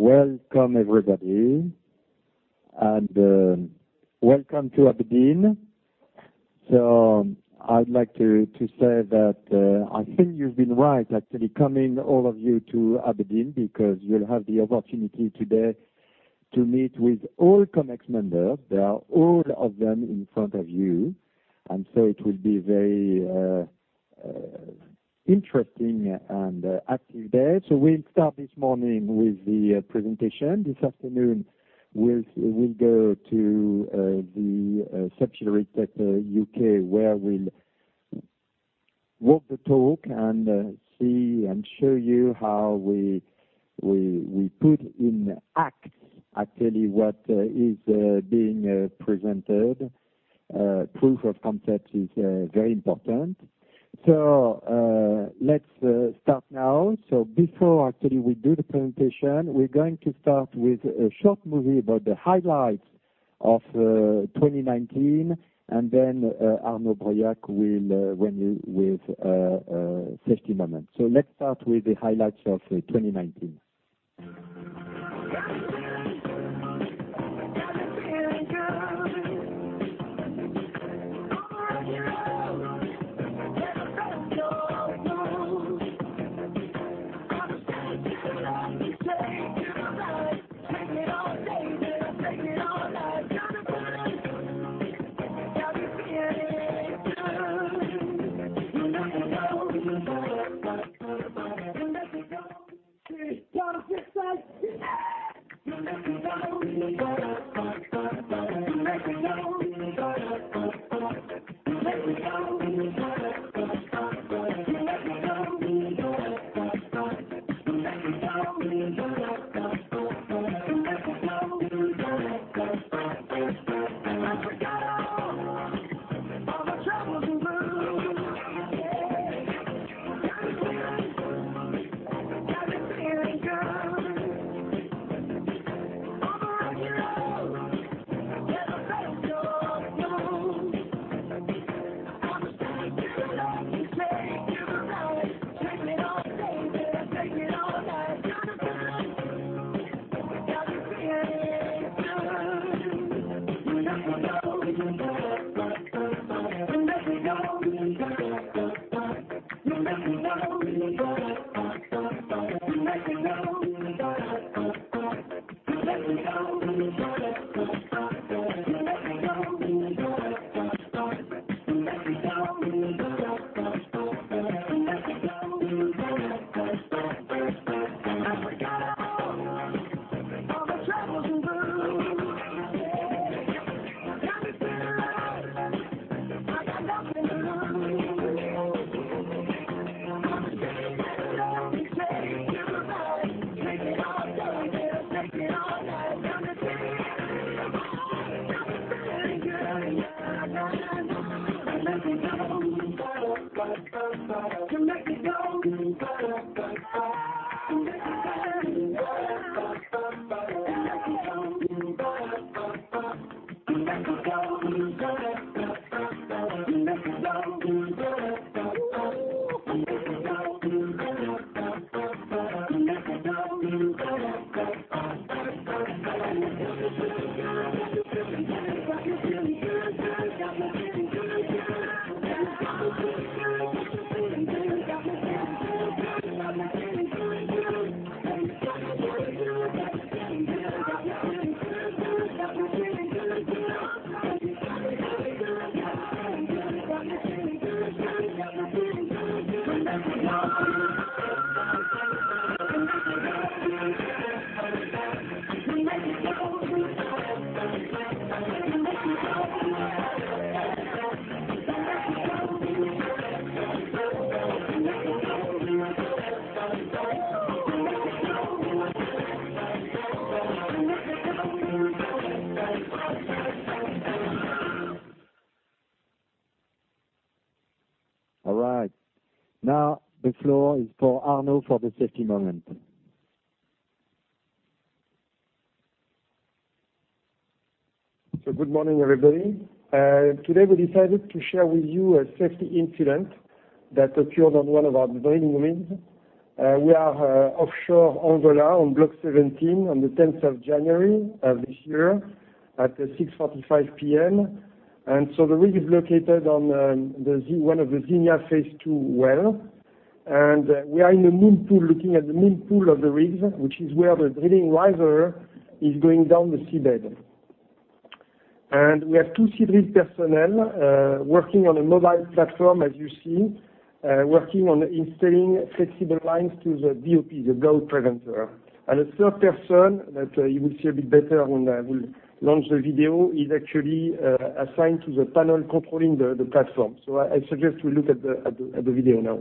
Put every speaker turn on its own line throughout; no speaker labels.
Welcome, everybody. Welcome to Aberdeen. I'd like to say that I think you've been right, actually coming, all of you, to Aberdeen, because you'll have the opportunity today to meet with all Comex members. They are all of them in front of you, it will be very interesting and active day. We'll start this morning with the presentation. This afternoon, we'll go to the subsidiary Total E&P UK, where we'll walk the talk and see and show you how we put in acts, actually what is being presented. Proof of concept is very important. Let's start now. Before actually we do the presentation, we're going to start with a short movie about the highlights of 2019, and then Arnaud Breuillac will win you with a safety moment. Let's start with the highlights of 2019. All right. The floor is for Arnaud for the safety moment.
Good morning, everybody. Today, we decided to share with you a safety incident that occurred on one of our drilling rigs. We are offshore Angola on Block 17 on the 10th of January of this year at 6:45 P.M. The rig is located on one of the Zinia Phase 2 well. We are in the moon pool, looking at the moon pool of the rig, which is where the drilling riser is going down the seabed. We have two Seadrill personnel working on a mobile platform, as you see, working on installing flexible lines to the BOP, the blow preventer. A third person that you will see a bit better when I will launch the video, is actually assigned to the panel controlling the platform. I suggest we look at the video now.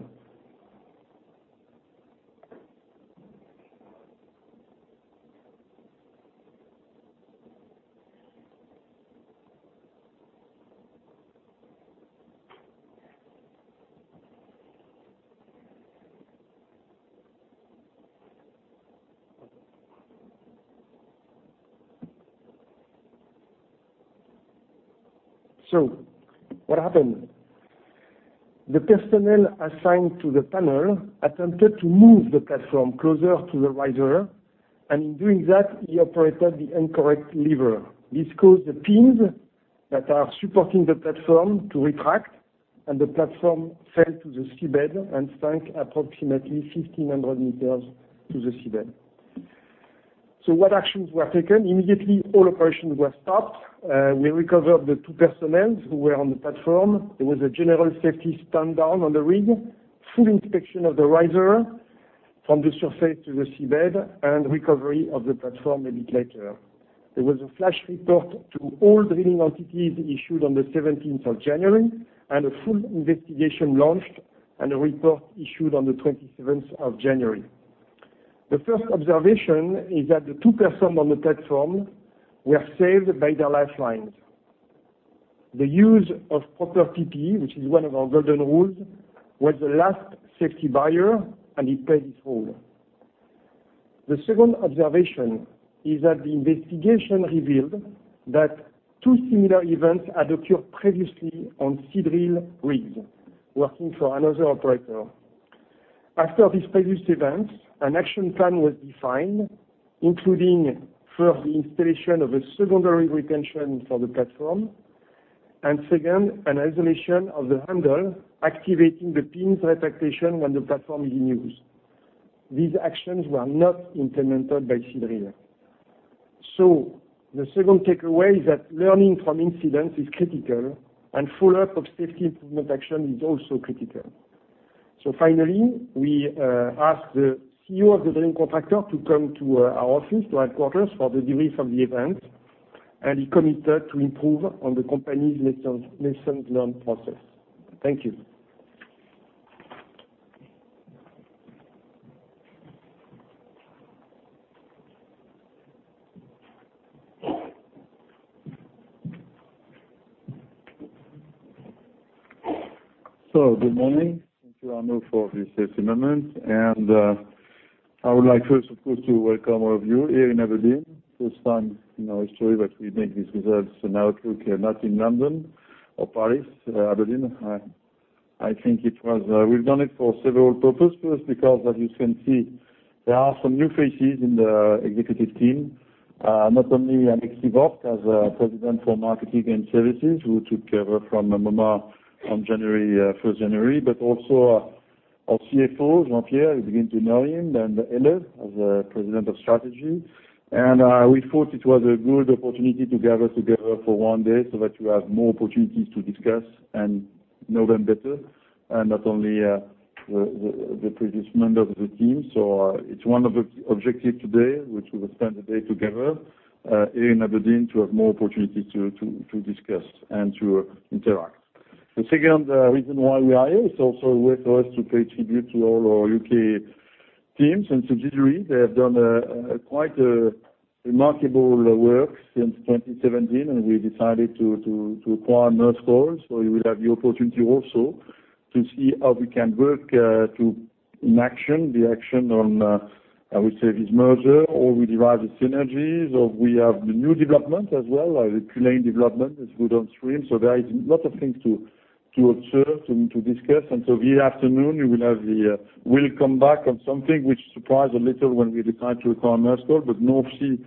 What happened? The personnel assigned to the panel attempted to move the platform closer to the riser. In doing that, he operated the incorrect lever. This caused the pins that are supporting the platform to retract. The platform fell to the seabed and sank approximately 1,500 m to the seabed. What actions were taken? Immediately, all operations were stopped. We recovered the two personnel who were on the platform. There was a general safety stand down on the rig, full inspection of the riser from the surface to the seabed, recovery of the platform a bit later. There was a flash report to all drilling entities issued on the 17th of January, a full investigation launched and a report issued on the 27th of January. The first observation is that the two persons on the platform were saved by their lifelines. The use of proper PPE, which is one of our golden rules, was the last safety barrier. It played its role. The second observation is that the investigation revealed that two similar events had occurred previously on Seadrill rigs working for another operator. After these previous events, an action plan was defined, including, first, the installation of a secondary retention for the platform, and second, an isolation of the handle activating the pins retraction when the platform is in use. These actions were not implemented by Seadrill. The second takeaway is that learning from incidents is critical, and follow-up of safety improvement action is also critical. Finally, we asked the CEO of the drilling contractor to come to our office, to headquarters, for the debrief of the event, and he committed to improve on the company's lessons learned process. Thank you.
Good morning. Thank you, Arnaud, for this safe moment. I would like first, of course, to welcome all of you here in Aberdeen. First time in our history that we make these results and outlook not in London or Paris, Aberdeen. We've done it for several purposes, because as you can see, there are some new faces in the executive team. Not only Alexis Vovk as President for Marketing & Services, who took over from Momar on January 1st. Also our CFO, Jean-Pierre, you begin to know him, and Helle as a President of Strategy. We thought it was a good opportunity to gather together for one day so that you have more opportunities to discuss and know them better, and not only the previous members of the team. It's one of the objectives today, which we will spend the day together here in Aberdeen to have more opportunity to discuss and to interact. The second reason why we are here is also a way for us to pay tribute to all our U.K. teams and subsidiaries. They have done quite remarkable work since 2017, and we decided to acquire Maersk Oil. You will have the opportunity also to see how we can work to in action the action on this merger, how we derive the synergies, or we have the new development as well, the Culzean development is good on stream. There is a lot of things to observe, to discuss. This afternoon, we will come back on something which surprised a little when we decided to acquire North Sea, but North Sea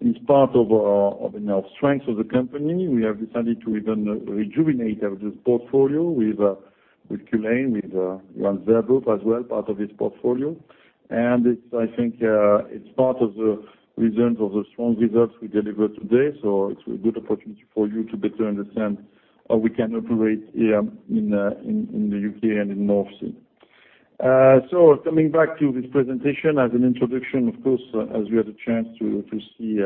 is part of the strength of the company. We have decided to even rejuvenate this portfolio with Culzean, with as well, part of this portfolio. I think it's part of the reasons of the strong results we deliver today. It's a good opportunity for you to better understand how we can operate here in the U.K. and in the North Sea. Coming back to this presentation as an introduction, of course, as you had a chance to see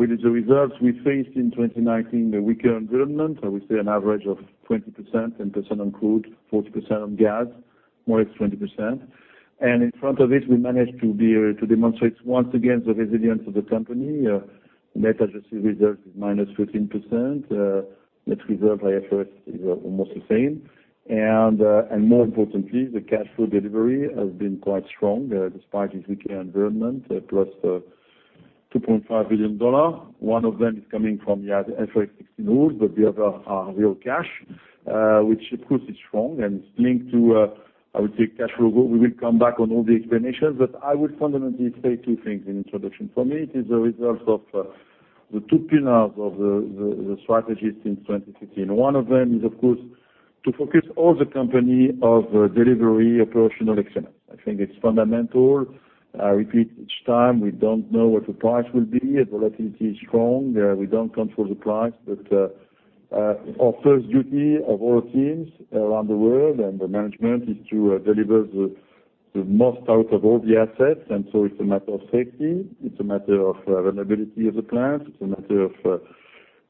with the results, we faced in 2019 a weaker environment, I would say an average of 20%, 10% on crude, 40% on gas, oil is 20%. In front of this, we managed to demonstrate once again the resilience of the company. Net agency results is -15%. Net results IFRS is almost the same. More importantly, the cash flow delivery has been quite strong despite this weaker environment, plus $2.5 billion. One of them is coming from the IFRS 16 rules, but the other are real cash, which of course is strong and it's linked to, I would say, cash flow. We will come back on all the explanations, but I would fundamentally say two things in introduction. For me, it is a result of the two pillars of the strategy since 2015. One of them is, of course, to focus all the company of delivery, operational excellence. I think it's fundamental. I repeat each time, we don't know what the price will be. Volatility is strong. We don't control the price, but our first duty of all teams around the world and the management is to deliver the most out of all the assets. It's a matter of safety, it's a matter of availability of the plants, it's a matter of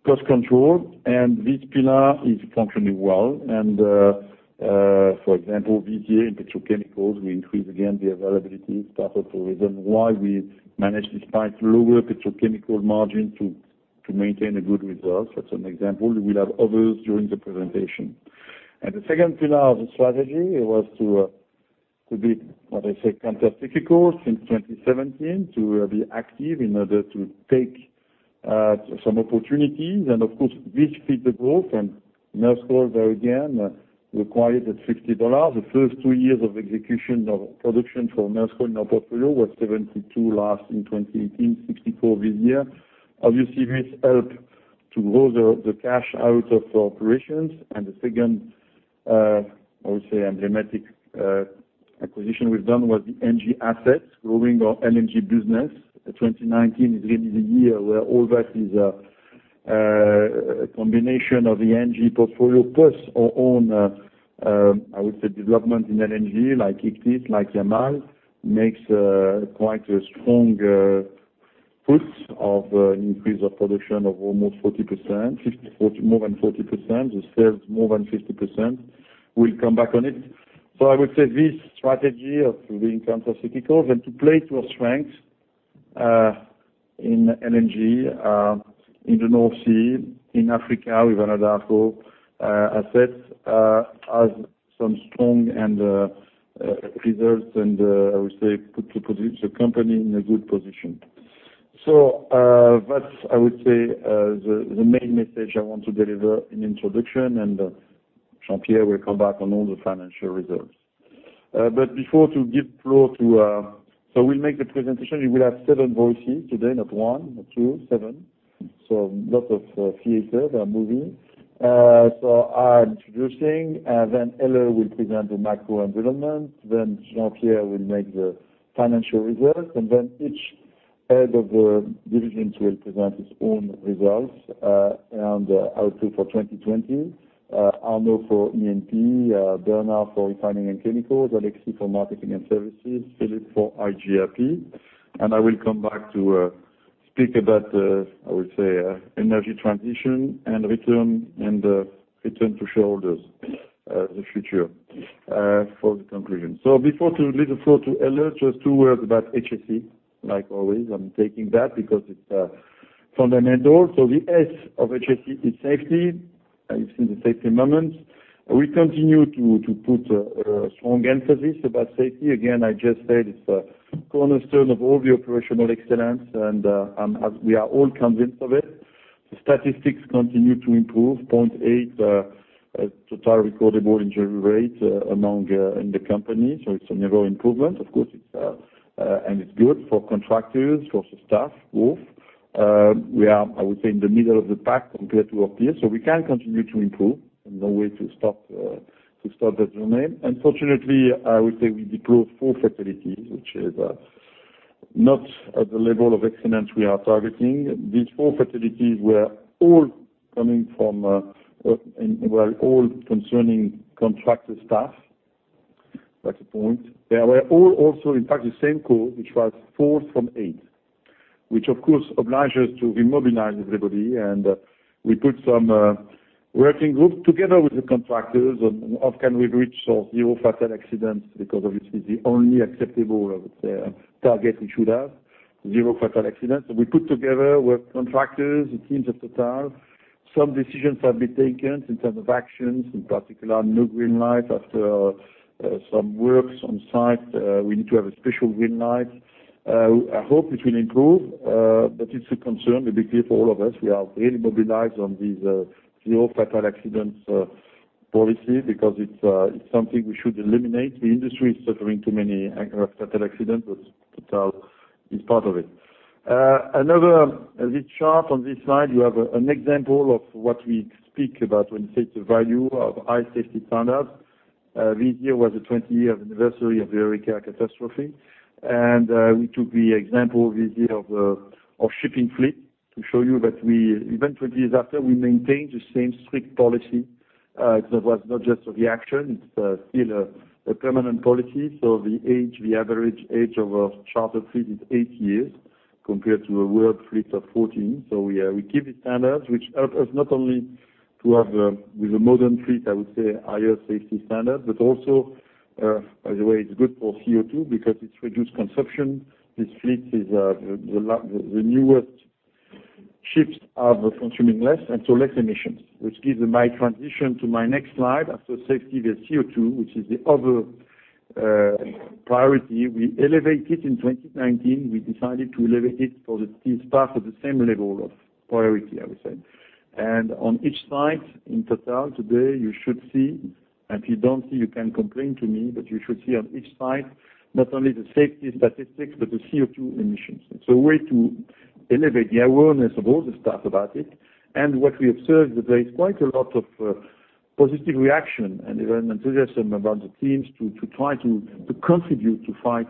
cost control. This pillar is functioning well. For example, VCA in petrochemicals, we increase again the availability. It's part of the reason why we managed, despite lower petrochemical margin, to maintain a good result. That's an example. We will have others during the presentation. The second pillar of the strategy was to be, what I say, countercyclical since 2017, to be active in order to take some opportunities. Of course, this fit the growth and Maersk Oil, there again, required at $60. The first two years of execution of production for Maersk Oil in our portfolio was $72 last, in 2018, $64 this year. Obviously, this helped to grow the cash out of operations. The second, I would say, emblematic acquisition we've done was the LNG assets, growing our LNG business. 2019 is really the year where all that is a combination of the LNG portfolio plus our own, I would say, development in LNG, like Ichthys, like Yamal, makes quite a strong push of an increase of production of more than 40%, the sales more than 50%. We'll come back on it. I would say this strategy of being countercyclical and to play to our strengths in LNG, in the North Sea, in Africa with Anadarko assets, has some strong end results and I would say, puts the company in a good position. That's, I would say, the main message I want to deliver in introduction, and Jean-Pierre will come back on all the financial results. We'll make the presentation. You will have seven voices today, not one, not two, seven. Lot of theater, there are movies. I'm introducing, then Alain will present the macro environment, then Jean-Pierre will make the financial results, and then each head of the divisions will present his own results and outlook for 2020. Arnaud for E&P, Bernard for Refining & Chemicals, Alexis for Marketing & Services, Philippe for iGRP. I will come back to speak about, I would say, energy transition and return to shareholders, the future, for the conclusion. Before to give the floor to Alain, just two words about HSE. Like always, I'm taking that because it's fundamental. The S of HSE is safety. You've seen the safety moment. We continue to put a strong emphasis about safety. Again, I just said it's a cornerstone of all the operational excellence and as we are all convinced of it. The statistics continue to improve. 0.8 total recordable injury rate in the company, so it's another improvement, of course. It's good for contractors, for staff, both. We are, I would say, in the middle of the pack compared to our peers, so we can continue to improve. There's no way to stop the domain. Unfortunately, I would say we deployed four fatalities, which is not at the level of excellence we are targeting. These four fatalities were all concerning contractor staff. That's a point. They were all also, in fact, the same code, which was 4 from 8. Which, of course, oblige us to remobilize everybody. We put some working group together with the contractors on how can we reach zero fatal accidents, because obviously, the only acceptable, I would say, target we should have, zero fatal accidents. We put together with contractors, the teams at Total. Some decisions have been taken in terms of actions, in particular, no green light after some works on site. We need to have a special green light. I hope it will improve, but it's a concern, to be clear, for all of us. We are really mobilized on this zero fatal accidents policy because it's something we should eliminate. The industry is suffering too many fatal accidents, but Total is part of it. This chart on this slide, you have an example of what we speak about when we say the value of high safety standards. This year was the 20-year anniversary of the Erika catastrophe. We took the example this year of shipping fleet to show you that we, even 20 years after, we maintain the same strict policy. It was not just a reaction, it's still a permanent policy. The average age of our charter fleet is eight years, compared to a world fleet of 14. We keep the standards, which help us not only to have, with a modern fleet, I would say, higher safety standard, but also, by the way, it's good for CO2 because it's reduced consumption. These fleets, the newest ships are consuming less, and so less emissions. Which gives my transition to my next slide. After safety, there's CO2, which is the other priority. We elevate it in 2019. We decided to elevate it so that it's part of the same level of priority, I would say. On each site in Total today, you should see, and if you don't see, you can complain to me, but you should see on each site not only the safety statistics, but the CO2 emissions. It's a way to elevate the awareness of all the staff about it. What we observed, that there is quite a lot of positive reaction and even enthusiasm among the teams to try to contribute to fight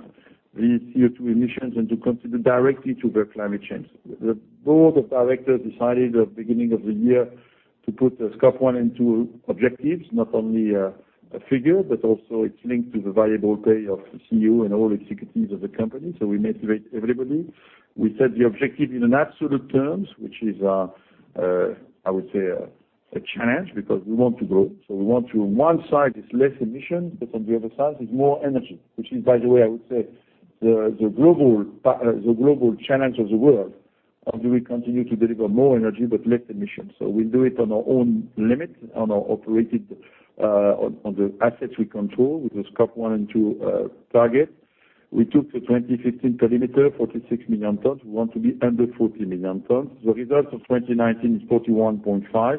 these CO2 emissions and to contribute directly to the climate change. The board of directors decided at the beginning of the year to put Scope 1 and 2 objectives, not only a figure, but also it's linked to the variable pay of the CEO and all executives of the company, so we motivate everybody. We set the objective in absolute terms, which is, I would say, a challenge because we want to grow. We want to, one side is less emissions, on the other side is more energy. Which is, by the way, I would say the global challenge of the world. How do we continue to deliver more energy but less emissions? We do it on our own limit, on our operated, on the assets we control with the Scope 1 and 2 target. We took the 2015 perimeter, 46 million tons. We want to be under 40 million tons. The results of 2019 is 41.5.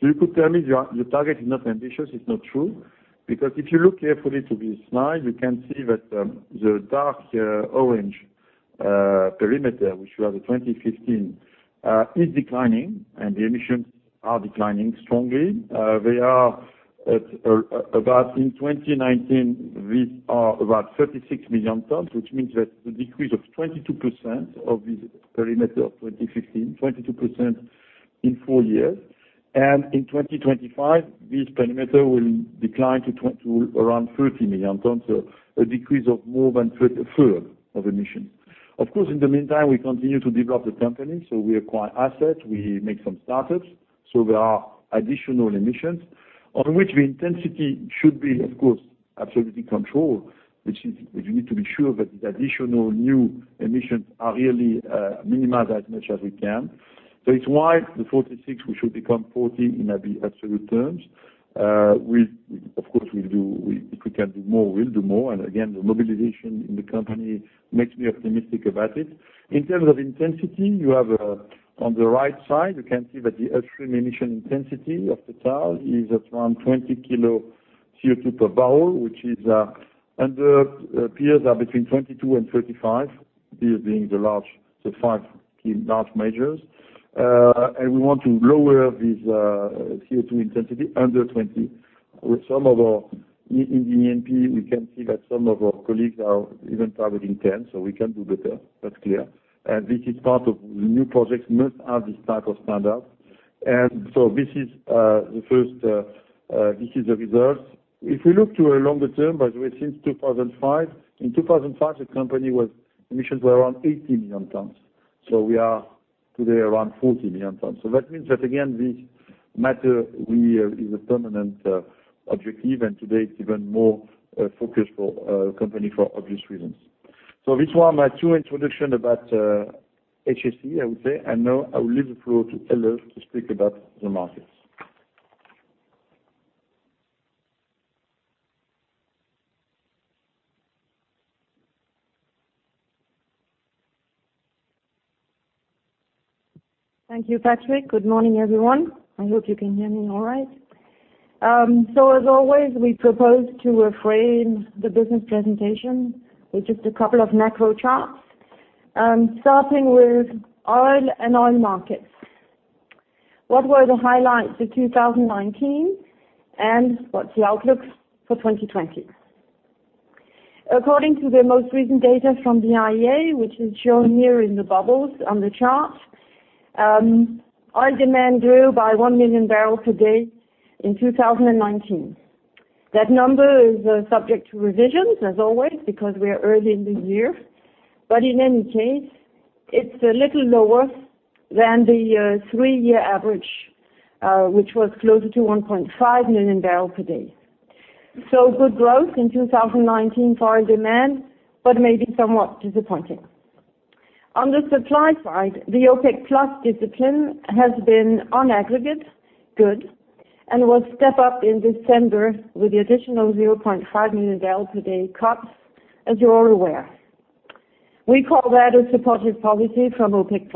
You could tell me the target is not ambitious, it's not true, because if you look carefully to this slide, you can see that the dark orange perimeter, which we have the 2015, is declining and the emissions are declining strongly. They are at about, in 2019, these are about 36 million tons, which means that the decrease of 22% of this perimeter of 2015, 22% in four years. In 2025, this perimeter will decline to around 30 million tons. A decrease of more than a third of emission. Of course, in the meantime, we continue to develop the company. We acquire assets, we make some startups. There are additional emissions on which the intensity should be, of course, absolutely controlled, which is, we need to be sure that the additional new emissions are really minimized as much as we can. It's why the 46, we should become 40 in absolute terms. Of course, if we can do more, we'll do more. Again, the mobilization in the company makes me optimistic about it. In terms of intensity, you have on the right side, you can see that the upstream emission intensity of Total is at around 20 kilo CO2 per barrel, which is under peers are between 22 and 35, peers being the large, the five key large majors. We want to lower this CO2 intensity under 20. With some of our In the E&P, we can see that some of our colleagues are even targeting 10, we can do better. That's clear. This is part of the new projects must have this type of standard. This is the first, this is the results. If we look to a longer term, by the way, since 2005. In 2005, the company was, emissions were around 80 million tons. We are today around 40 million tons. That means that again, this matter is a permanent objective, and today it's even more focused for company for obvious reasons. These were my two introduction about HSE, I would say. Now I will leave the floor to Helle to speak about the markets.
Thank you, Patrick. Good morning, everyone. I hope you can hear me all right. As always, we propose to reframe the business presentation with just a couple of macro charts. Starting with oil and oil markets. What were the highlights of 2019 and what's the outlook for 2020? According to the most recent data from the IEA, which is shown here in the bubbles on the chart, oil demand grew by 1 million barrels per day in 2019. That number is subject to revisions, as always, because we're early in the year. In any case, it's a little lower than the three-year average, which was closer to 1.5 million barrels per day. Good growth in 2019 for oil demand, but maybe somewhat disappointing. On the supply side, the OPEC+ discipline has been on aggregate good and will step up in December with the additional 0.5 million barrels per day cuts, as you're all aware. We call that a supportive policy from OPEC+.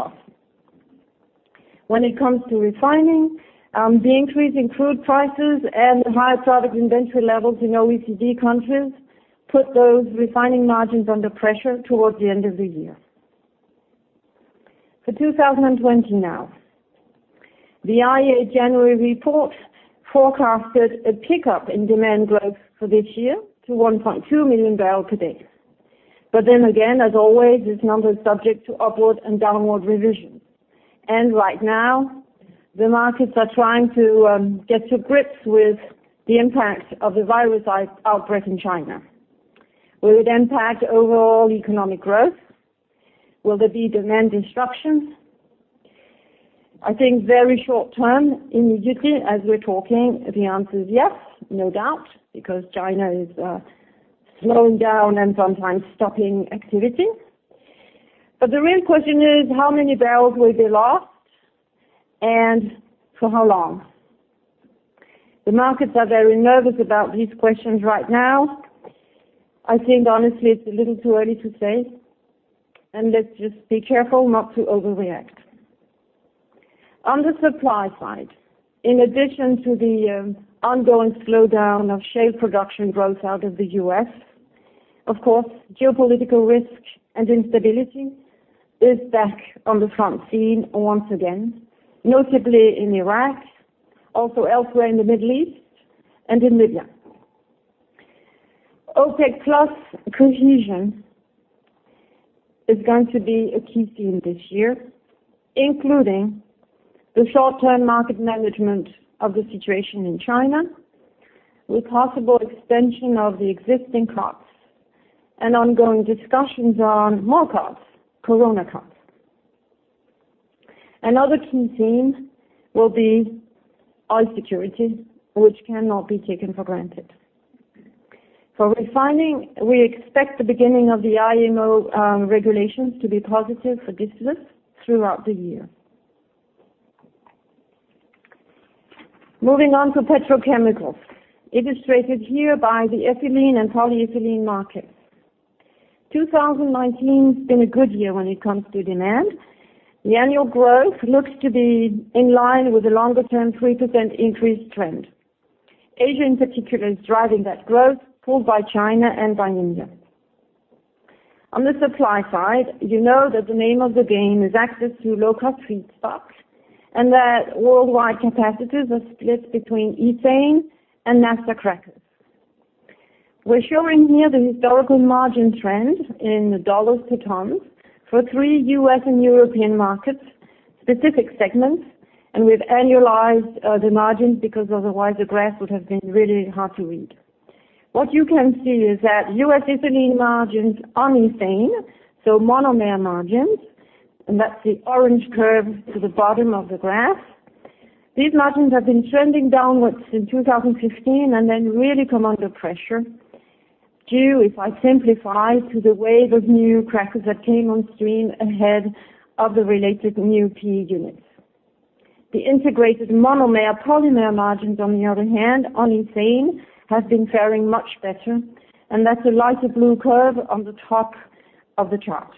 When it comes to refining, the increase in crude prices and the higher product inventory levels in OECD countries put those refining margins under pressure towards the end of the year. For 2020 now. The IEA January report forecasted a pickup in demand growth for this year to 1.2 million barrels per day. Again, as always, this number is subject to upward and downward revisions. Right now, the markets are trying to get to grips with the impact of the virus outbreak in China. Will it impact overall economic growth? Will there be demand destruction? I think very short term, immediately as we're talking, the answer is yes, no doubt, because China is slowing down and sometimes stopping activity. The real question is, how many barrels will be lost and for how long? The markets are very nervous about these questions right now. I think honestly, it's a little too early to say, and let's just be careful not to overreact. On the supply side, in addition to the ongoing slowdown of shale production growth out of the U.S., of course, geopolitical risk and instability is back on the front scene once again, notably in Iraq, also elsewhere in the Middle East and in Libya. OPEC+ cohesion is going to be a key theme this year, including the short-term market management of the situation in China with possible extension of the existing cuts and ongoing discussions on more cuts, Corona cuts. Another key theme will be oil security, which cannot be taken for granted. For refining, we expect the beginning of the IMO regulations to be positive for business throughout the year. Moving on to petrochemicals. Illustrated here by the ethylene and polyethylene markets. 2019's been a good year when it comes to demand. The annual growth looks to be in line with the longer-term 3% increase trend. Asia in particular is driving that growth, pulled by China and by India. On the supply side, you know that the name of the game is access to low-cost feedstock and that worldwide capacities are split between ethane and naphtha crackers. We're showing here the historical margin trend in dollars to tons for three U.S. and European markets, specific segments, and we've annualized the margins because otherwise the graph would have been really hard to read. What you can see is that U.S. ethylene margins on ethane, so monomer margins, and that's the orange curve to the bottom of the graph. These margins have been trending downward since 2015 and then really come under pressure due, if I simplify, to the wave of new crackers that came on stream ahead of the related new PE units. The integrated monomer polymer margins, on the other hand, on ethane, have been faring much better, and that's a lighter blue curve on the top of the chart.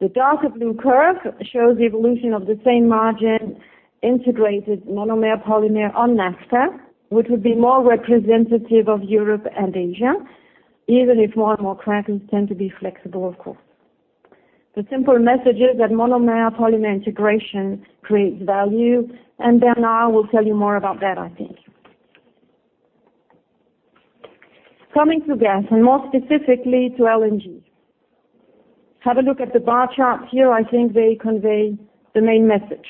The darker blue curve shows the evolution of the same margin integrated monomer polymer on naphtha, which would be more representative of Europe and Asia, even if more and more crackers tend to be flexible, of course. The simple message is that monomer polymer integration creates value, and Bernard will tell you more about that, I think. Coming to gas, and more specifically to LNG. Have a look at the bar charts here. I think they convey the main message.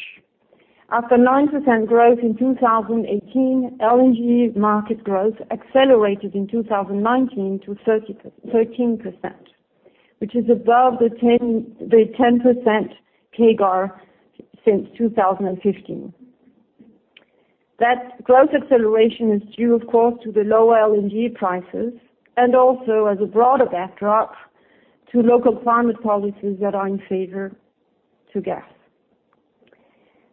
After 9% growth in 2018, LNG market growth accelerated in 2019 to 13%, which is above the 10% CAGR since 2015. That growth acceleration is due, of course, to the low LNG prices and also as a broader backdrop to local climate policies that are in favor to gas.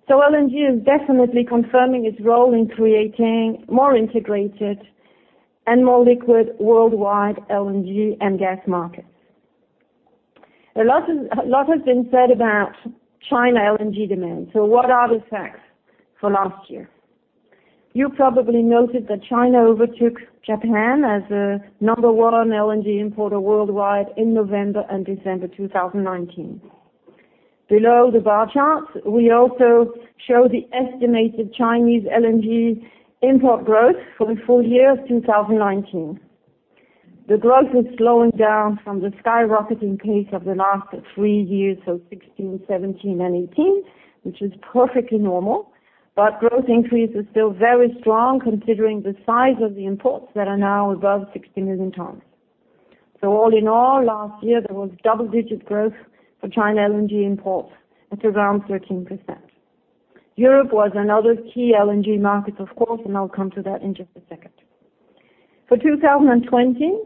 LNG is definitely confirming its role in creating more integrated and more liquid worldwide LNG and gas markets. A lot has been said about China LNG demand. What are the facts for last year? You probably noted that China overtook Japan as the number 1 LNG importer worldwide in November and December 2019. Below the bar charts, we also show the estimated Chinese LNG import growth for the full year of 2019. The growth has slowed down from the skyrocketing pace of the last three years, so 2016, 2017, and 2018, which is perfectly normal. Growth increase is still very strong considering the size of the imports that are now above 16 million tons. All in all, last year, there was double-digit growth for China LNG imports at around 13%. Europe was another key LNG market, of course. I'll come to that in just a second. For 2020,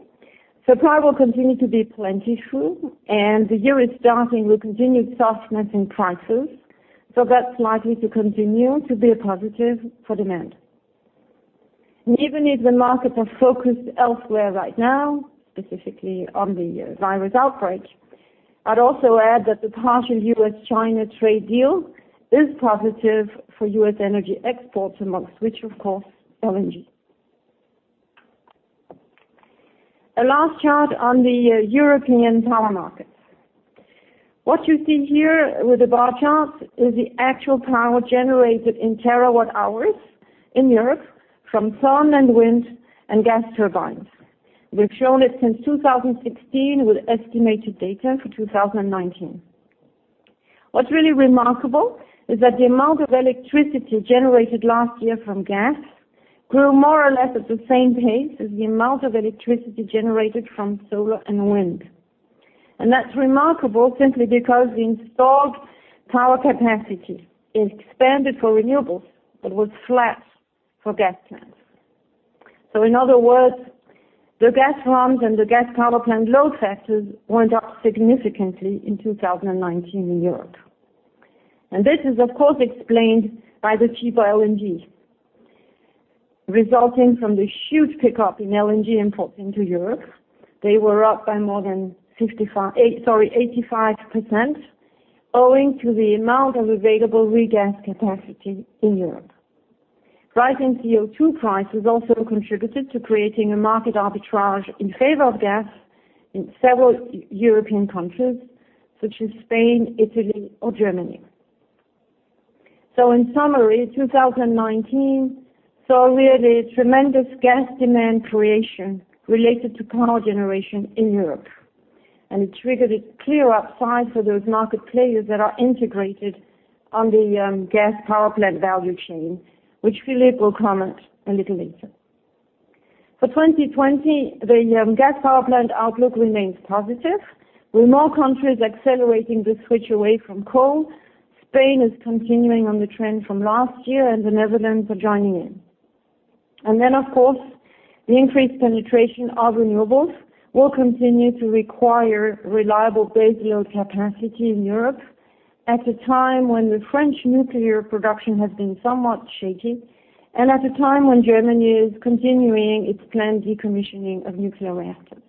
supply will continue to be plentiful. The year is starting with continued softness in prices. That's likely to continue to be a positive for demand. Even if the markets are focused elsewhere right now, specifically on the virus outbreak, I'd also add that the partial U.S.-China trade deal is positive for U.S. energy exports, amongst which, of course, LNG. A last chart on the European power markets. What you see here with the bar chart is the actual power generated in terawatt-hours in Europe from sun and wind and gas turbines. We've shown it since 2016 with estimated data for 2019. What's really remarkable is that the amount of electricity generated last year from gas grew more or less at the same pace as the amount of electricity generated from solar and wind. That's remarkable simply because the installed power capacity expanded for renewables but was flat for gas plants. In other words, the gas runs and the gas power plant load factors went up significantly in 2019 in Europe. This is, of course, explained by the cheaper LNG resulting from the huge pickup in LNG imports into Europe. They were up by more than 85%, owing to the amount of available regas capacity in Europe. Rising CO2 prices also contributed to creating a market arbitrage in favor of gas in several European countries, such as Spain, Italy, or Germany. In summary, 2019 saw really tremendous gas demand creation related to power generation in Europe, and it triggered a clear upside for those market players that are integrated on the gas power plant value chain, which Philippe will comment a little later. For 2020, the gas power plant outlook remains positive, with more countries accelerating the switch away from coal. Spain is continuing on the trend from last year, and the Netherlands are joining in. Of course, the increased penetration of renewables will continue to require reliable baseload capacity in Europe at a time when the French nuclear production has been somewhat shaky and at a time when Germany is continuing its planned decommissioning of nuclear reactors.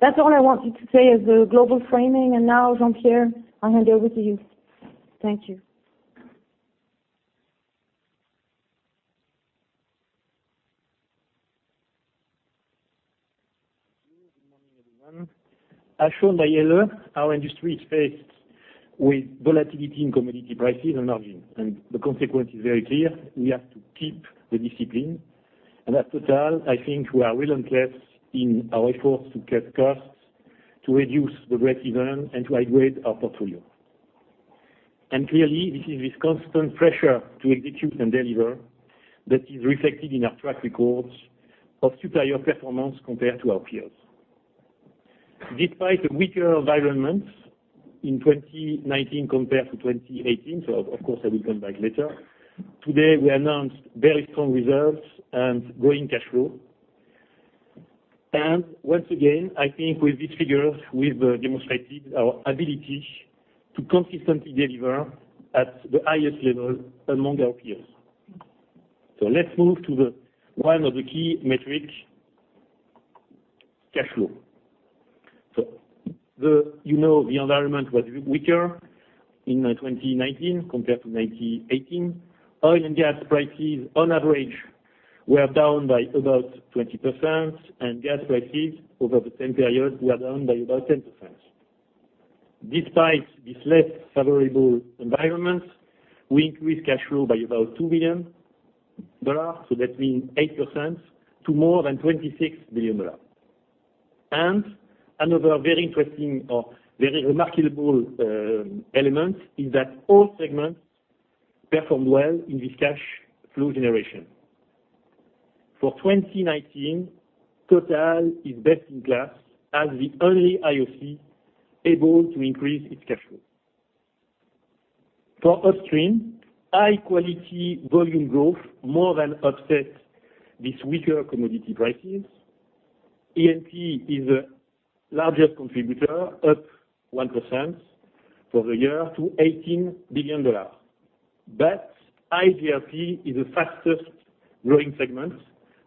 That's all I wanted to say as a global framing, and now, Jean-Pierre, I hand over to you. Thank you.
Thank you. Good morning, everyone. As shown by Helle, our industry is faced with volatility in commodity prices and margins. The consequence is very clear. We have to keep the discipline. At Total, I think we are relentless in our efforts to cut costs, to reduce the breakeven, and to upgrade our portfolio. Clearly, this is with constant pressure to execute and deliver that is reflected in our track records of superior performance compared to our peers. Despite a weaker environment in 2019 compared to 2018, so of course, I will come back later, today, we announced very strong results and growing cash flow. Once again, I think with these figures, we've demonstrated our ability to consistently deliver at the highest level among our peers. Let's move to one of the key metrics, cash flow. You know the environment was weaker in 2019 compared to 2018. Oil and gas prices on average were down by about 20%, and gas prices over the same period were down by about 10%. Despite this less favorable environment, we increased cash flow by about $2 billion, so that means 8%, to more than $26 billion. Another very interesting or very remarkable element is that all segments performed well in this cash flow generation. For 2019, Total is best in class as the only IOC able to increase its cash flow. For Upstream, high-quality volume growth more than offset these weaker commodity prices. E&P is the largest contributor, up 1% for the year to $18 billion. iGRP is the fastest-growing segment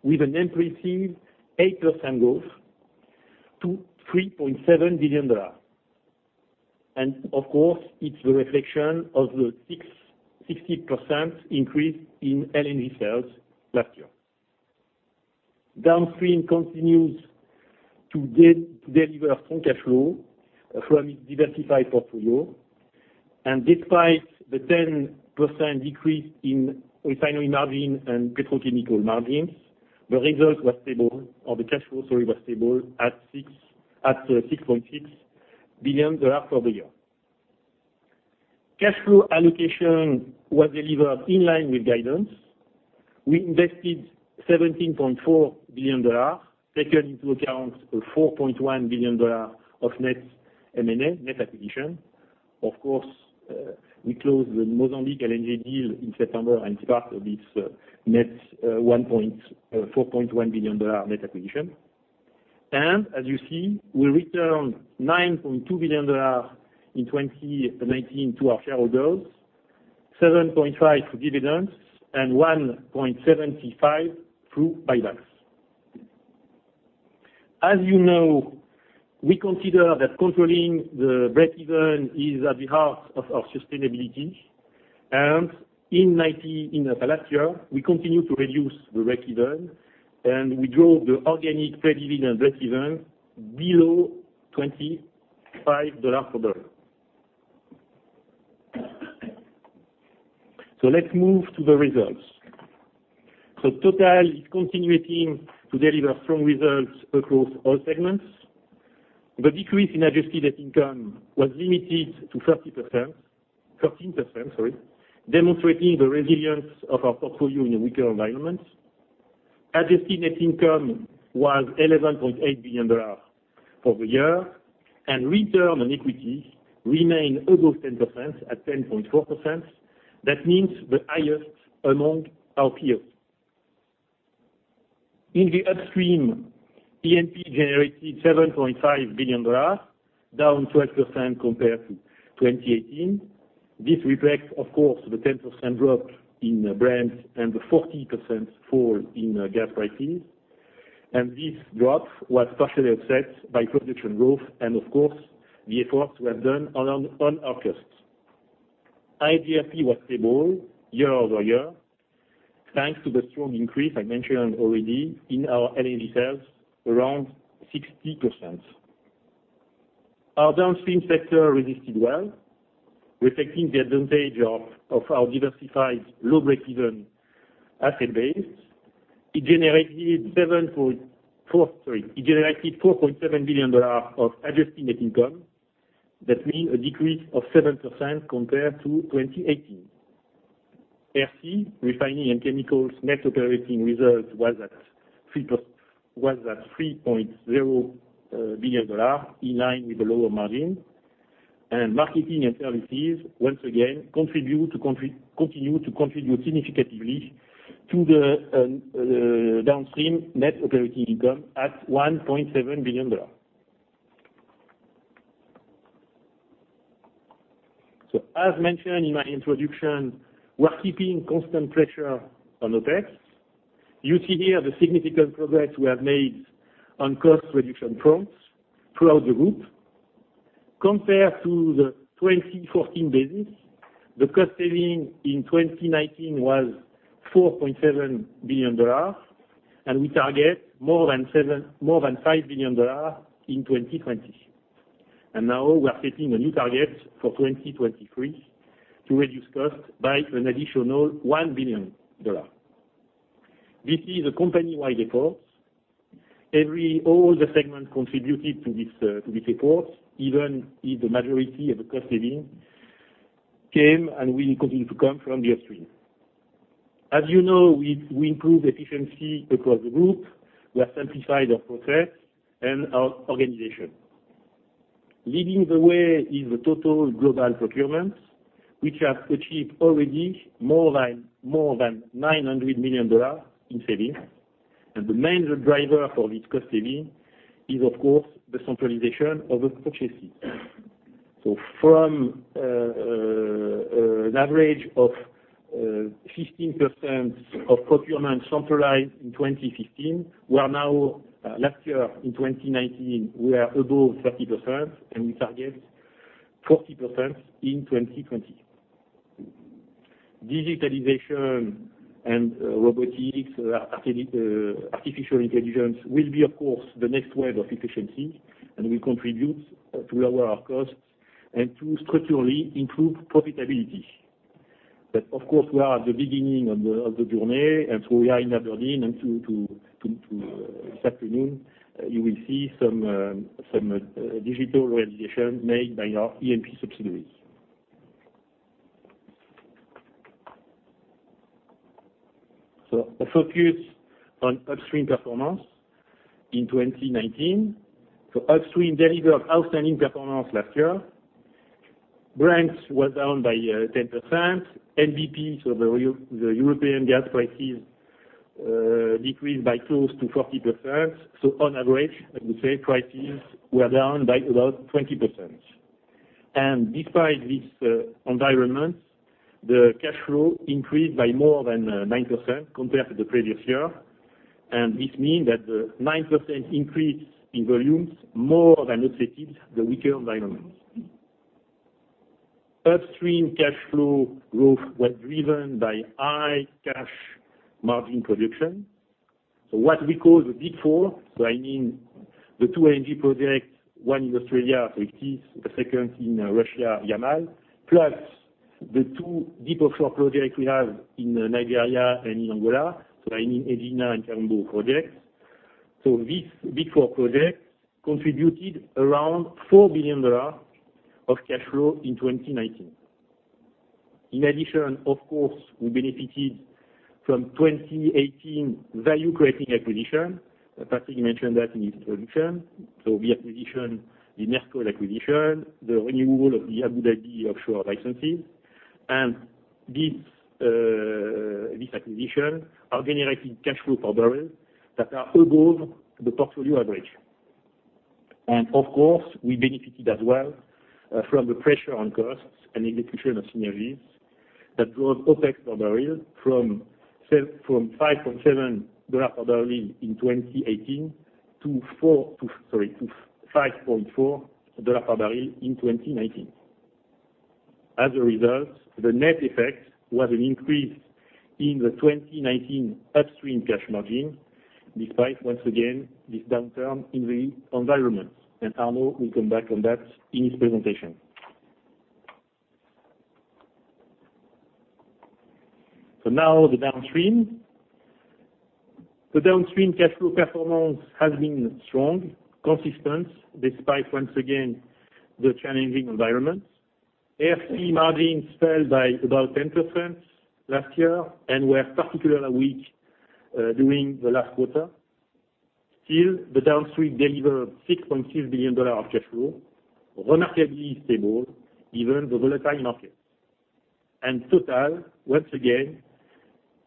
with an impressive 8% growth to $3.7 billion. Of course, it's the reflection of the 60% increase in LNG sales last year. Downstream continues to deliver strong cash flow from its diversified portfolio. Despite the 10% decrease in refinery margin and petrochemical margins, the result was stable, or the cash flow, sorry, was stable at $6.6 billion for the year. Cash flow allocation was delivered in line with guidance. We invested $17.4 billion, taking into account $4.1 billion of net M&A, net acquisition. Of course, we closed the Mozambique LNG deal in September and part of this $4.1 billion net acquisition. As you see, we returned $9.2 billion in 2019 to our shareholders, $7.5 for dividends and $1.75 through buybacks. As you know, we consider that controlling the breakeven is at the heart of our sustainability, and in the last year, we continued to reduce the breakeven, and we drove the organic pre-dividend breakeven below $25 per barrel. Let's move to the results. Total is continuing to deliver strong results across all segments. The decrease in adjusted net income was limited to 30%, 13%, demonstrating the resilience of our portfolio in a weaker environment. Adjusted net income was $11.8 billion for the year, and return on equity remained above 10% at 10.4%. That means the highest among our peers. In the Upstream, E&P generated $7.5 billion, down 12% compared to 2018. This reflects, of course, the 10% drop in Brent and the 40% fall in gas pricing, and this drop was partially offset by production growth and of course, the efforts we have done on our costs. iGRP was stable year-over-year, thanks to the strong increase I mentioned already in our LNG sales, around 60%. Our Downstream sector resisted well, reflecting the advantage of our diversified low breakeven asset base. It generated $4.7 billion of adjusted net income. That means a decrease of 7% compared to 2018. R&C, Refining & Chemicals net operating results was at $3.0 billion, in line with the lower margin. Marketing & Services, once again, continue to contribute significantly to the downstream net operating income at $1.7 billion. As mentioned in my introduction, we are keeping constant pressure on OpEx. You see here the significant progress we have made on cost reduction fronts throughout the group. Compared to the 2014 business, the cost saving in 2019 was $4.7 billion. We target more than $5 billion in 2020. Now we are setting a new target for 2023 to reduce cost by an additional $1 billion. This is a company-wide effort. All the segments contributed to this effort, even if the majority of the cost saving came and will continue to come from the Upstream. As you know, we improve efficiency across the group. We have simplified our process and our organization. Leading the way is the TotalEnergies Global Procurement, which has achieved already more than $900 million in savings. The major driver for this cost saving is, of course, the centralization of the purchases. From an average of 15% of procurement centralized in 2015, last year in 2019, we are above 30%, and we target 40% in 2020. Digitalization and robotics, artificial intelligence will be, of course, the next wave of efficiency and will contribute to lower our costs and to structurally improve profitability. Of course, we are at the beginning of the journey, and so we are in Aberdeen and this afternoon, you will see some digital realization made by our E&P subsidiaries. A focus on upstream performance in 2019. Upstream delivered outstanding performance last year. Brent was down by 10%. NBP, so the European gas prices, decreased by close to 40%. On average, I would say prices were down by about 20%. Despite this environment, the cash flow increased by more than 9% compared to the previous year. This means that the 9% increase in volumes more than offset the weaker environment. Upstream cash flow growth was driven by high cash margin production. What we call the Big Four, I mean the two LNG projects, one in Australia, it is the second in Russia, Yamal, plus the two deep offshore project we have in Nigeria and in Angola, I mean Egina and Kaombo project. These Big Four projects contributed around $4 billion of cash flow in 2019. In addition, of course, we benefited from 2018 value-creating acquisition. Patrick mentioned that in his introduction. The acquisition, the [Nersco acquisition], the renewal of the Abu Dhabi offshore licenses. These acquisition are generating cash flow per barrel that are above the portfolio average. Of course, we benefited as well from the pressure on costs and execution of synergies that drove OpEx per barrel from $5.7 per barrel in 2018 to $5.4 per barrel in 2019. As a result, the net effect was an increase in the 2019 upstream cash margin, despite, once again, this downturn in the environment. Arnaud will come back on that in his presentation. Now the downstream. The downstream cash flow performance has been strong, consistent, despite, once again, the challenging environment. R&C margins fell by about 10% last year and were particularly weak during the last quarter. Still, the downstream delivered $6.6 billion of cash flow, remarkably stable, even the volatile market. Total, once again,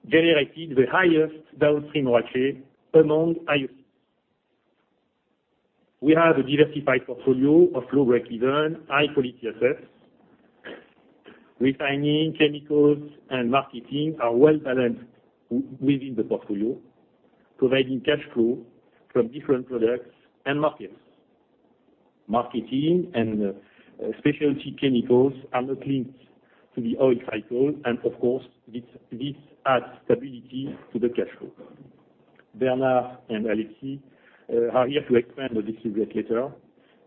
generated the highest downstream ROCE among IOCs. We have a diversified portfolio of low breakeven, high-quality assets. Refining, chemicals, and marketing are well-balanced within the portfolio, providing cash flow from different products and markets. Marketing and specialty chemicals are not linked to the oil cycle, and of course, this adds stability to the cash flow. Bernard and Alexis are here to expand on this subject later,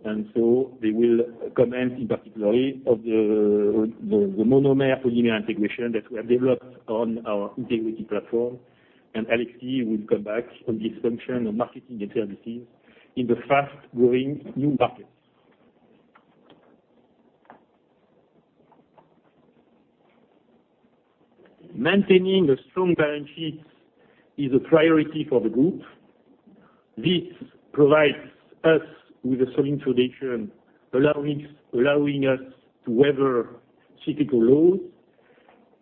and so they will comment in particular of the monomer polymer integration that we have developed on our integrity platform. Alexis will come back on this function of marketing and services in the fast-growing new markets. Maintaining a strong balance sheet is a priority for the group. This provides us with a solid foundation, allowing us to weather cyclical lows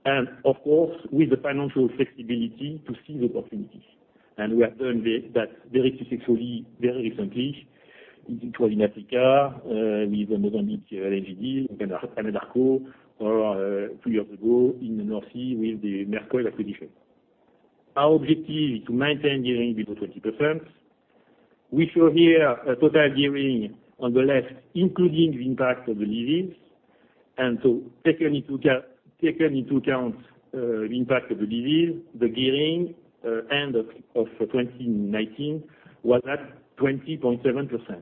and of course, with the financial flexibility to seize opportunities. We have done that very successfully very recently. It was in Africa, with the Mozambique LNG deal, Anadarko, or a few years ago in the North Sea with the Maersk Oil acquisition. Our objective is to maintain gearing below 20%. We show here a Total gearing on the left, including the impact of the leases. Taken into account the impact of the leases, the gearing end of 2019 was at 20.7%.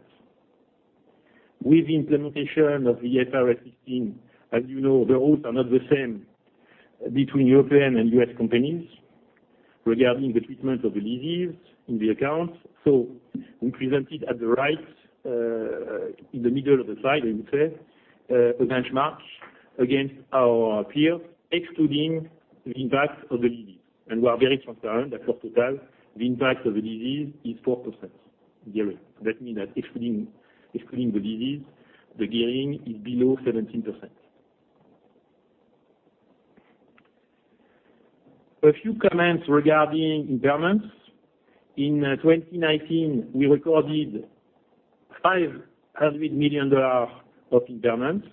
With the implementation of the IFRS 16, as you know, the rules are not the same between European and U.S. companies regarding the treatment of the leases in the accounts. We presented at the right, in the middle of the slide, I would say, a benchmark against our peers, excluding the impact of the leases. We are very concerned that for Total, the impact of the leases is 4% gearing. That means that excluding the leases, the gearing is below 17%. A few comments regarding impairments. In 2019, we recorded EUR 500 million of impairments.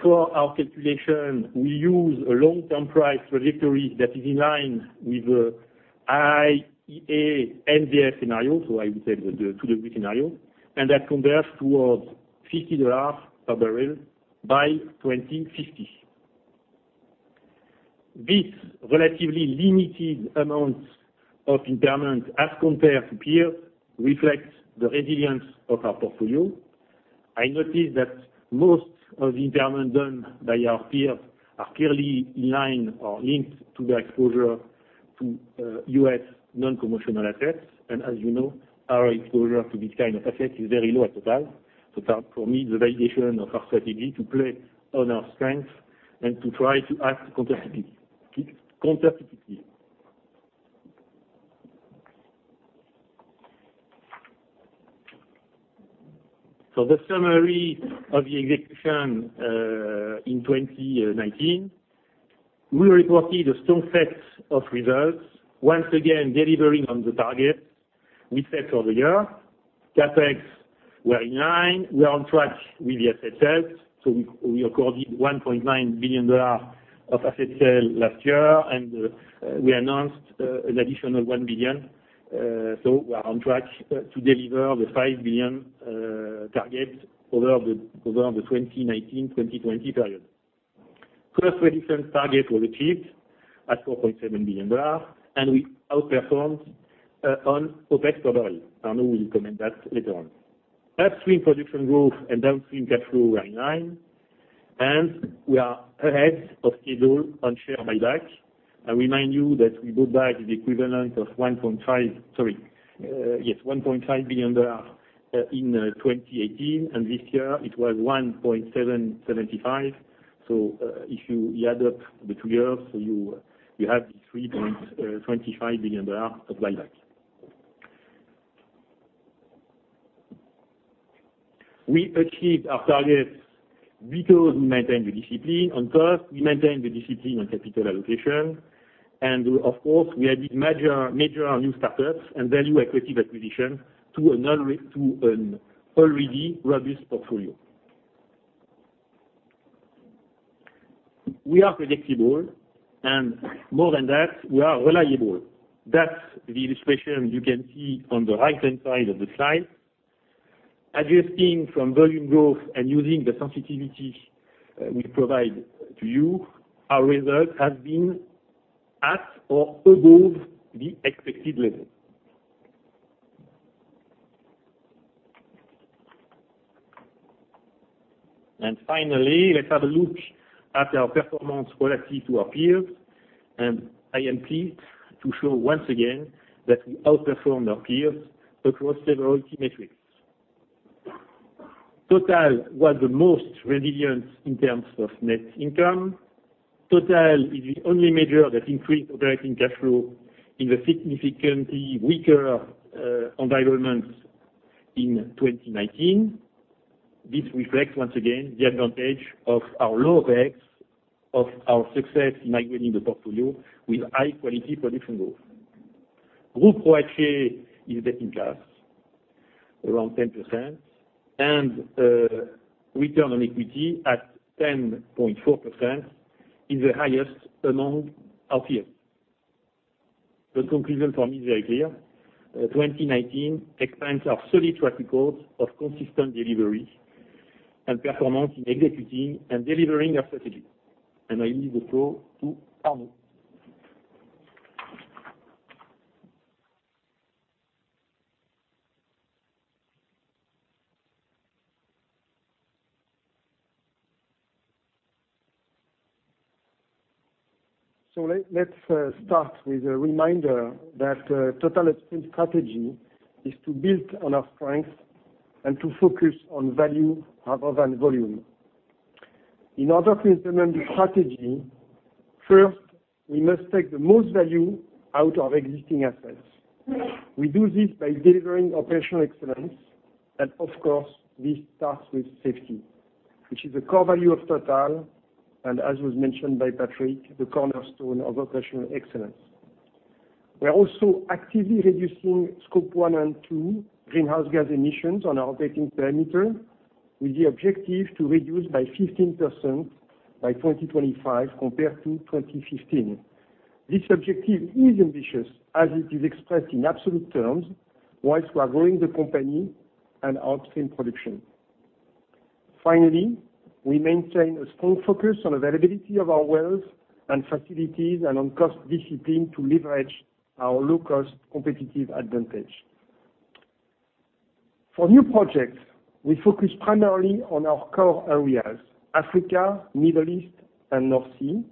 For our calculation, we use a long-term price trajectory that is in line with the IEA NZE scenario, so I would say the 2 degree celsius scenario, and that converge towards EUR 50 a barrel by 2050. This relatively limited amount of impairment as compared to peers reflects the resilience of our portfolio. I notice that most of the impairment done by our peers are clearly in line or linked to their exposure to U.S. non-commercial assets. As you know, our exposure to this kind of asset is very low at Total. That for me is the validation of our strategy to play on our strength and to try to act countercyclically. The summary of the execution, in 2019. We reported a strong set of results, once again delivering on the targets we set over here. CapEx were in line. We are on track with the asset sales. We recorded $1.9 billion of asset sale last year, and we announced an additional $1 billion. We are on track to deliver the $5 billion target over the 2019, 2020 period. Cost reduction target was achieved at $4.7 billion, and we outperformed on OpEx per oil. Arnaud will comment that later on. Upstream production growth and downstream cash flow are in line, and we are ahead of schedule on share buyback. I remind you that we bought back the equivalent of $1.5 billion in 2018, and this year it was $1.775 billion. If you add up the two years, you have $3.25 billion of buybacks. We achieved our targets because we maintained the discipline on cost, we maintained the discipline on capital allocation, and of course, we added major new startups and value accretive acquisitions to an already robust portfolio. We are predictable, and more than that, we are reliable. That's the illustration you can see on the right-hand side of the slide. Adjusting from volume growth and using the sensitivity we provide to you, our results have been at or above the expected level. Finally, let's have a look at our performance relative to our peers. I am pleased to show once again that we outperformed our peers across several key metrics. Total was the most resilient in terms of net income. Total is the only major that increased operating cash flow in the significantly weaker environment in 2019. This reflects, once again, the advantage of our low risks, of our success in upgrading the portfolio with high-quality production growth. Group ROACE is the in class, around 10%, and return on equity at 10.4% is the highest among our peers. The conclusion for me is very clear. 2019 expands our solid track record of consistent delivery and performance in executing and delivering our strategy. I leave the floor to Arnaud.
Let start with a reminder that Total upstream strategy is to build on our strengths and to focus on value rather than volume. In order to implement the strategy, first, we must take the most value out of existing assets. We do this by delivering operational excellence, and of course, this starts with safety, which is a core value of Total, and as was mentioned by Patrick, the cornerstone of operational excellence. We are also actively reducing Scope 1 and 2 greenhouse gas emissions on our operating perimeter with the objective to reduce by 15% by 2025 compared to 2015. This objective is ambitious as it is expressed in absolute terms, whilst we are growing the company and upstream production. Finally, we maintain a strong focus on availability of our wells and facilities and on cost discipline to leverage our low-cost competitive advantage. For new projects, we focus primarily on our core areas, Africa, Middle East, and North Sea,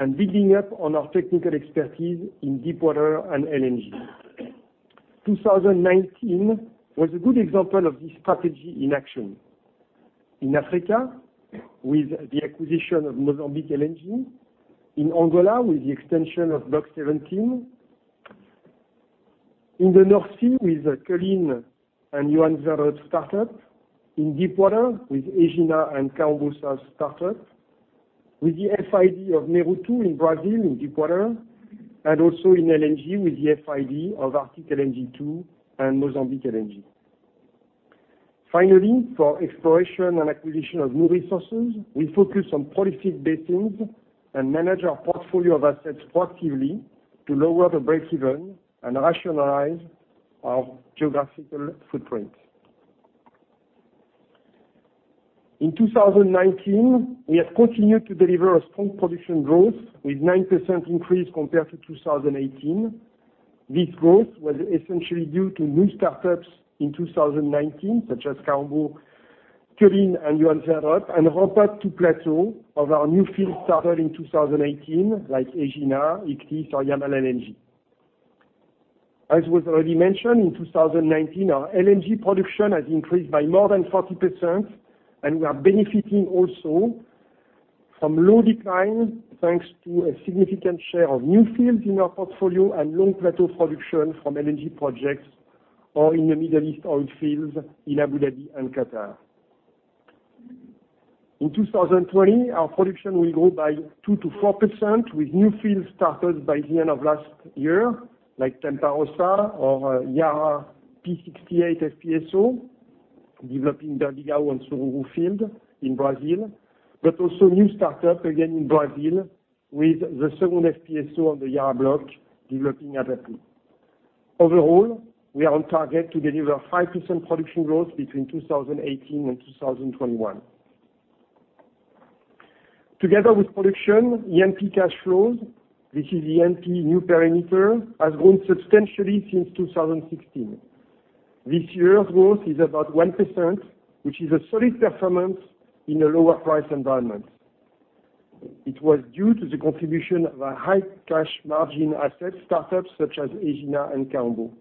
and building up on our technical expertise in deepwater and LNG. 2019 was a good example of this strategy in action. In Africa, with the acquisition of Mozambique LNG, in Angola, with the extension of Block 17. In the North Sea with the Culzean and Johan Sverdrup startup. In deepwater with Egina and Kaombo startup. With the FID of Mero-2 in Brazil in deepwater, and also in LNG with the FID of Arctic LNG-2 and Mozambique LNG. Finally, for exploration and acquisition of new resources, we focus on prolific basins and manage our portfolio of assets proactively to lower the break-even and rationalize our geographical footprint. In 2019, we have continued to deliver a strong production growth with 9% increase compared to 2018. This growth was essentially due to new startups in 2019, such as Kaombo, Culzean, and Johan Sverdrup, and ramp up to plateau of our new field started in 2018, like Egina, Ichthys, or Yamal LNG. As was already mentioned, in 2019, our LNG production has increased by more than 40%, and we are benefiting also from low decline, thanks to a significant share of new fields in our portfolio and long plateau production from LNG projects or in the Middle East oil fields in Abu Dhabi and Qatar. In 2020, our production will grow by 2%-4% with new fields started by the end of last year, like Tempa Rossa or Iara P-68 FPSO, developing Berbigão and Sururu field in Brazil. Also new start up again in Brazil with the second FPSO on the Iara block developing Atapu. Overall, we are on target to deliver 5% production growth between 2018 and 2021. Together with production, E&P cash flows, this is E&P new perimeter, has grown substantially since 2016. This year's growth is about 1%, which is a solid performance in a lower price environment. It was due to the contribution of a high cash margin asset startups such as Egina and Kaombo.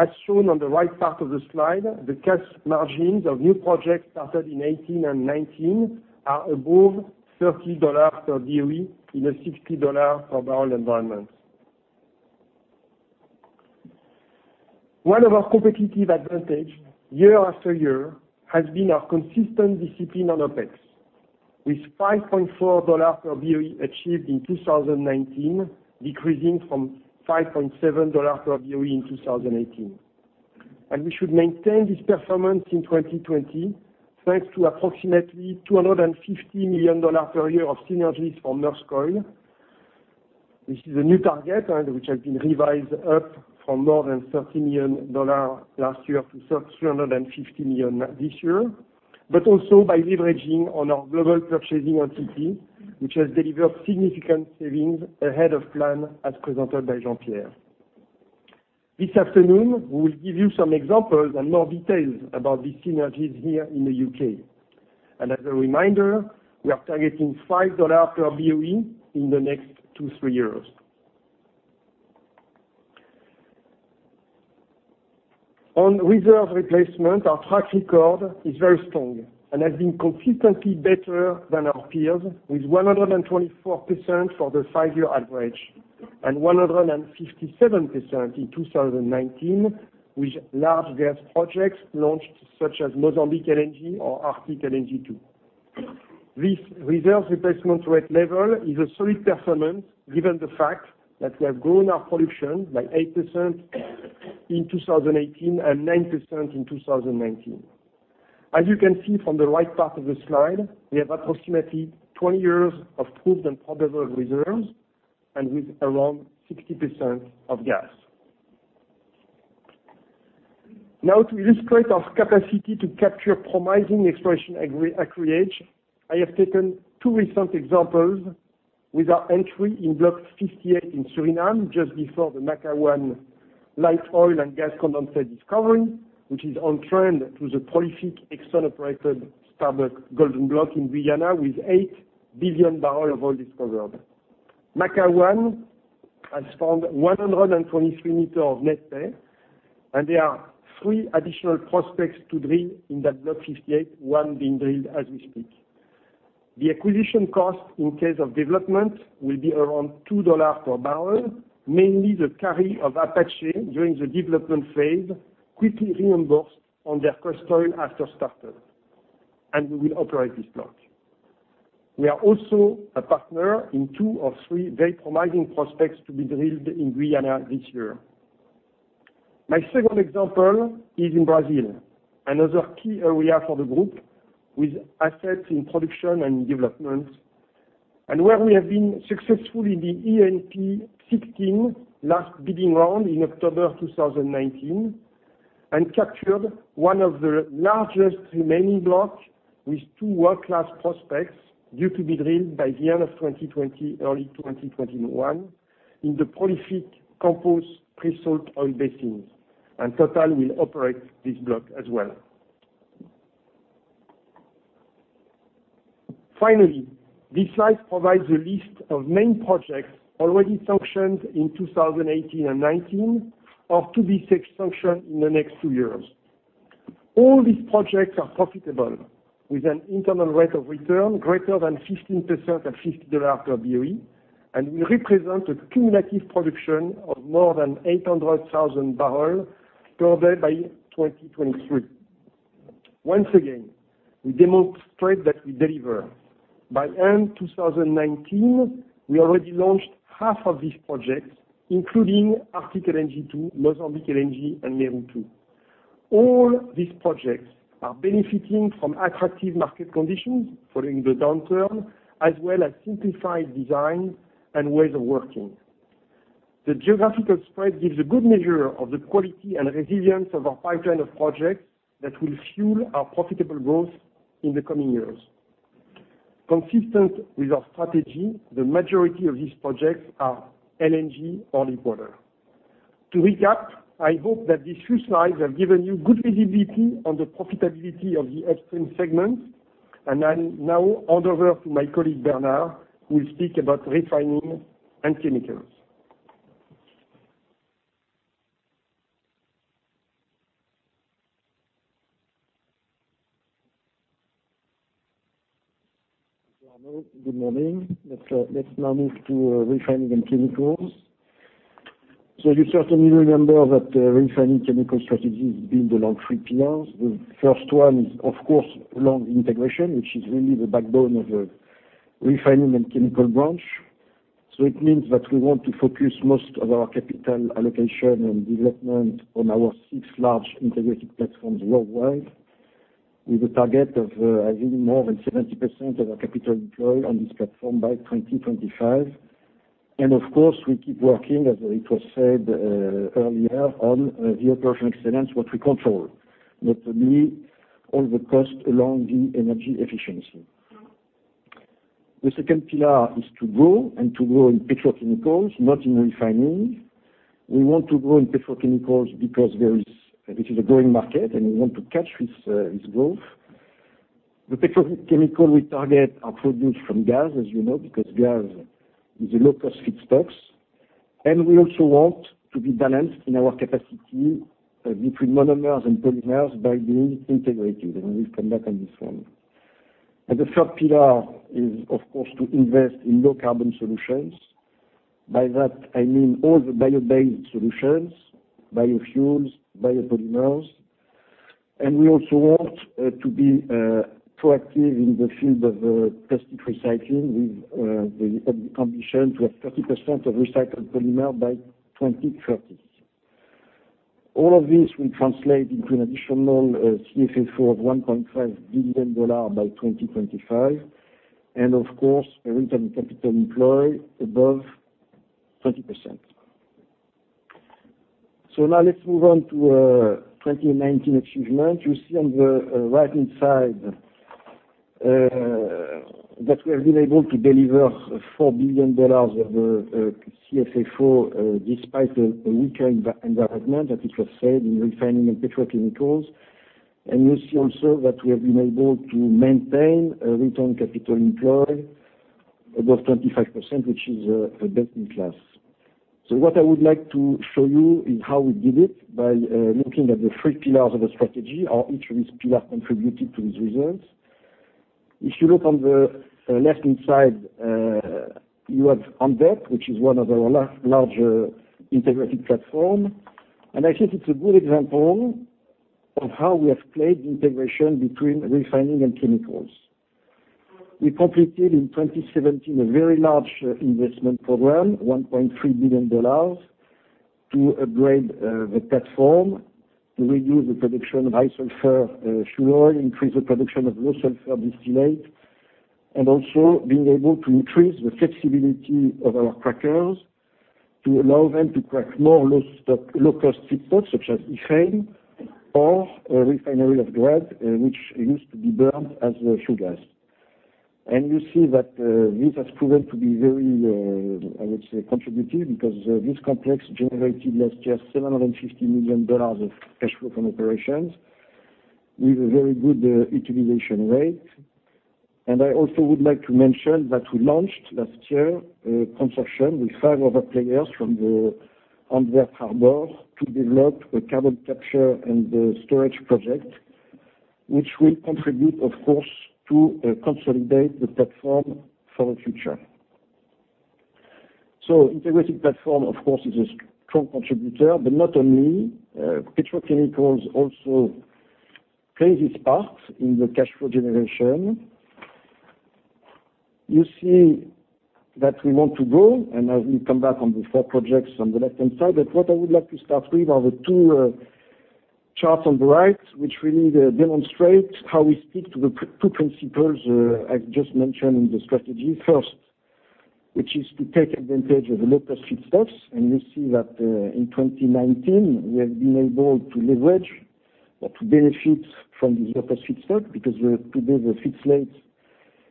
As shown on the right part of the slide, the cash margins of new projects started in 2018 and 2019 are above $30 per BOE in a $60 oil environment. One of our competitive advantage year after year has been our consistent discipline on OpEx, with $5.4 per BOE achieved in 2019, decreasing from $5.7 per BOE in 2018. We should maintain this performance in 2020, thanks to approximately $250 million per year of synergies from [Norscoi], which is a new target, and which has been revised up from more than $30 million last year to $350 million this year, but also by leveraging on our global purchasing entity, which has delivered significant savings ahead of plan as presented by Jean-Pierre. This afternoon, we will give you some examples and more details about these synergies here in the U.K. As a reminder, we are targeting $5 per BOE in the next two, three years. On reserve replacement, our track record is very strong and has been consistently better than our peers, with 124% for the five-year average and 157% in 2019, with large gas projects launched such as Mozambique LNG or Arctic LNG-2. This reserve replacement rate level is a solid performance given the fact that we have grown our production by 8% in 2018 and 90% in 2019. As you can see from the right part of the slide, we have approximately 20 years of proved and probable reserves and with around 60% of gas. To illustrate our capacity to capture promising exploration acreage, I have taken two recent examples with our entry in Block 58 in Suriname just before the Maka-1 Light oil and gas condensate discovery, which is on trend to the prolific ExxonMobil-operated Stabroek golden block in Guyana with eight billion barrels of oil discovered. Maka-1 has found 123 meters of net pay, there are three additional prospects to drill in that Block 58, one being drilled as we speak. The acquisition cost in case of development will be around $2 per barrel, mainly the carry of Apache during the development phase, quickly reimbursed on their first oil after starter. We will operate this block. We are also a partner in two of three very promising prospects to be drilled in Guyana this year. My second example is in Brazil, another key area for the group with assets in production and development, where we have been successful in the E&P 16 last Bidding Round in October 2019, and captured one of the largest remaining blocks with two world-class prospects due to be drilled by the end of 2020, early 2021, in the prolific Campos pre-salt oil basins. Total will operate this block as well. Finally, this slide provides a list of main projects already sanctioned in 2018 and 2019, or to be sanctioned in the next two years. All these projects are profitable, with an internal rate of return greater than 15% at $50 per BOE, and will represent a cumulative production of more than 800,000 barrels per day by 2023. Once again, we demonstrate that we deliver. By end 2019, we already launched half of these projects, including Arctic LNG 2, Mozambique LNG, and Mero 2. All these projects are benefiting from attractive market conditions following the downturn, as well as simplified design and ways of working. The geographical spread gives a good measure of the quality and resilience of our pipeline of projects that will fuel our profitable growth in the coming years. Consistent with our strategy, the majority of these projects are LNG oil quarter. To recap, I hope that these few slides have given you good visibility on the profitability of the upstream segment. I'll now hand over to my colleague, Bernard, who will speak about Refining & Chemicals.
Thank you, Arnaud. Good morning. Let's now move to Refining & Chemicals. You certainly remember that Refining & Chemicals strategy has been around three pillars. The first one is, of course, long integration, which is really the backbone of the Refining & Chemicals branch. It means that we want to focus most of our capital allocation and development on our six large integrated platforms worldwide, with a target of having more than 70% of our capital employed on this platform by 2025. Of course, we keep working, as it was said earlier, on the operational excellence, what we control. Namely, all the cost along the energy efficiency. The second pillar is to grow and to grow in petrochemicals, not in refining. We want to grow in petrochemicals because it is a growing market, and we want to catch this growth. The petrochemical we target are produced from gas, as you know, because gas is a low-cost feedstock. We also want to be balanced in our capacity between monomers and polymers by being integrated, and we will come back on this one. The third pillar is, of course, to invest in low carbon solutions. By that, I mean all the bio-based solutions, biofuels, biopolymers. We also want to be proactive in the field of plastic recycling with the ambition to have 30% of recycled polymer by 2030. All of this will translate into an additional CFFO of $1.5 billion by 2025. Of course, a return capital employed above 20%. Now let's move on to 2019 achievement. You see on the right-hand side that we have been able to deliver $4 billion of CFFO, despite a weaker environment, as it was said, in refining and petrochemicals. You see also that we have been able to maintain a return capital employed above 25%, which is a best in class. What I would like to show you is how we did it by looking at the three pillars of the strategy, how each of these pillars contributed to these results. If you look on the left-hand side, you have Antwerp, which is one of our larger integrated platform. I think it's a good example of how we have played the integration between Refining & Chemicals. We completed in 2017 a very large investment program, $1.3 billion, to upgrade the platform to reduce the production of high sulfur fuel oil, increase the production of low sulfur distillate, and also being able to increase the flexibility of our crackers to allow them to crack more low cost feedstocks such as ethane or refinery off-grade, which used to be burned as a fuel gas. You see that this has proven to be very contributive because this complex generated last year $750 million of cash flow from operations, with a very good utilization rate. I also would like to mention that we launched, last year, a consortium with five other players from the Antwerp Harbor to develop a carbon capture and storage project, which will contribute, of course, to consolidate the platform for the future. Integrated platform, of course, is a strong contributor, but not only. Petrochemicals also plays its part in the cash flow generation. You see that we want to grow, as we come back on the four projects on the left-hand side. What I would like to start with are the two charts on the right, which really demonstrate how we stick to the two principles I've just mentioned in the strategy. First, which is to take advantage of the low cost feedstocks. You see that in 2019, we have been able to leverage or to benefit from these low cost feedstocks, because today the feed slate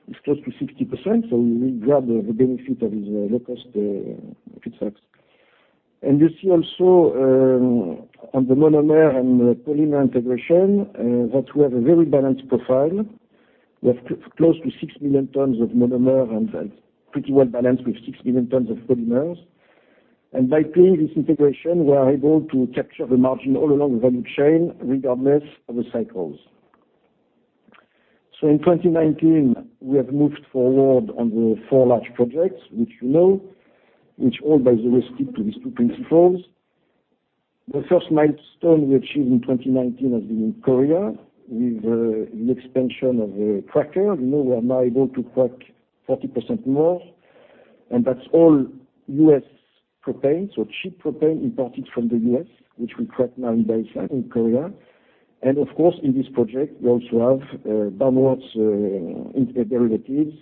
is close to 60%, so we will grab the benefit of these low cost feedstocks. You see also, on the monomer and polymer integration, that we have a very balanced profile, with close to 6 million tons of monomer, and that's pretty well balanced with 6 million tons of polymers. By playing this integration, we are able to capture the margin all along the value chain regardless of the cycles. In 2019, we have moved forward on the four large projects, which you know, which all by the way stick to these two principles. The first milestone we achieved in 2019 has been in Korea with the expansion of the cracker. You know we are now able to crack 40% more, and that's all U.S. propane, so cheap propane imported from the U.S., which we crack now in Daesan in Korea. Of course, in this project, we also have downwards integrated derivatives,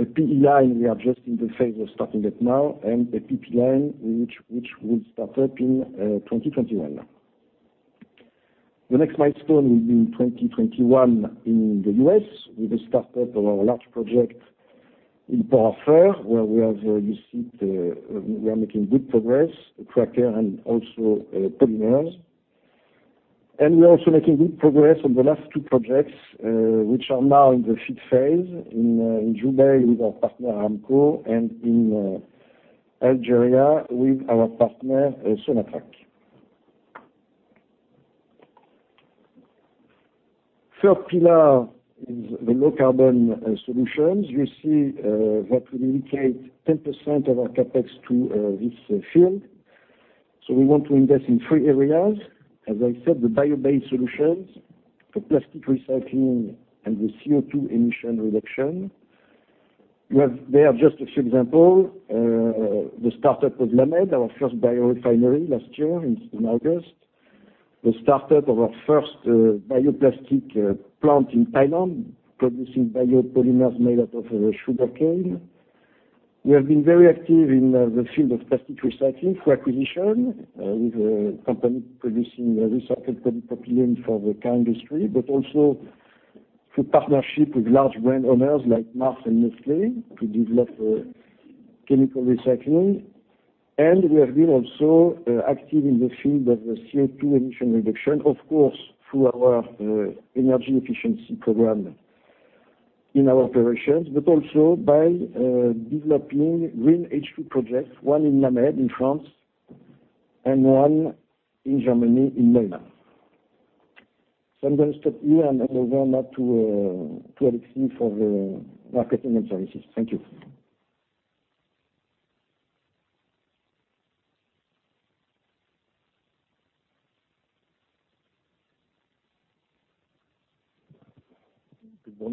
a PE line we are just in the phase of starting up now, and a PP line, which will start up in 2021. The next milestone will be in 2021 in the U.S. with the start-up of our large project in Port Arthur, where we are making good progress, the cracker and also polymers. We are also making good progress on the last two projects, which are now in the feed phase in Jubail with our partner, Aramco, and in Algeria with our partner, Sonatrach. Third pillar is the low carbon solutions. You see that we dedicate 10% of our CapEx to this field. We want to invest in three areas. As I said, the bio-based solutions for plastic recycling and the CO2 emission reduction. There are just a few examples. The start-up of La Mède, our first biorefinery last year in August. The start-up of our first bioplastic plant in Thailand, producing biopolymers made out of sugarcane. We have been very active in the field of plastic recycling through acquisition, with a company producing recycled polypropylene for the car industry, but also through partnership with large brand owners like Mars and Nestlé to develop chemical recycling. We have been also active in the field of the CO2 emission reduction, of course, through our energy efficiency program in our operations, but also by developing green H2 projects, one in La Mède in France, and one in Germany in Leuna. I'm going to stop here and hand over now to Alexis for the Marketing & Services. Thank you.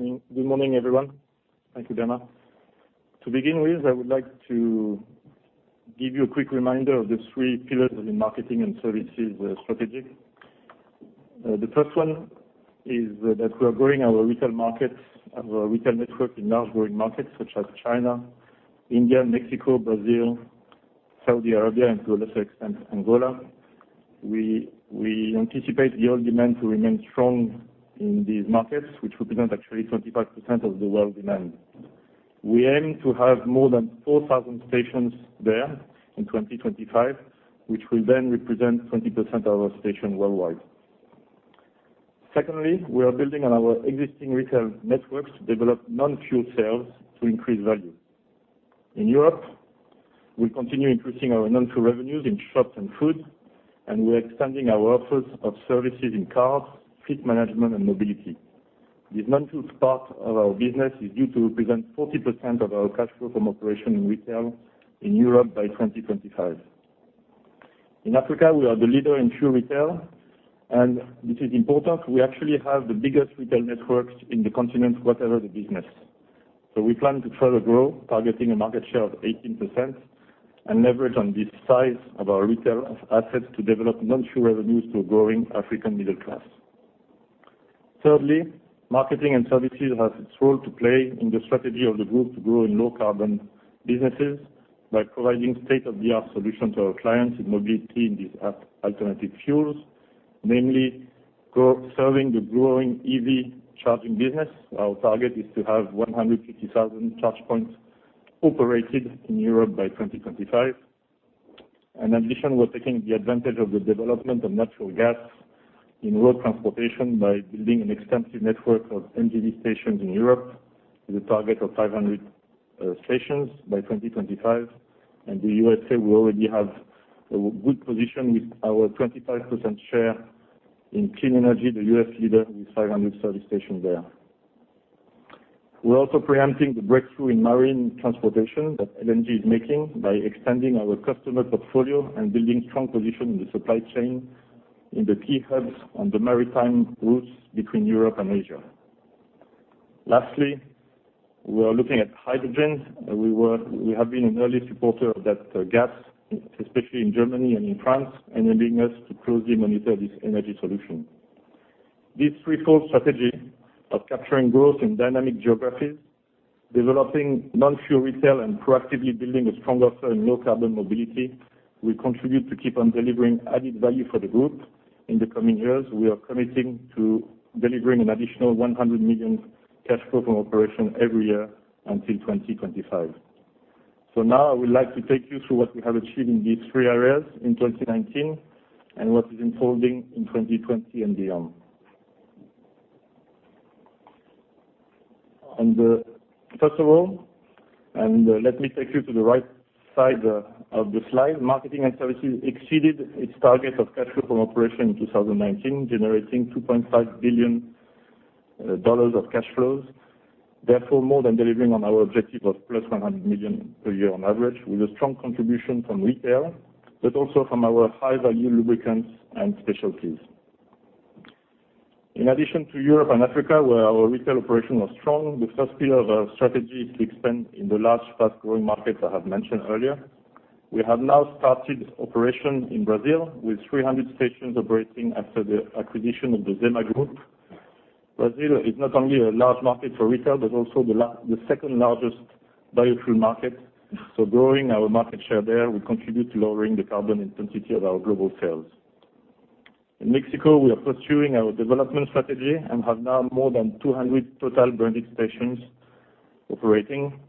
Good morning, everyone. Thank you, Bernard. To begin with, I would like to give you a quick reminder of the three pillars of the Marketing & Services strategy. The first one is that we are growing our retail network in large growing markets such as China, India, Mexico, Brazil, Saudi Arabia, and to a lesser extent, Angola. We anticipate the oil demand to remain strong in these markets, which represent actually 25% of the world demand. We aim to have more than 4,000 stations there in 2025, which will then represent 20% of our stations worldwide. Secondly, we are building on our existing retail networks to develop non-fuel sales to increase value. In Europe, we continue increasing our non-fuel revenues in shops and food, we are expanding our offers of services in cars, fleet management and mobility. This non-fuel part of our business is due to represent 40% of our cash flow from operations in retail in Europe by 2025. In Africa, we are the leader in fuel retail. This is important. We actually have the biggest retail networks in the continent, whatever the business. We plan to further grow, targeting a market share of 18% and leverage on this size of our retail assets to develop non-fuel revenues to a growing African middle class. Thirdly, Marketing & Services has its role to play in the strategy of the group to grow in low carbon businesses by providing state-of-the-art solutions to our clients in mobility and these alternative fuels. Namely, serving the growing EV charging business. Our target is to have 150,000 charge points operated in Europe by 2025. We're taking the advantage of the development of natural gas in road transportation by building an extensive network of NGV stations in Europe with a target of 500 stations by 2025. The U.S.A., we already have a good position with our 25% share in Clean Energy, the U.S. leader with 500 service stations there. We are also preempting the breakthrough in marine transportation that LNG is making by extending our customer portfolio and building strong position in the supply chain in the key hubs on the maritime routes between Europe and Asia. We are looking at hydrogen. We have been an early supporter of that gas, especially in Germany and in France, enabling us to closely monitor this energy solution. This threefold strategy of capturing growth in dynamic geographies, developing non-fuel retail, and proactively building a stronger low carbon mobility will contribute to keep on delivering added value for the group. In the coming years, we are committing to delivering an additional $100 million cash flow from operation every year until 2025. Now I would like to take you through what we have achieved in these three areas in 2019 and what is unfolding in 2020 and beyond. First of all, let me take you to the right side of the slide, Marketing & Services exceeded its target of cash flow from operation in 2019, generating $2.5 billion of cash flows. Therefore, more than delivering on our objective of +$100 million per year on average, with a strong contribution from retail, but also from our high-value lubricants and specialties. In addition to Europe and Africa where our retail operation was strong, the first pillar of our strategy is to expand in the large, fast-growing markets I have mentioned earlier. We have now started operation in Brazil with 300 stations operating after the acquisition of the Zema Group. Brazil is not only a large market for retail, but also the second-largest biofuel market. Growing our market share there will contribute to lowering the carbon intensity of our global sales. In Mexico, we are pursuing our development strategy and have now more than 200 Total branded stations operating.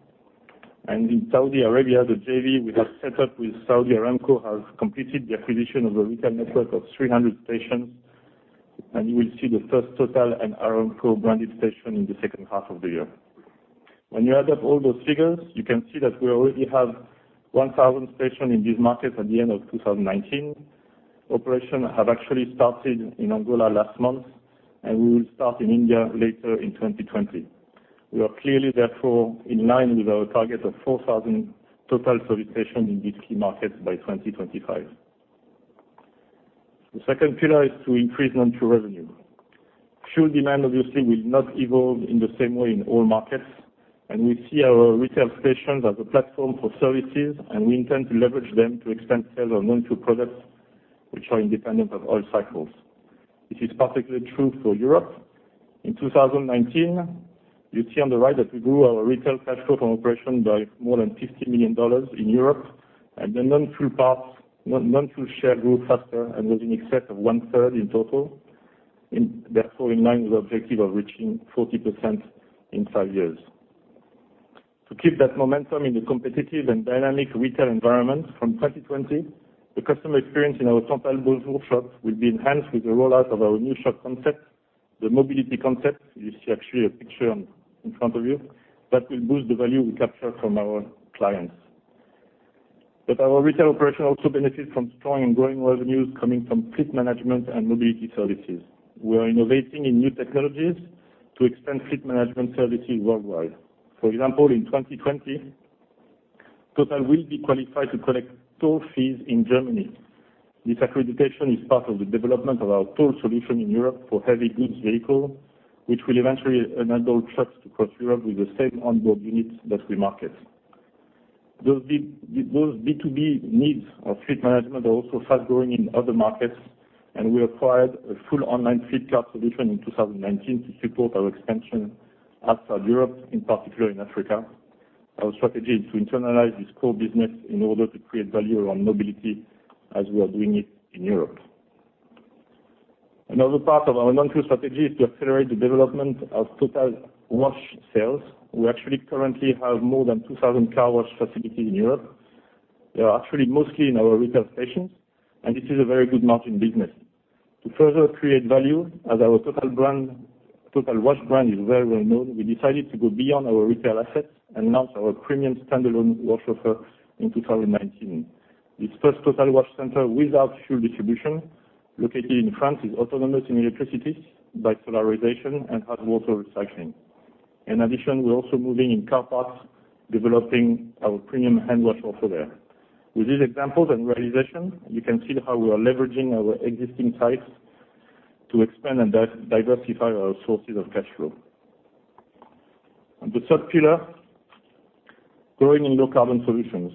In Saudi Arabia, the JV we have set up with Saudi Aramco has completed the acquisition of a retail network of 300 stations, and you will see the first Total and Aramco branded station in the second half of the year. When you add up all those figures, you can see that we already have 1,000 stations in these markets at the end of 2019. Operations have actually started in Angola last month, and we will start in India later in 2020. We are clearly, therefore, in line with our target of 4,000 Total service stations in these key markets by 2025. The second pillar is to increase non-fuel revenue. Fuel demand obviously will not evolve in the same way in all markets, and we see our retail stations as a platform for services, and we intend to leverage them to extend sales of non-fuel products which are independent of oil cycles. This is particularly true for Europe. In 2019, you see on the right that we grew our retail cash flow from operation by more than $50 million in Europe, and the non-fuel share grew faster and was in excess of one-third in Total. In line with the objective of reaching 40% in five years. To keep that momentum in the competitive and dynamic retail environment from 2020, the customer experience in our Total workshop will be enhanced with the rollout of our new shop concept, the Mobility Concept, you see actually a picture in front of you, that will boost the value we capture from our clients. Our retail operation also benefits from strong and growing revenues coming from fleet management and mobility services. We are innovating in new technologies to extend fleet management services worldwide. For example, in 2020, Total will be qualified to collect toll fees in Germany. This accreditation is part of the development of our toll solution in Europe for heavy goods vehicles, which will eventually enable trucks to cross Europe with the same onboard units that we market. Those B2B needs of fleet management are also fast-growing in other markets. We acquired a full online fleet card solution in 2019 to support our expansion outside Europe, in particular in Africa. Our strategy is to internalize this core business in order to create value around mobility as we are doing it in Europe. Another part of our non-fuel strategy is to accelerate the development of Total WASH sales. We actually currently have more than 2,000 car wash facilities in Europe. They are actually mostly in our retail stations, and this is a very good margin business. To further create value as our WASH brand is very well known, we decided to go beyond our retail assets and launch our premium standalone WASH offer in 2019. This first WASH center without fuel distribution, located in France, is autonomous in electricity by solarization and has water recycling. We're also moving in car parks, developing our premium hand wash also there. With these examples and realization, you can see how we are leveraging our existing sites to expand and diversify our sources of cash flow. The third pillar, growing in low carbon solutions.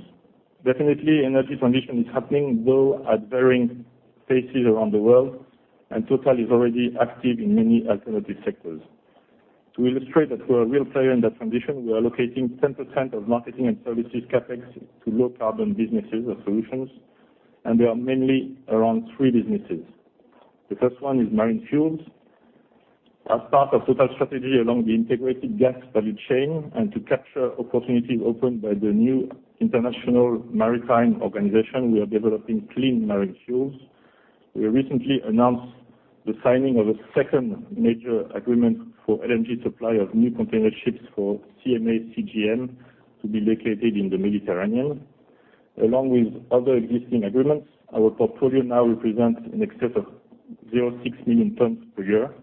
Definitely, energy transition is happening, though at varying paces around the world, and TotalEnergies is already active in many alternative sectors. To illustrate that we're a real player in that transition, we are allocating 10% of Marketing & Services CapEx to low carbon businesses or solutions, and they are mainly around three businesses. The first one is marine fuels. As part of TotalEnergies' strategy along the integrated gas value chain and to capture opportunities opened by the new International Maritime Organization, we are developing clean marine fuels. We recently announced the signing of a second major agreement for LNG supply of new container ships for CMA CGM to be located in the Mediterranean. Along with other existing agreements, our portfolio now represents in excess of six million tons per year.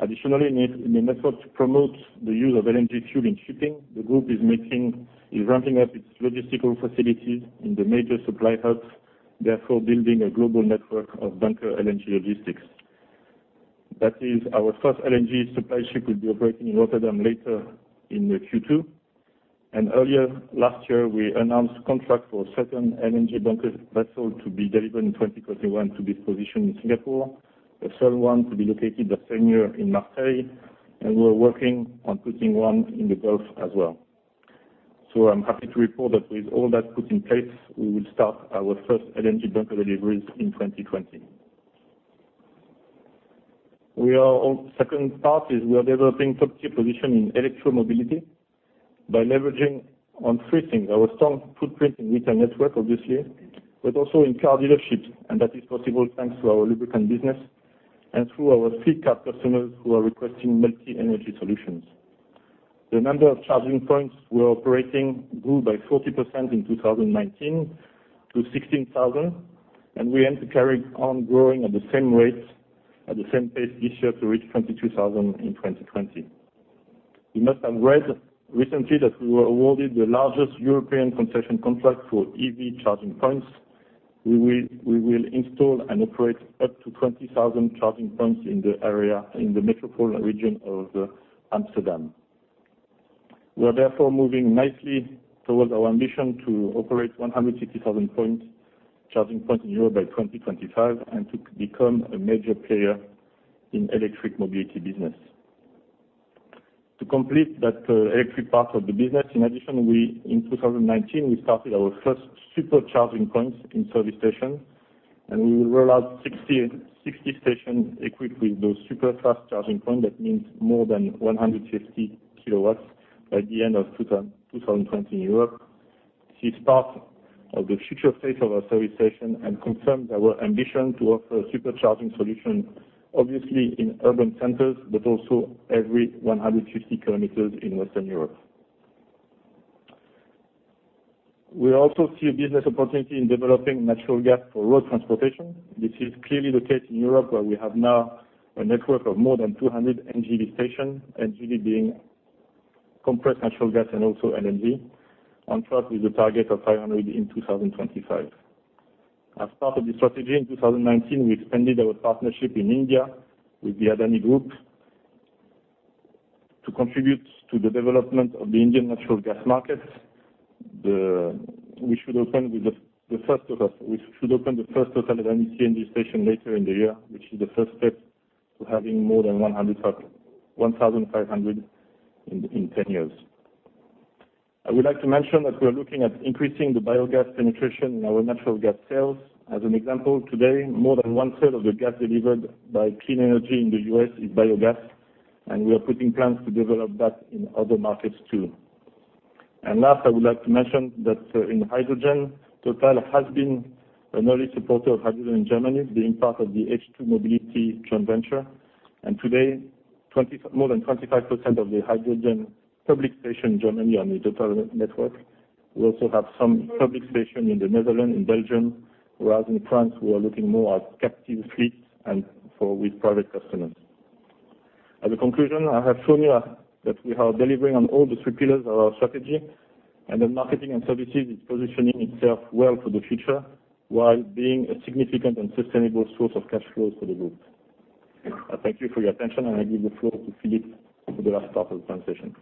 Additionally, in an effort to promote the use of LNG fuel in shipping, the group is ramping up its logistical facilities in the major supply hubs, therefore building a global network of bunker LNG logistics. That is, our first LNG supply ship will be operating in Rotterdam later in Q2. Earlier last year, we announced a contract for a second LNG bunker vessel to be delivered in 2021 to be positioned in Singapore, a third one to be located the same year in Marseille, and we're working on putting one in the Gulf as well. I'm happy to report that with all that put in place, we will start our first LNG bunker deliveries in 2020. The second part is we are developing top-tier position in electromobility by leveraging on three things, our strong footprint in retail network, obviously, but also in car dealerships. That is possible thanks to our lubricant business and through our fleet car customers who are requesting multi-energy solutions. The number of charging points we are operating grew by 40% in 2019 to 16,000, and we aim to carry on growing at the same rate, at the same pace this year to reach 22,000 in 2020. You must have read recently that we were awarded the largest European concession contract for EV charging points. We will install and operate up to 20,000 charging points in the metropolitan region of Amsterdam. We are therefore moving nicely towards our ambition to operate 160,000 charging points in Europe by 2025 and to become a major player in electric mobility business. To complete that electric part of the business, in addition, in 2019, we started our first super charging points in service stations, and we will roll out 60 stations equipped with those super-fast charging points. That means more than 150 KW by the end of 2020 in Europe. This is part of the future state of our service stations and confirms our ambition to offer super charging solution, obviously in urban centers, but also every 150 km in Western Europe. We also see a business opportunity in developing natural gas for road transportation. This is clearly located in Europe, where we have now a network of more than 200 NGV stations, NGV being compressed natural gas and also LNG, on track with a target of 500 in 2025. As part of this strategy, in 2019, we expanded our partnership in India with the Adani Group to contribute to the development of the Indian natural gas market. We should open the first TotalEnergies NGV station later in the year, which is the first step to having more than 1,500 in 10 years. I would like to mention that we are looking at increasing the biogas penetration in our natural gas sales. As an example, today, more than one third of the gas delivered by Clean Energy Fuels Corp. in the U.S. is biogas. We are putting plans to develop that in other markets, too. Last, I would like to mention that in hydrogen, Total has been an early supporter of hydrogen in Germany, being part of the H2 MOBILITY joint venture. Today, more than 25% of the hydrogen public stations in Germany are in the Total network. We also have some public stations in the Netherlands, in Belgium, whereas in France, we are looking more at captive fleets and with private customers. As a conclusion, I have shown you that we are delivering on all the three pillars of our strategy, and that marketing and services is positioning itself well for the future while being a significant and sustainable source of cash flows for the group. I thank you for your attention, and I give the floor to Philippe for the last part of the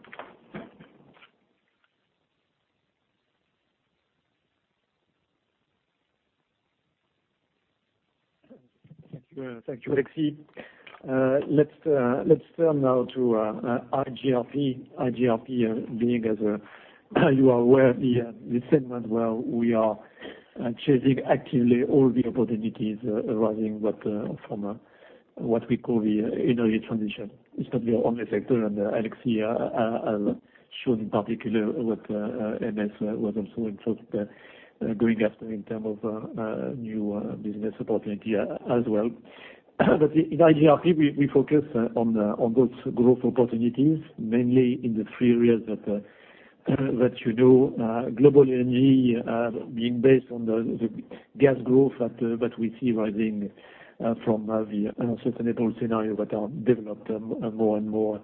presentation.
Thank you, Alexis. Let's turn now to IGRP. IGRP being, as you are aware, the segment where we are chasing actively all the opportunities arising from what we call the energy transition. It's not the only sector, Alexis has shown in particular what MS was also going after in terms of new business opportunity as well. In IGRP, we focus on those growth opportunities, mainly in the three areas that you know. Global LNG being based on the gas growth that we see rising from the Sustainable Development Scenario that are developed more and more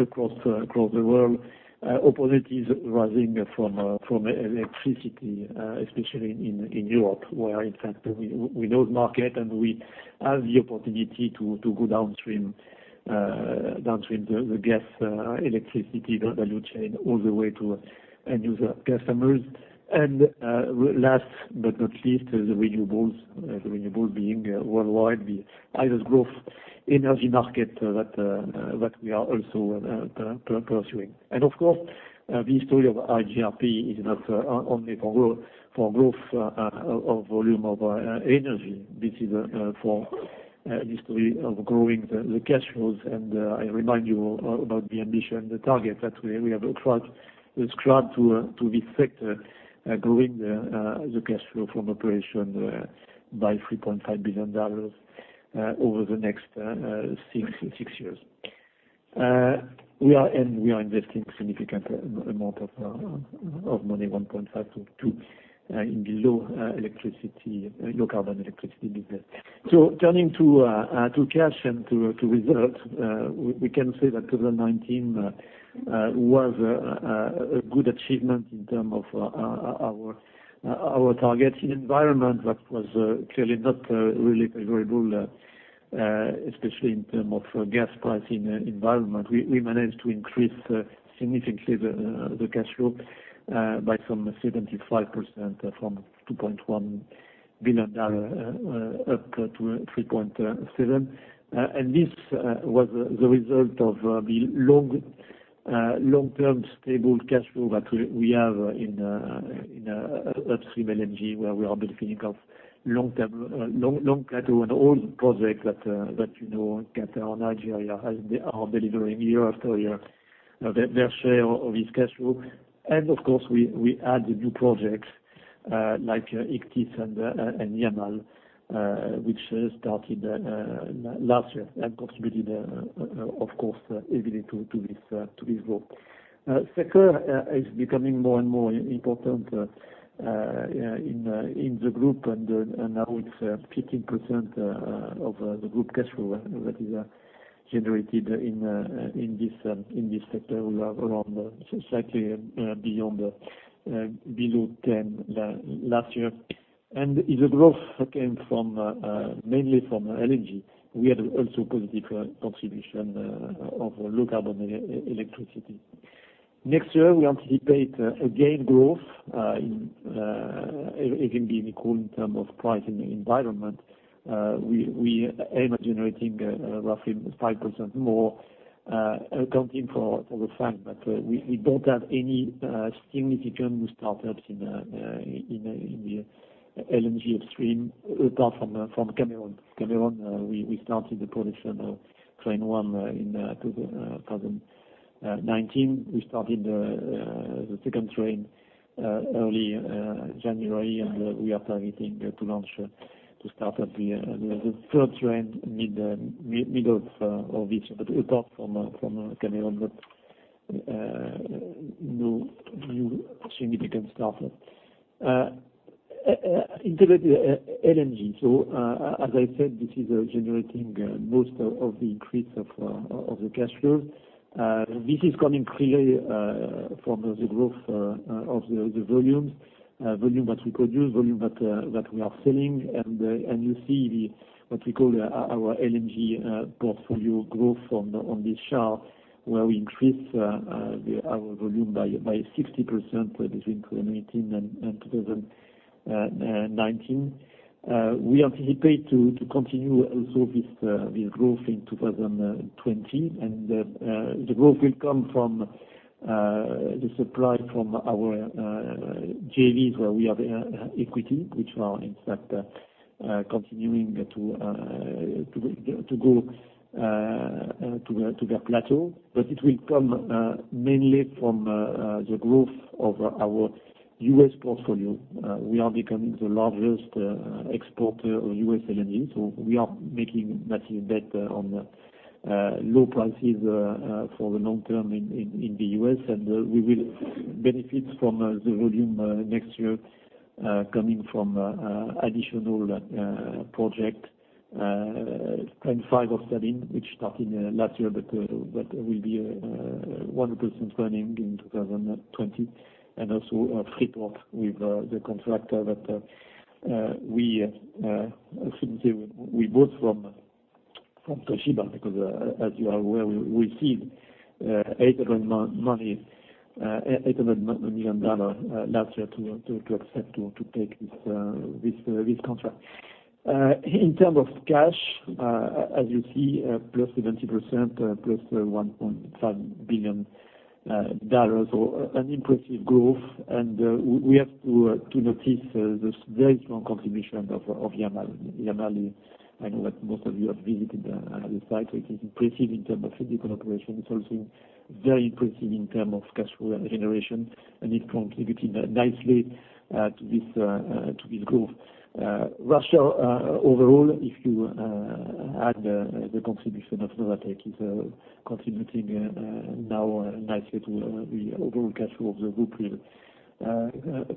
across the world. Opportunities rising from electricity, especially in Europe, where in fact, we know the market, we have the opportunity to go downstream the gas-electricity value chain, all the way to end user customers. Last but not least, the renewables. The renewable being worldwide, the highest growth energy market that we are also pursuing. Of course, the story of IGRP is not only for growth of volume of energy. This is for history of growing the cash flows. I remind you all about the ambition and the target that we have ascribed to this sector, growing the cash flow from operation by EUR 3.5 billion over the next six years. We are investing significant amount of money, 1.5-2, in the low carbon electricity business. Turning to cash and to results, we can say that 2019 was a good achievement in term of our target in environment that was clearly not really favorable, especially in term of gas pricing environment. We managed to increase significantly the cash flow by some 75% from EUR 2.1 billion up to 3.7 billion. This was the result of the long-term stable cash flow that we have in upstream LNG, where we are benefiting of long plateau and old project that you know in Qatar, Nigeria, are delivering year after year their share of this cash flow. Of course, we add the new projects like Ichthys and Yamal which started last year and contributed, of course, heavily to this growth. Second, is becoming more and more important in the group, and now it's 15% of the group cash flow that is generated in this sector. We are around slightly below 10 last year. The growth came mainly from LNG. We had also positive contribution of low carbon electricity. Next year, we anticipate, again, growth. It will be equal in terms of price and environment. We aim at generating roughly 5% more, accounting for the fact that we don't have any significant new startups in the LNG upstream apart from Cameroon. Cameroon we started the production of train 1 in 2019. We started the second train early January. We are targeting to start up the third train middle of this year. Apart from Cameroon, no new significant startup. Integrated LNG. As I said, this is generating most of the increase of the cash flows. This is coming clearly from the growth of the volumes. Volume that we produce, volume that we are selling. You see what we call our LNG portfolio growth on this chart, where we increased our volume by 60% between 2018 and 2019. We anticipate to continue also this growth in 2020. The growth will come from the supply from our JVs, where we have equity, which are in fact continuing to go to their plateau. It will come mainly from the growth of our U.S. portfolio. We are becoming the largest exporter of U.S. LNG, so we are making massive bet on low prices for the long term in the U.S. We will benefit from the volume next year coming from additional project, train 5 of Sabine, which started last year but will be 100% running in 2020. Also Freeport with the contractor that we, I shouldn't say we bought from Toshiba, because as you are aware, we paid $800 million last year to accept to take this contract. In term of cash, as you see, +70%, +$1.5 billion, so an impressive growth. We have to notice this very strong contribution of Yamal. Yamal, I know that most of you have visited the site, which is impressive in term of physical operation. It's also very impressive in term of cash flow generation, and it contributed nicely to this growth. Russia, overall, if you add the contribution of Novatek, is contributing now nicely to the overall cash flow of the group,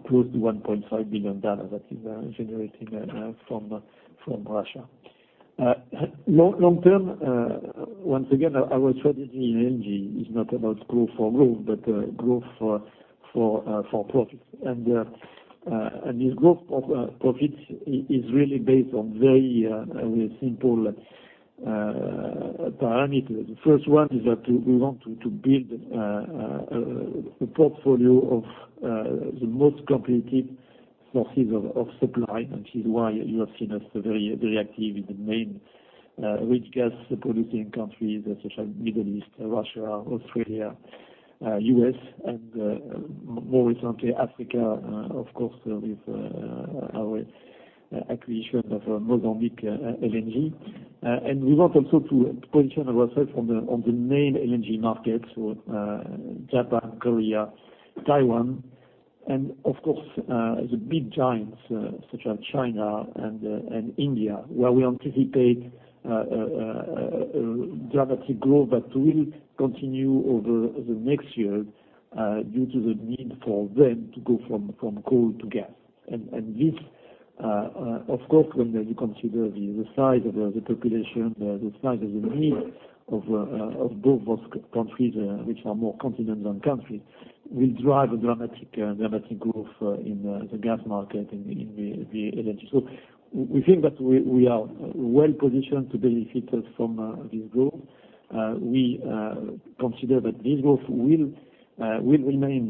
close to $1.5 billion that is generating from Russia. Long term, once again, our strategy in LNG is not about growth for growth, but growth for profit. This growth profit is really based on very simple parameters. The first one is that we want to build a portfolio of the most competitive sources of supply. Which is why you have seen us very active in the main rich gas-producing countries such as Middle East, Russia, Australia, U.S., and more recently, Africa, of course, with our acquisition of Mozambique LNG. We want also to position ourselves on the main LNG markets, so Japan, Korea, Taiwan, and of course, the big giants such as China and India, where we anticipate dramatic growth that will continue over the next year due to the need for them to go from coal to gas. This, of course, when you consider the size of the population, the size of the need of both those countries, which are more continents than countries, will drive a dramatic growth in the gas market in the LNG. We think that we are well-positioned to benefit from this growth. We consider that this growth will remain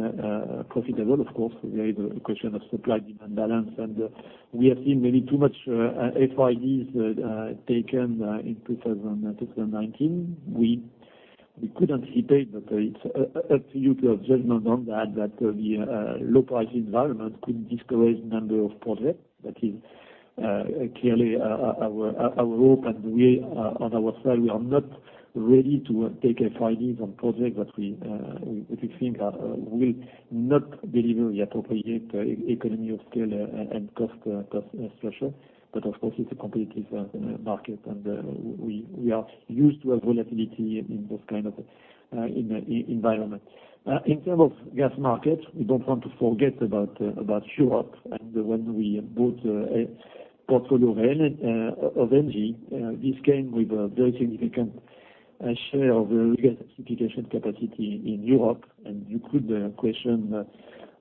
profitable. Of course, there is a question of supply-demand balance, and we have seen maybe too much FIDs taken in 2019. We could anticipate that it's up to you to judgment on that the low price environment could discourage a number of projects. That is clearly our hope. We, on our side, we are not ready to take FIDs on projects that we think will not deliver the appropriate economy of scale and cost threshold. Of course, it's a competitive market, and we are used to have volatility in this kind of environment. In terms of gas markets, we don't want to forget about Europe and when we bought a portfolio of LNG, this came with a very significant share of regasification capacity in Europe. You could question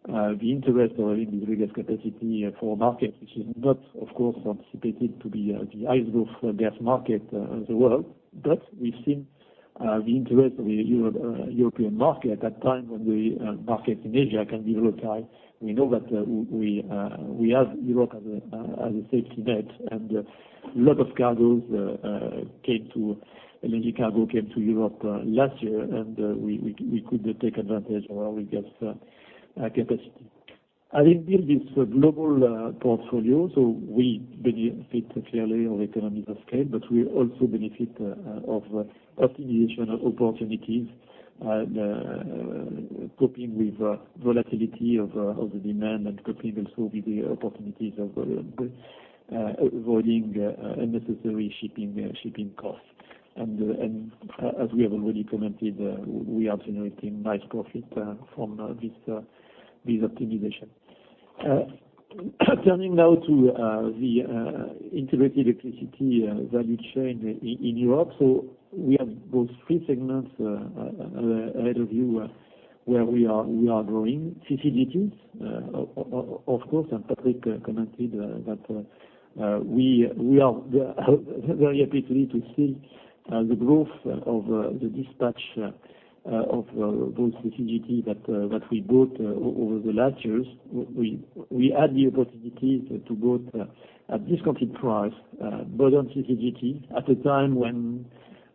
the interest of having this regas capacity for a market which is not, of course, anticipated to be the highest growth gas market as well. We think the interest of the European market at that time when the markets in Asia can be very high, we know that we have Europe as a safety net. A lot of LNG cargo came to Europe last year, and we could take advantage of our regas capacity. Having built this global portfolio, we benefit clearly on economies of scale, but we also benefit of optimization opportunities, coping with volatility of the demand and coping also with the opportunities of avoiding unnecessary shipping costs. As we have already commented, we are generating nice profit from this optimization. Turning now to the integrated electricity value chain in Europe. We have those three segments ahead of you where we are growing. CCGTs, of course, and Patrick commented that we are very happy to see the growth of the dispatch of those CCGT that we built over the last years. We had the opportunity to build a discounted price, build on CCGT at a time when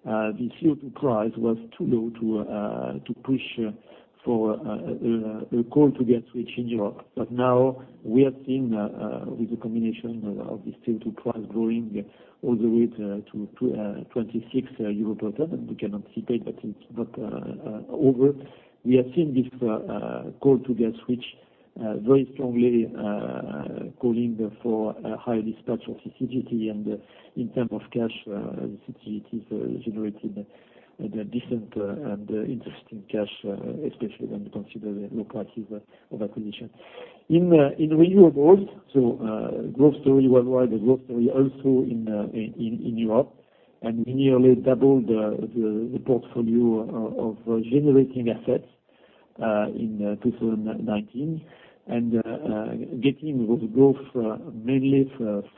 the CO2 price was too low to push for a coal to gas switch in Europe. Now we are seeing with the combination of this CO2 price growing all the way to 26 euro per ton, and we can anticipate that it's not over. We have seen this coal to gas switch very strongly calling for a high dispatch of CCGT and in terms of cash, the CCGT is generating a decent and interesting cash, especially when you consider the low prices of acquisition. In renewables, growth story worldwide, a growth story also in Europe. We nearly doubled the portfolio of generating assets in 2019 getting those growth mainly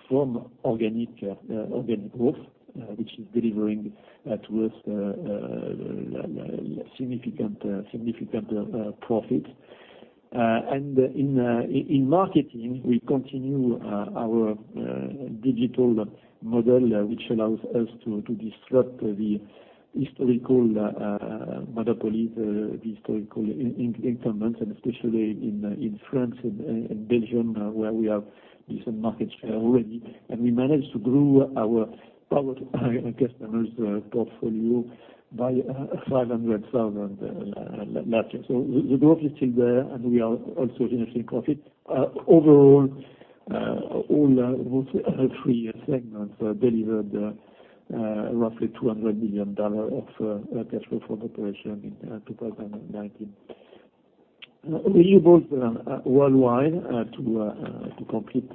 from organic growth, which is delivering towards significant profit. In marketing, we continue our digital model, which allows us to disrupt the historical monopolies, the historical incumbents, especially in France and Belgium, where we have decent market share already. We managed to grow our power to customers portfolio by 500,000 last year. The growth is still there, and we are also generating profit. Overall, all those three segments delivered roughly $200 million of cash flow from operation in 2019. Renewables worldwide, to complete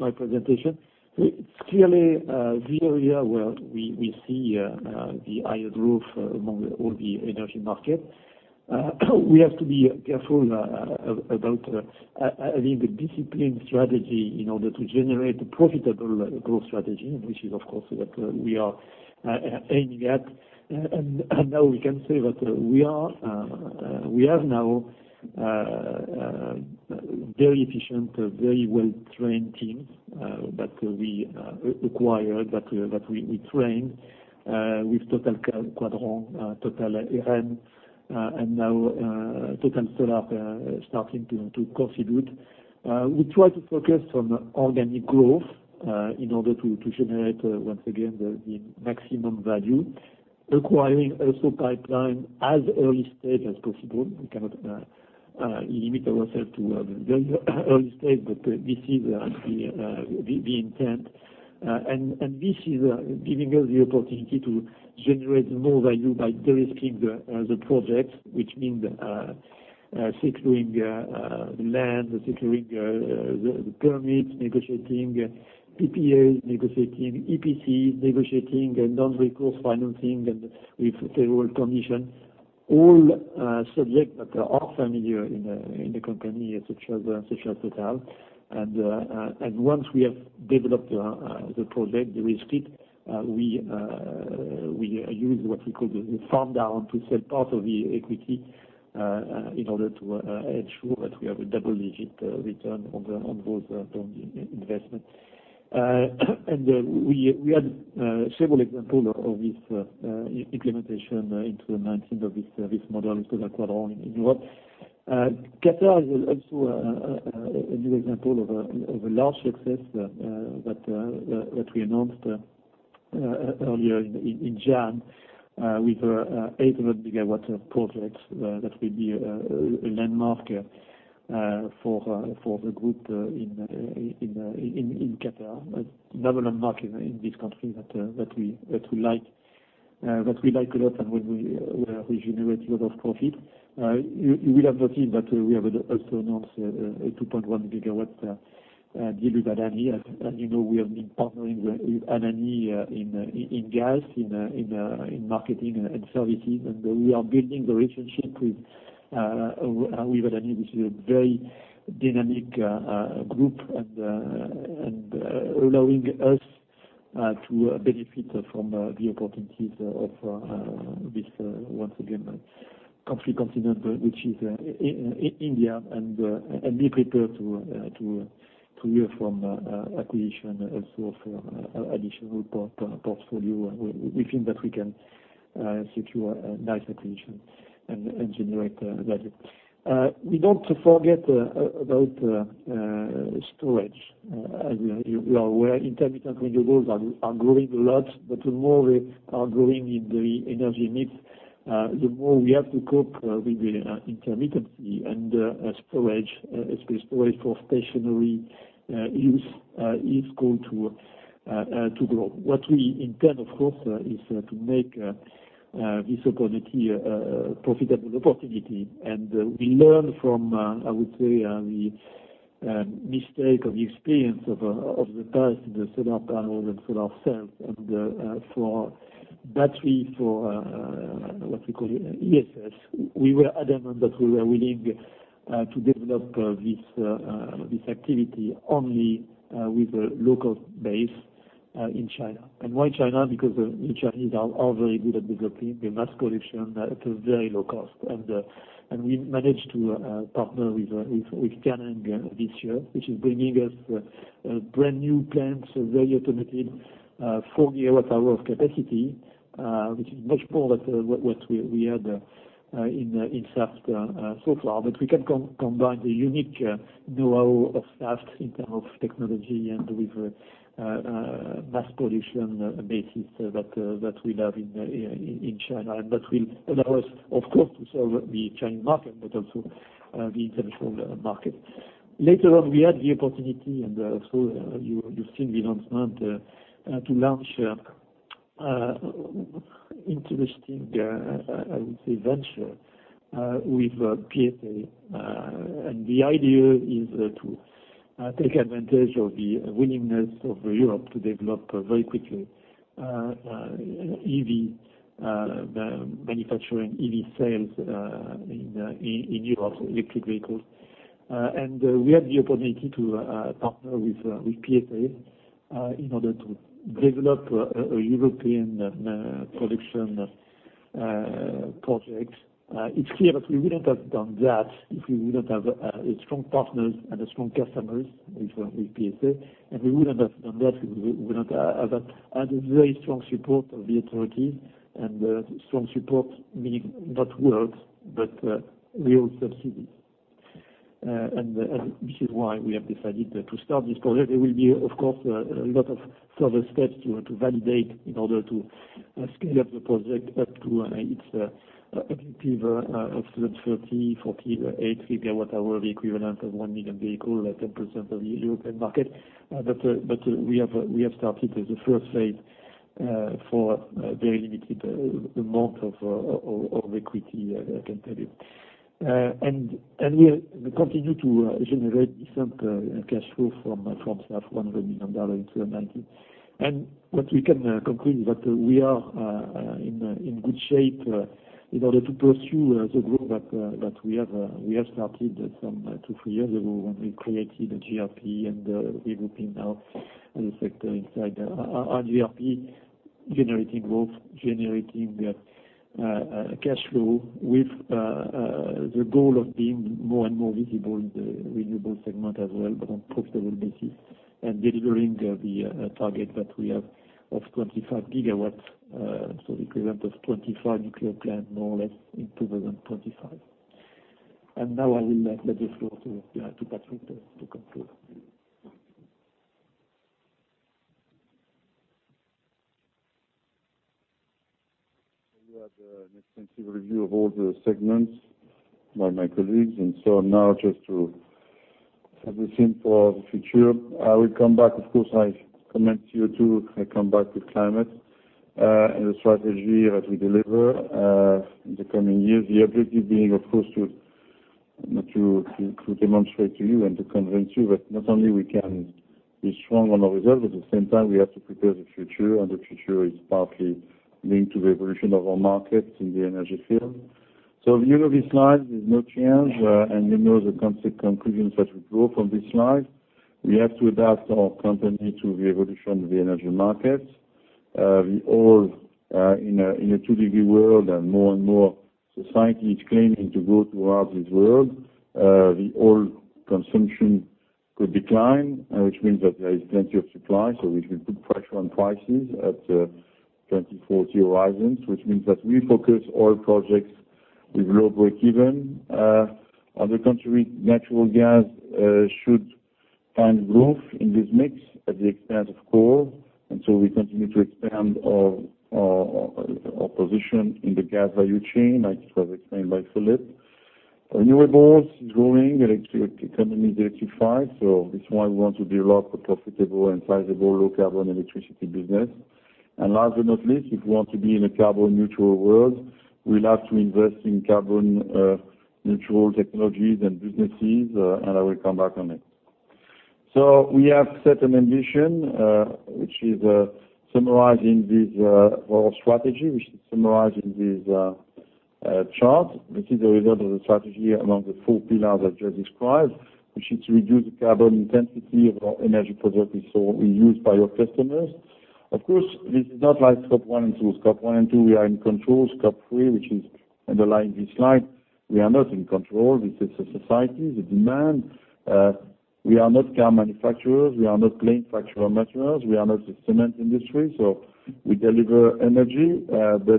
my presentation. It's clearly the area where we see the highest growth among all the energy markets. We have to be careful about the disciplined strategy in order to generate a profitable growth strategy, which is, of course, what we are aiming at. Now we can say that we have now very efficient, very well-trained teams that we acquired, that we trained with Total Quadran, Total Eren, and now Total Solar starting to contribute. We try to focus on organic growth in order to generate, once again, the maximum value, acquiring also pipeline as early stage as possible. We cannot limit ourselves to a very early stage, but this is the intent. This is giving us the opportunity to generate more value by de-risking the projects, which means securing land, securing the permits, negotiating PPAs, negotiating EPCs, negotiating non-recourse financing, and with federal permission. All subjects that are familiar in the company, such as Total. Once we have developed the project, de-risked it, we use what we call the farm-down to sell part of the equity in order to ensure that we have a double-digit return on those investments. We had several examples of this implementation into 2019 of this model in Total Quadran in Europe. Qatar is also a good example of a large success that we announced earlier in January with a 800 gigawatt of projects. That will be a landmark for the group in Qatar. Another landmark in this country that we like a lot and where we generate a lot of profit. You will have noted that we have also announced a 2.1 GW deal with Adani. As you know, we have been partnering with Adani in gas, in marketing and services. We are building the relationship with Adani, which is a very dynamic group and allowing us to benefit from the opportunities of this, once again, country continent, which is India, and be prepared to hear from acquisition also for additional portfolio. We think that we can secure a nice acquisition and generate value. We don't forget about storage. As you are aware, intermittent renewables are growing a lot, but the more they are growing in the energy mix, the more we have to cope with the intermittency and storage for stationary use is going to grow. What we intend, of course, is to make this opportunity a profitable opportunity. We learn from, I would say, the mistake of experience of the past in the solar panel and solar cell and for battery, for what we call ESS. We were adamant that we were willing to develop this activity only with a local base in China. Why China? Because the Chinese are very good at developing the mass production at a very low cost. We managed to partner with CATL this year, which is bringing us brand-new plants, very automated, 4 GWh of capacity, which is much more than what we had in Saft so far. But we can combine the unique know-how of Saft in terms of technology and with mass production basis that we have in China, and that will allow us, of course, to serve the Chinese market, but also the international market. Later on, we had the opportunity, and so you've seen the announcement to launch interesting, I would say, venture with PSA. The idea is to take advantage of the willingness of Europe to develop very quickly EV manufacturing, EV sales in Europe, electric vehicles. We had the opportunity to partner with PSA in order to develop a European production project. It's clear that we wouldn't have done that if we wouldn't have a strong partners and a strong customers with PSA, and we wouldn't have done that if we wouldn't have had a very strong support of the authorities, and strong support meaning not words, but real subsidies. This is why we have decided to start this project. There will be, of course, a lot of further steps to validate in order to scale up the project up to its objective of 30, 48 GWh, the equivalent of 1 million vehicle, 10% of the European market. We have started the first phase for a very limited amount of equity, I can tell you. We continue to generate decent cash flow from half $100 million in 2019. What we can conclude is that we are in good shape in order to pursue the growth that we have started some two, three years ago when we created an iGRP and regrouping our sector inside our iGRP, generating growth, generating cash flow with the goal of being more and more visible in the renewable segment as well, but on profitable basis and delivering the target that we have of 25 gigawatts, equivalent of 25 nuclear plants, more or less, in 2025. Now I will let the floor to Patrick to conclude.
We had an extensive review of all the segments by my colleagues. Now just to set the scene for the future, I will come back. Of course, I come back with climate and the strategy that we deliver in the coming years. The objective being, of course, to demonstrate to you and to convince you that not only we can be strong on our results, at the same time, we have to prepare the future. The future is partly linked to the evolution of our markets in the energy field. If you look at this slide, there's no change, and you know the conclusions that we draw from this slide. We have to adapt our company to the evolution of the energy markets. We all are in a two degree world. More and more society is claiming to go towards this world. The oil consumption could decline, which means that there is plenty of supply, which will put pressure on prices at 2040 horizons, which means that we focus oil projects with low breakeven. On the contrary, natural gas should find growth in this mix at the expense of coal. We continue to expand our position in the gas value chain, as was explained by Philippe. Renewables is growing, electricity company electrified. That's why we want to develop a profitable and sizable low-carbon electricity business. Last but not least, if we want to be in a carbon neutral world, we'll have to invest in carbon neutral technologies and businesses, and I will come back on it. We have set an ambition, which is summarizing this whole strategy, which is summarized in this chart. This is a result of the strategy among the four pillars that Joe described, which is to reduce the carbon intensity of our energy products we sell, we use by our customers. Of course, this is not like Scope 1 and 2. Scope 1 and 2, we are in control. Scope 3, which is underlying this slide, we are not in control. This is a society, the demand. We are not car manufacturers. We are not plane manufacturers. We are not the cement industry. We deliver energy. The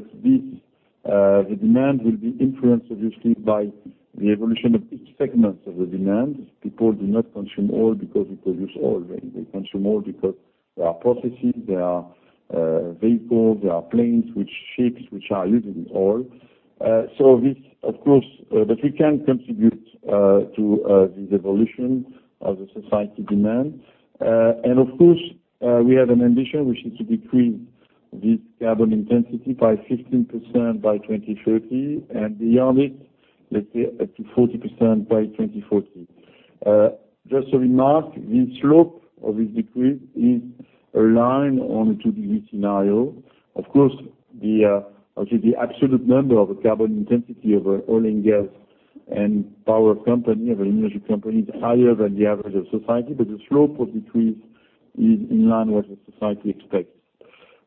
demand will be influenced obviously by the evolution of each segment of the demand. People do not consume oil because we produce oil. They consume oil because there are processes, there are vehicles, there are planes, which ships, which are using oil. This, of course, but we can contribute to this evolution of the society demand. Of course, we have an ambition, which is to decrease this carbon intensity by 15% by 2030. Beyond it, let's say up to 40% by 2040. Just to remark, the slope of this decrease is aligned on a 2 degree scenario. Of course, actually the absolute number of the carbon intensity of our oil and gas and power company of an energy company is higher than the average of society. The slope of decrease is in line what the society expects.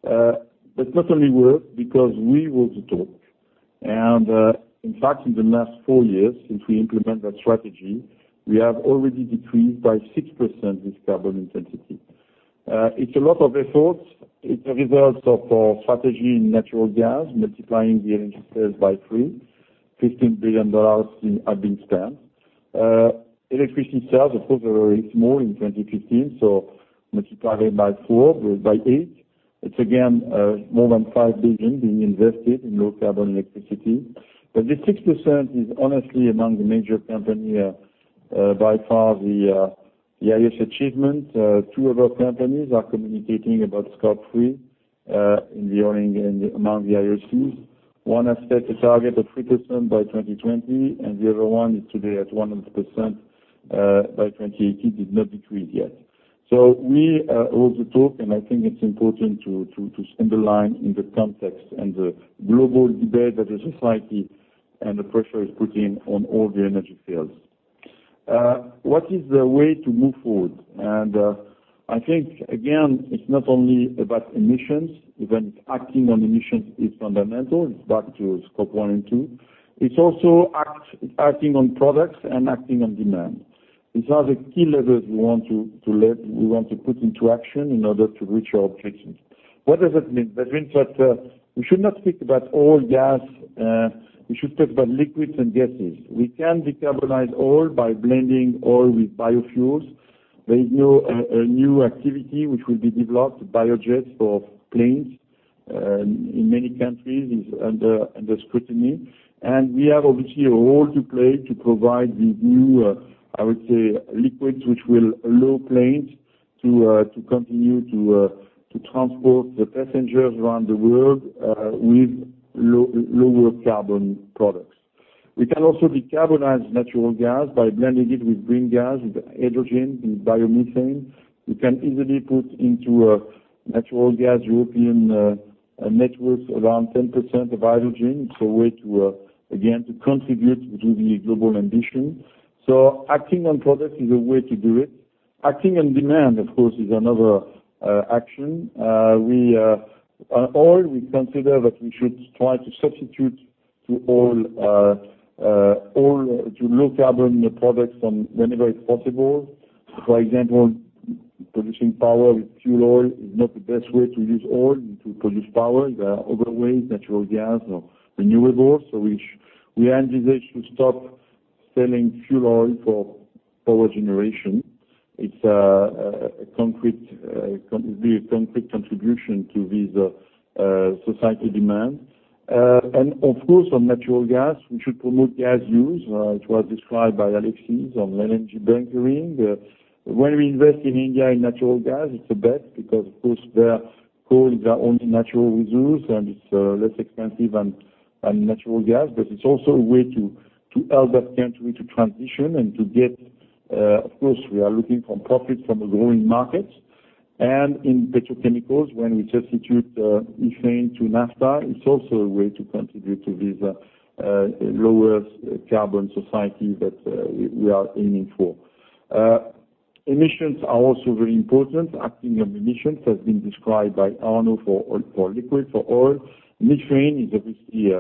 That's not only words because we walk the talk. In fact, in the last four years since we implement that strategy, we have already decreased by 6% this carbon intensity. It's a lot of efforts. It's a result of our strategy in natural gas, multiplying the energy sales by three, EUR 15 billion have been spent. Electricity sales, of course, were very small in 2015, so multiplying by four, by eight. It's again, more than 5 billion being invested in low-carbon electricity. This 6% is honestly among the major company, by far the highest achievement. Two other companies are communicating about Scope 3 in the oil and among the IOCs. One has set a target of 3% by 2020, and the other one is today at 100%, by 2018 did not decrease yet. We walk the talk, and I think it's important to underline in the context and the global debate that the society and the pressure is putting on all the energy fields. What is the way to move forward? I think, again, it's not only about emissions, even if acting on emissions is fundamental. It's back to Scope 1 and 2. It's also acting on products and acting on demand. These are the key levers we want to put into action in order to reach our objectives. What does that mean? That means that we should not speak about oil, gas. We should talk about liquids and gases. We can decarbonize oil by blending oil with biofuels. There is a new activity which will be developed, biojets for planes, in many countries is under scrutiny. We have obviously a role to play to provide the new, I would say, liquids, which will allow planes to continue to transport the passengers around the world, with lower carbon products. We can also decarbonize natural gas by blending it with green gas, with hydrogen, with biomethane. We can easily put into natural gas European networks around 10% of hydrogen. It's a way, again, to contribute to the global ambition. Acting on products is a way to do it. Acting on demand, of course, is another action. Oil, we consider that we should try to substitute to all low carbon products whenever it's possible. For example, producing power with fuel oil is not the best way to use oil and to produce power. There are other ways, natural gas or renewables. We envisage to stop selling fuel oil for power generation. It would be a concrete contribution to this society demand. Of course, on natural gas, we should promote gas use. It was described by Alexis on LNG bunkering. When we invest in India in natural gas, it's the best because, of course, their coal is their only natural resource, and it's less expensive than natural gas. It's also a way to help that country to transition and to get, of course, we are looking for profit from a growing market. In petrochemicals, when we substitute ethane to naphtha, it's also a way to contribute to this lower carbon society that we are aiming for. Emissions are also very important. Acting on emissions has been described by Arnaud for liquid, for oil. Methane is obviously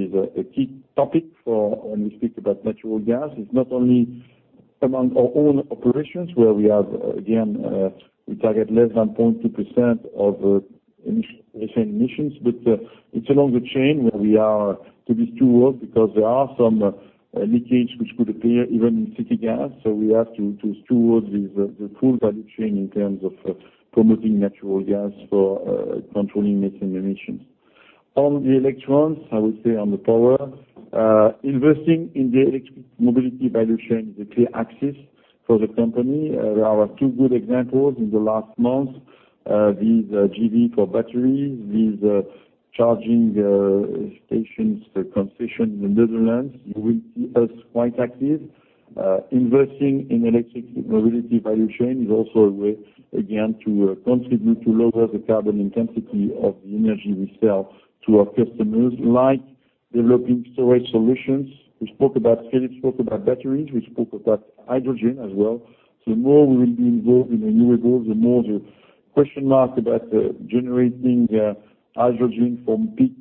a key topic when we speak about natural gas. It's not only among our own operations where we have, again, we target less than 0.2% of methane emissions, but it's along the chain where we are to be steward, because there are some leakages which could appear even in city gas. We have to steward the full value chain in terms of promoting natural gas for controlling methane emissions. On the electrons, I would say on the power, investing in the electric mobility value chain is a clear axis for the company. There are two good examples in the last month. These JV for batteries, these charging stations concession in the Netherlands, you will see us quite active. Investing in electric mobility value chain is also a way, again, to contribute to lower the carbon intensity of the energy we sell to our customers, like developing storage solutions. Philippe spoke about batteries. We spoke about hydrogen as well. The more we will be involved in renewables, the more the question mark about generating hydrogen from peak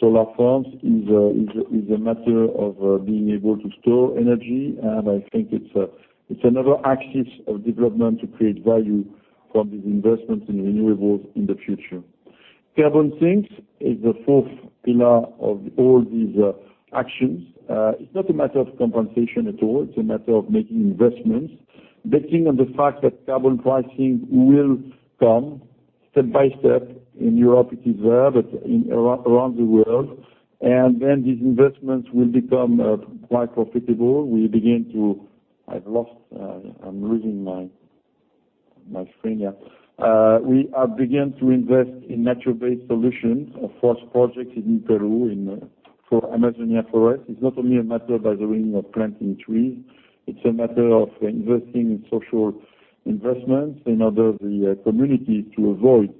solar farms is a matter of being able to store energy. I think it's another axis of development to create value from these investments in renewables in the future. Carbon sinks is the fourth pillar of all these actions. It's not a matter of compensation at all. It's a matter of making investments, betting on the fact that carbon pricing will come step by step. In Europe, it is there, but around the world. These investments will become quite profitable. We have begun to invest in nature-based solutions. Our first project is in Peru for Amazonia Forest. It's not only a matter, by the way, of planting trees. It's a matter of investing in social investments, in order the community to avoid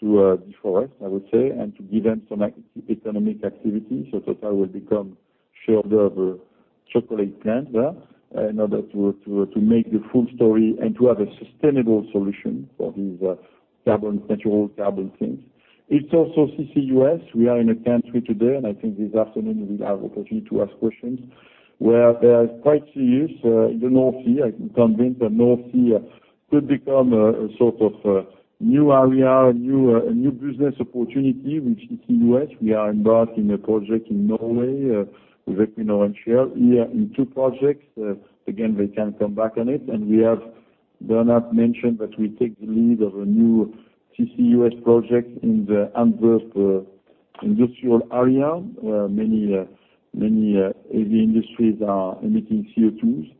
to deforest, I would say, and to give them some economic activity. Total will become shareholder of a chocolate plant there in order to make the full story and to have a sustainable solution for these natural carbon sinks. It's also CCUS. We are in a country today, and I think this afternoon we will have opportunity to ask questions, where there are quite serious in the North Sea. I am convinced that North Sea could become a sort of new area, a new business opportunity with CCUS. We are embarked in a project in Norway with Equinor and Shell. Here in two projects. Again, they can come back on it. Bernard mentioned that we take the lead of a new CCUS project in the Antwerp industrial area, where many heavy industries are emitting CO2s,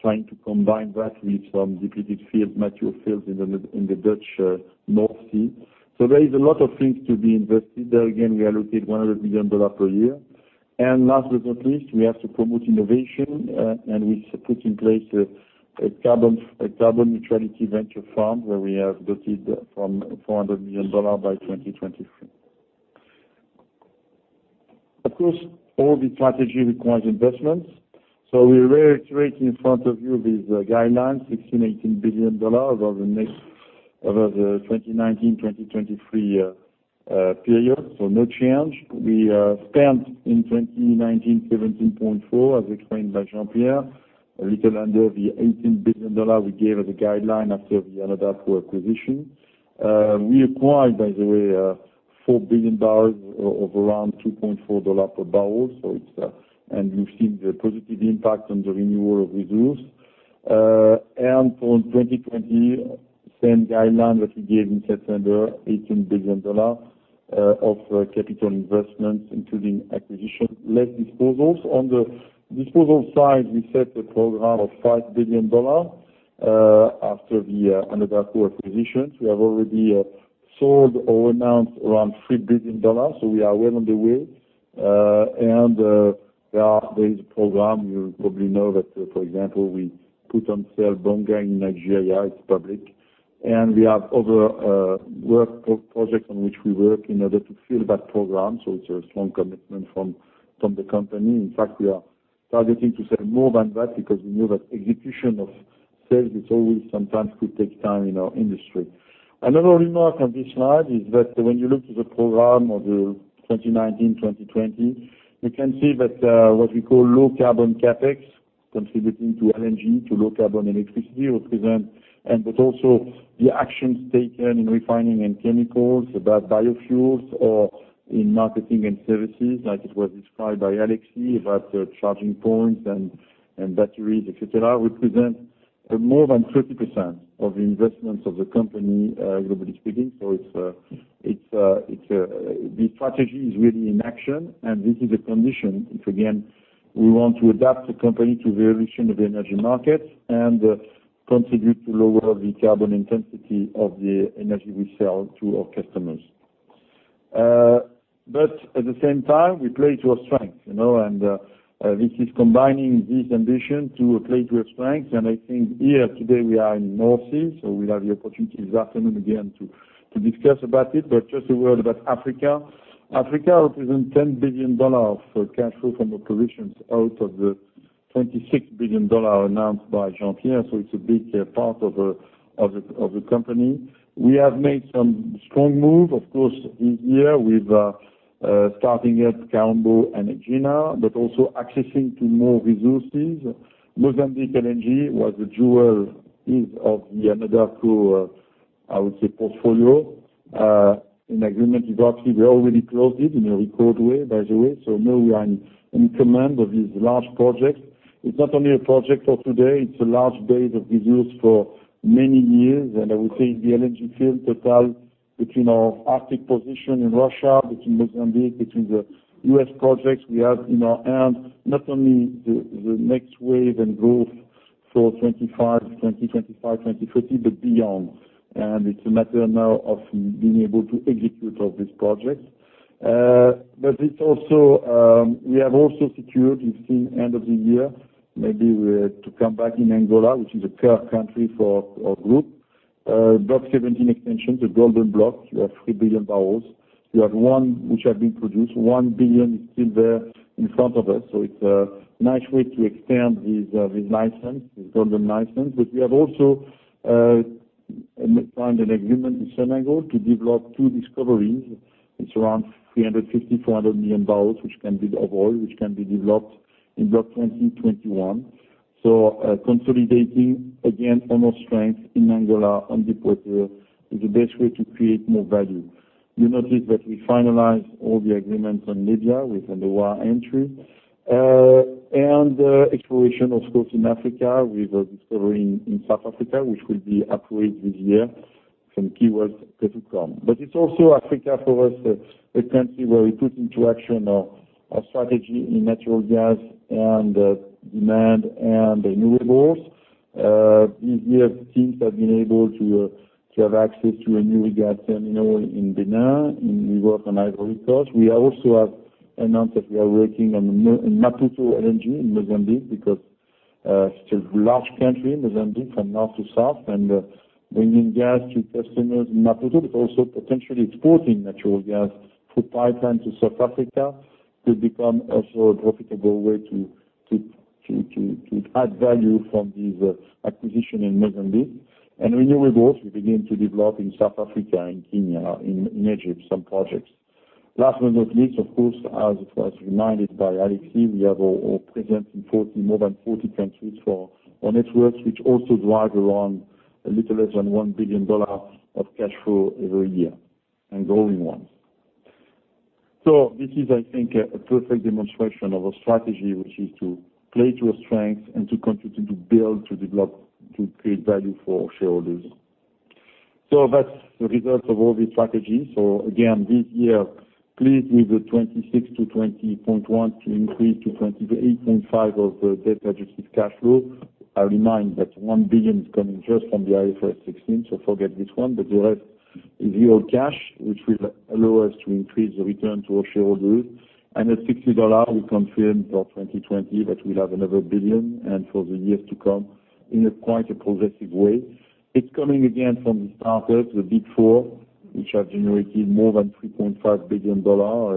trying to combine that with some depleted material fields in the Dutch North Sea. There is a lot of things to be invested. There again, we allocate $100 billion per year. Last but not least, we have to promote innovation, and we put in place a carbon neutrality venture fund, where we have dotted from $400 million by 2023. Of course, all the strategy requires investments. We reiterate in front of you these guidelines, $16 billion-$18 billion over the 2019-2023 period. No change. We spent in 2019, $17.4 billion, as explained by Jean-Pierre. A little under the $18 billion we gave as a guideline after the Anadarko acquisition. We acquired, by the way, $4 billion of around $2.4 per barrel. We've seen the positive impact on the renewal of resource. For 2020, same guideline that we gave in September, $18 billion of capital investments, including acquisition, less disposals. On the disposal side, we set a program of $5 billion after the Anadarko acquisitions. We have already sold or announced around $3 billion, so we are well on the way. There is a program, you probably know that, for example, we put on sale Bonga in Nigeria, it's public. We have other work projects on which we work in order to fill that program. It's a strong commitment from the company. In fact, we are targeting to sell more than that because we know that execution of sales, it always sometimes could take time in our industry. Another remark on this slide is that when you look to the program of the 2019, 2020, you can see that what we call low carbon CapEx contributing to LNG, to low carbon electricity represent. That also the actions taken in refining and chemicals about biofuels or in marketing and services, like it was described by Alexis about charging points and batteries, et cetera, represent more than 30% of the investments of the company, globally speaking. The strategy is really in action, and this is a condition, if again, we want to adapt the company to the evolution of the energy markets and contribute to lower the carbon intensity of the energy we sell to our customers. At the same time, we play to our strength. This is combining this ambition to play to our strengths. I think here today, we are in North Sea, so we'll have the opportunity this afternoon again to discuss about it. Just a word about Africa. Africa represents $10 billion of cash flow from operations out of the $26 billion announced by Jean-Pierre. It's a big part of the company. We have made some strong move, of course, this year with starting up Kaombo and Egina, but also accessing to more resources. Mozambique LNG was the jewel is of the Anadarko, I would say portfolio. In agreement with Oxy, we already closed it in a record way, by the way. Now we are in command of this large project. It's not only a project for today, it's a large base of resource for many years. I would say the LNG field total between our Arctic position in Russia, between Mozambique, between the U.S. projects we have in our hand, not only the next wave and growth for 2025, 2050, but beyond. It's a matter now of being able to execute all these projects. We have also secured, you've seen end of the year, maybe to come back in Angola, which is a core country for our group. Block 17 extension to Golden Block. You have 3 billion barrels. You have one which have been produced, 1 billion is still there in front of us. It's a nice way to extend this license, this Golden license. We have also signed an agreement in Senegal to develop two discoveries. It's around 350, 400 million barrels of oil, which can be developed in Block 2021. Consolidating, again, all our strength in Angola, on deepwater, is the best way to create more value. You notice that we finalized all the agreements on Libya with a NOC entry. Exploration, of course, in Africa with a discovery in South Africa, which will be approved this year from keywords to come. It's also Africa for us, a country where we put into action our strategy in natural gas and demand and renewables. This year, teams have been able to have access to a new gas terminal in Benin, and we work on Ivory Coast. We also have announced that we are working on Maputo LNG in Mozambique because it's a large country, Mozambique from north to south, and bringing gas to customers in Maputo, but also potentially exporting natural gas through pipeline to South Africa could become also a profitable way to add value from this acquisition in Mozambique. Renewables, we begin to develop in South Africa and Kenya, in Egypt, some projects. Last but not least, of course, as reminded by Alexis, we have our presence in more than 40 countries for our networks, which also drive around a little less than $1 billion of cash flow every year and growing ones. This is, I think, a perfect demonstration of our strategy, which is to play to our strengths and to continue to build, to develop, to create value for shareholders. That's the result of all these strategies. Again, this year, pleased with the $26-$20.1 to increase to $28.5 of the debt-adjusted cash flow. I remind that $1 billion is coming just from the IFRS 16, so forget this one. The rest is your cash, which will allow us to increase the return to our shareholders. At $60, we confirm for 2020 that we'll have another billion and for the years to come in a quite a progressive way. It's coming again from the startups, the Big Four, which have generated more than $3.5 billion: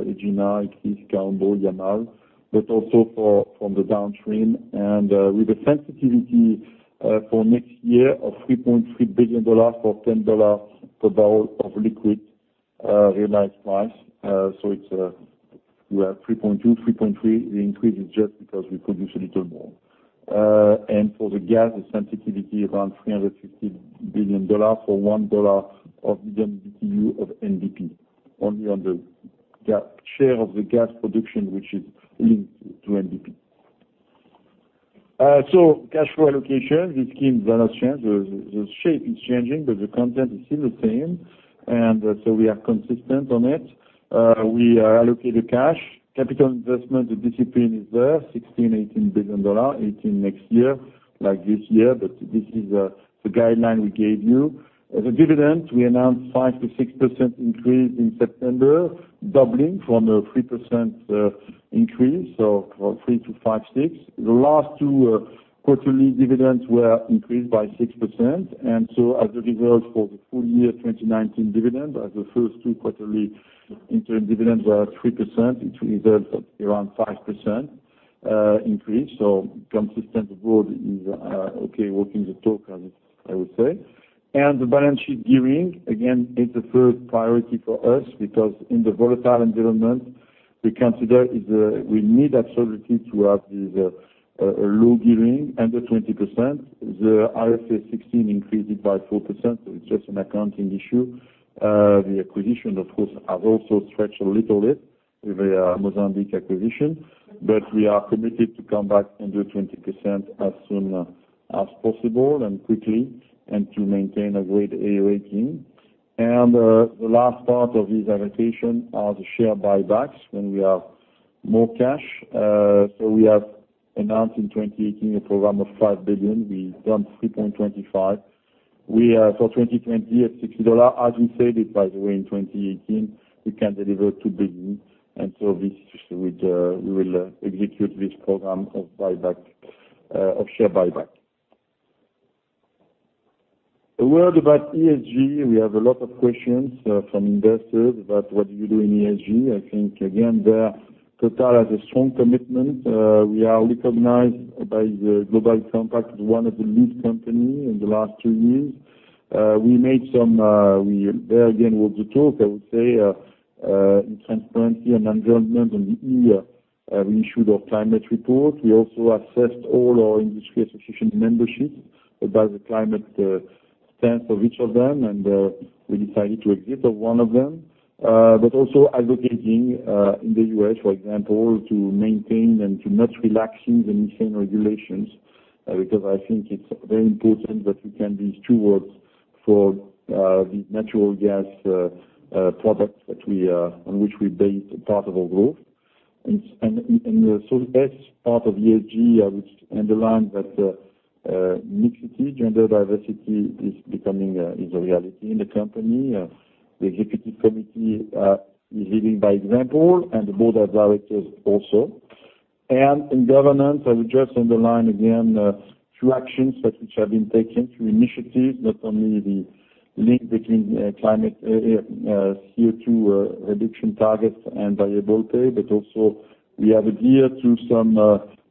Egina, Atlantis, Kaombo, Yamal, but also from the downstream and, with the sensitivity for next year of $3.3 billion for $10 per barrel of liquid, realized price. We are 3.2, 3.3. The increase is just because we produce a little more. For the gas sensitivity, around $350 billion for $1 per MMBtu of NBP. Only on the share of the gas production, which is linked to NBP. Cash flow allocation, this scheme does not change. The shape is changing, the content is still the same, we are consistent on it. We allocate the cash. Capital investment, the discipline is there, $16 billion, $18 billion, $18 billion next year like this year. This is the guideline we gave you. The dividend, we announced 5%-6% increase in September, doubling from a 3% increase. 3% to 5%, 6%. The last two quarterly dividends were increased by 6%. As a result, for the full year 2019 dividend, as the first two quarterly interim dividends were 3%, it results at around 5% increase. Consistent road is okay, walking the talk, as I would say. The balance sheet gearing, again, is the first priority for us because in the volatile environment, we consider we need absolutely to have this low gearing, under 20%. The IFRS 16 increased it by 4%, so it's just an accounting issue. The acquisition, of course, has also stretched a little bit with the Mozambique acquisition. We are committed to come back under 20% as soon as possible and quickly, and to maintain a grade A rating. The last part of this allocation are the share buybacks when we have more cash. We have announced in 2018 a program of $5 billion. We've done $3.25 billion. We, for 2020 at $60, as we said it, by the way, in 2018, we can deliver $2 billion. We will execute this program of share buyback. A word about ESG. We have a lot of questions from investors about what you do in ESG. I think, again, Total has a strong commitment. We are recognized by the Global Compact as one of the lead company in the last two years. There again, walk the talk, I would say, in transparency and environment, on the E, we issued our climate report. We also assessed all our industry association memberships about the climate stance of each of them. We decided to exit of one of them. Also advocating, in the U.S., for example, to maintain and to not relaxing the methane regulations, because I think it's very important that we can use towards for the natural gas products on which we base part of our growth. That's part of ESG. I would underline that diversity, gender diversity is a reality in the company. The Executive Committee is leading by example and the Board of Directors also. In governance, I would just underline again, two actions that which have been taken through initiatives, not only the link between climate CO2 reduction targets and variable pay, but also we adhere to some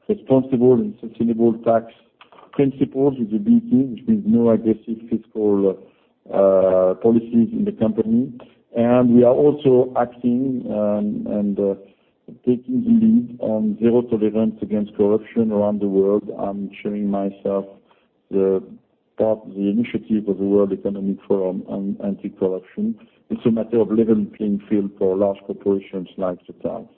responsible and sustainable tax principles with The B Team, which means no aggressive fiscal policies in the company. We are also acting and taking the lead on zero tolerance against corruption around the world. I'm showing myself the initiative of the World Economic Forum on anti-corruption. It's a matter of level playing field for large corporations like Total.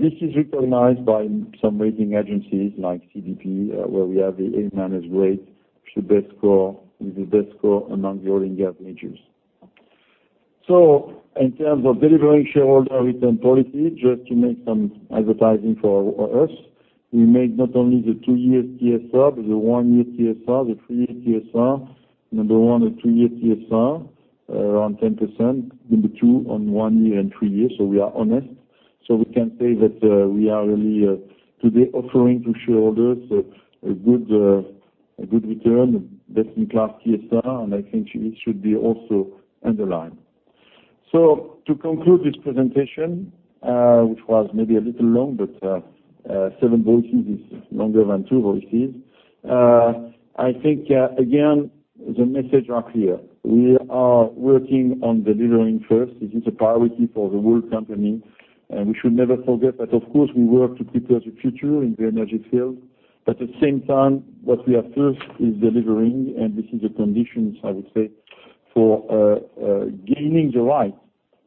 This is recognized by some rating agencies like CDP, where we have the A managed rate, which is the best score among the oil and gas majors. In terms of delivering shareholder return policy, just to make some advertising for us, we make not only the two-year TSR, but the one-year TSR, the three-year TSR. Number 1 at two-year TSR, around 10%, Number 2 on one year and three years. We are honest. We can say that we are really today offering to shareholders a good return, best-in-class TSR, and I think it should be also underlined. To conclude this presentation, which was maybe a little long, but seven voices is longer than two voices. I think, again, the message are clear. We are working on delivering first. This is a priority for the whole company. We should never forget that, of course, we work to prepare the future in the energy field, but at the same time, what we are first is delivering, and this is a condition, I would say, for gaining the right,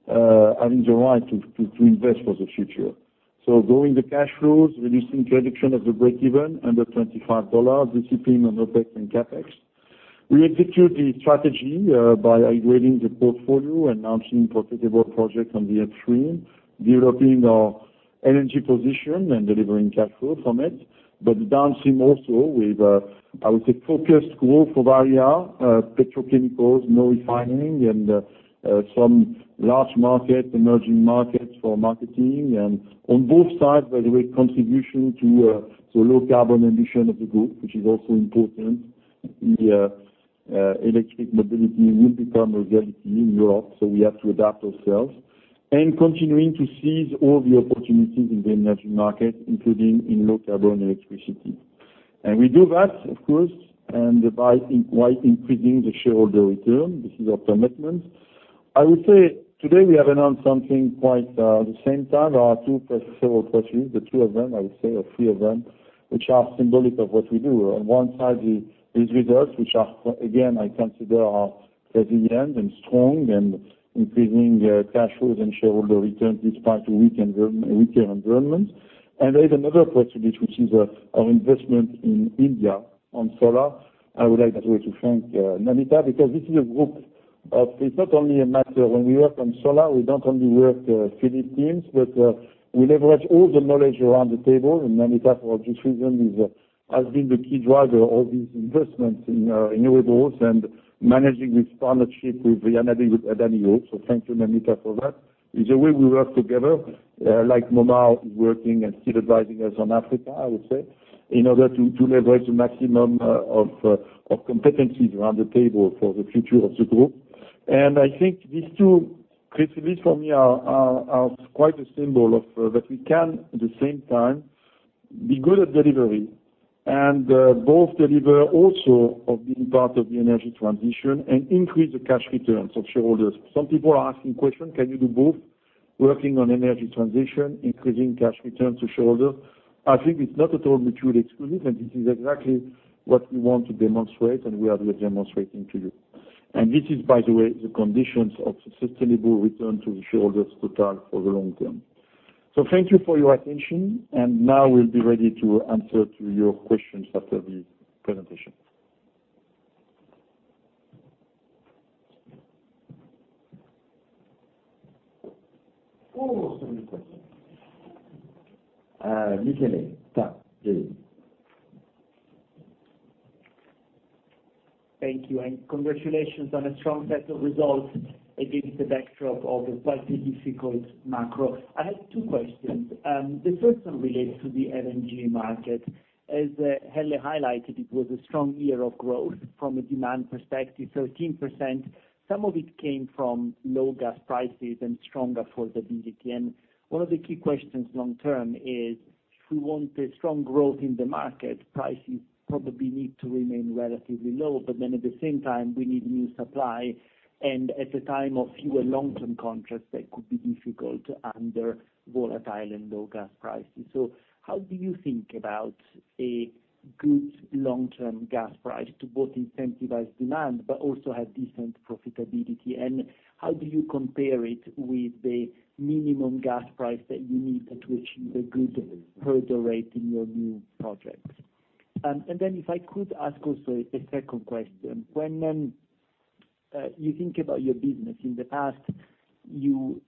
having the right to invest for the future. Growing the cash flows, reducing production of the break even under $25, discipline on OpEx and CapEx. We execute the strategy by upgrading the portfolio, announcing profitable projects on the upstream, developing our energy position and delivering cash flow from it. The downstream also with, I would say, focused growth of R&C, petrochemicals, no refining, and some large market, emerging markets for marketing. On both sides, by the way, contribution to the low carbon emission of the group, which is also important. The electric mobility will become a reality in Europe, so we have to adapt ourselves. Continuing to seize all the opportunities in the energy market, including in low carbon electricity. We do that, of course, while increasing the shareholder return. This is our commitment. I would say today we have announced something quite at the same time. There are several press release. The two of them, I would say, or three of them, which are symbolic of what we do. On one side, these results, which again, I consider are resilient and strong and increasing cash flows and shareholder returns despite a weaker environment. There is another press release, which is our investment in India on solar. I would like that way to thank Namita, because this is a group of, it's not only a matter when we work on solar, we don't only work Philippines but we leverage all the knowledge around the table. Namita, for obvious reason, has been the key driver of these investments in renewables and managing this partnership with Enel, with Adani also. Thank you, Namita, for that. It's the way we work together, like Momar is working and still advising us on Africa, I would say, in order to leverage the maximum of competencies around the table for the future of the group. I think these two, Chris, this for me are quite a symbol that we can, at the same time, be good at delivery and both deliver also of being part of the energy transition and increase the cash returns of shareholders. Some people are asking question, can you do both, working on energy transition, increasing cash returns to shareholders? I think it's not at all mutually exclusive, and this is exactly what we want to demonstrate, and we are demonstrating to you. This is, by the way, the conditions of sustainable return to the shareholders Total for the long term. Thank you for your attention, and now we'll be ready to answer to your questions after the presentation. Who wants to be first? Michele, start please.
Thank you. Congratulations on a strong set of results against the backdrop of a quite a difficult macro. I have two questions. The first one relates to the LNG market. As Helle highlighted, it was a strong year of growth from a demand perspective, 13%. Some of it came from low gas prices and stronger affordability. One of the key questions long term is, if we want a strong growth in the market, prices probably need to remain relatively low. At the same time, we need new supply. At a time of fewer long-term contracts, that could be difficult under volatile and low gas prices. How do you think about a good long-term gas price to both incentivize demand but also have decent profitability? How do you compare it with the minimum gas price that you need to achieve a good hurdle rate in your new projects? If I could ask also a second question. When you think about your business, in the past, you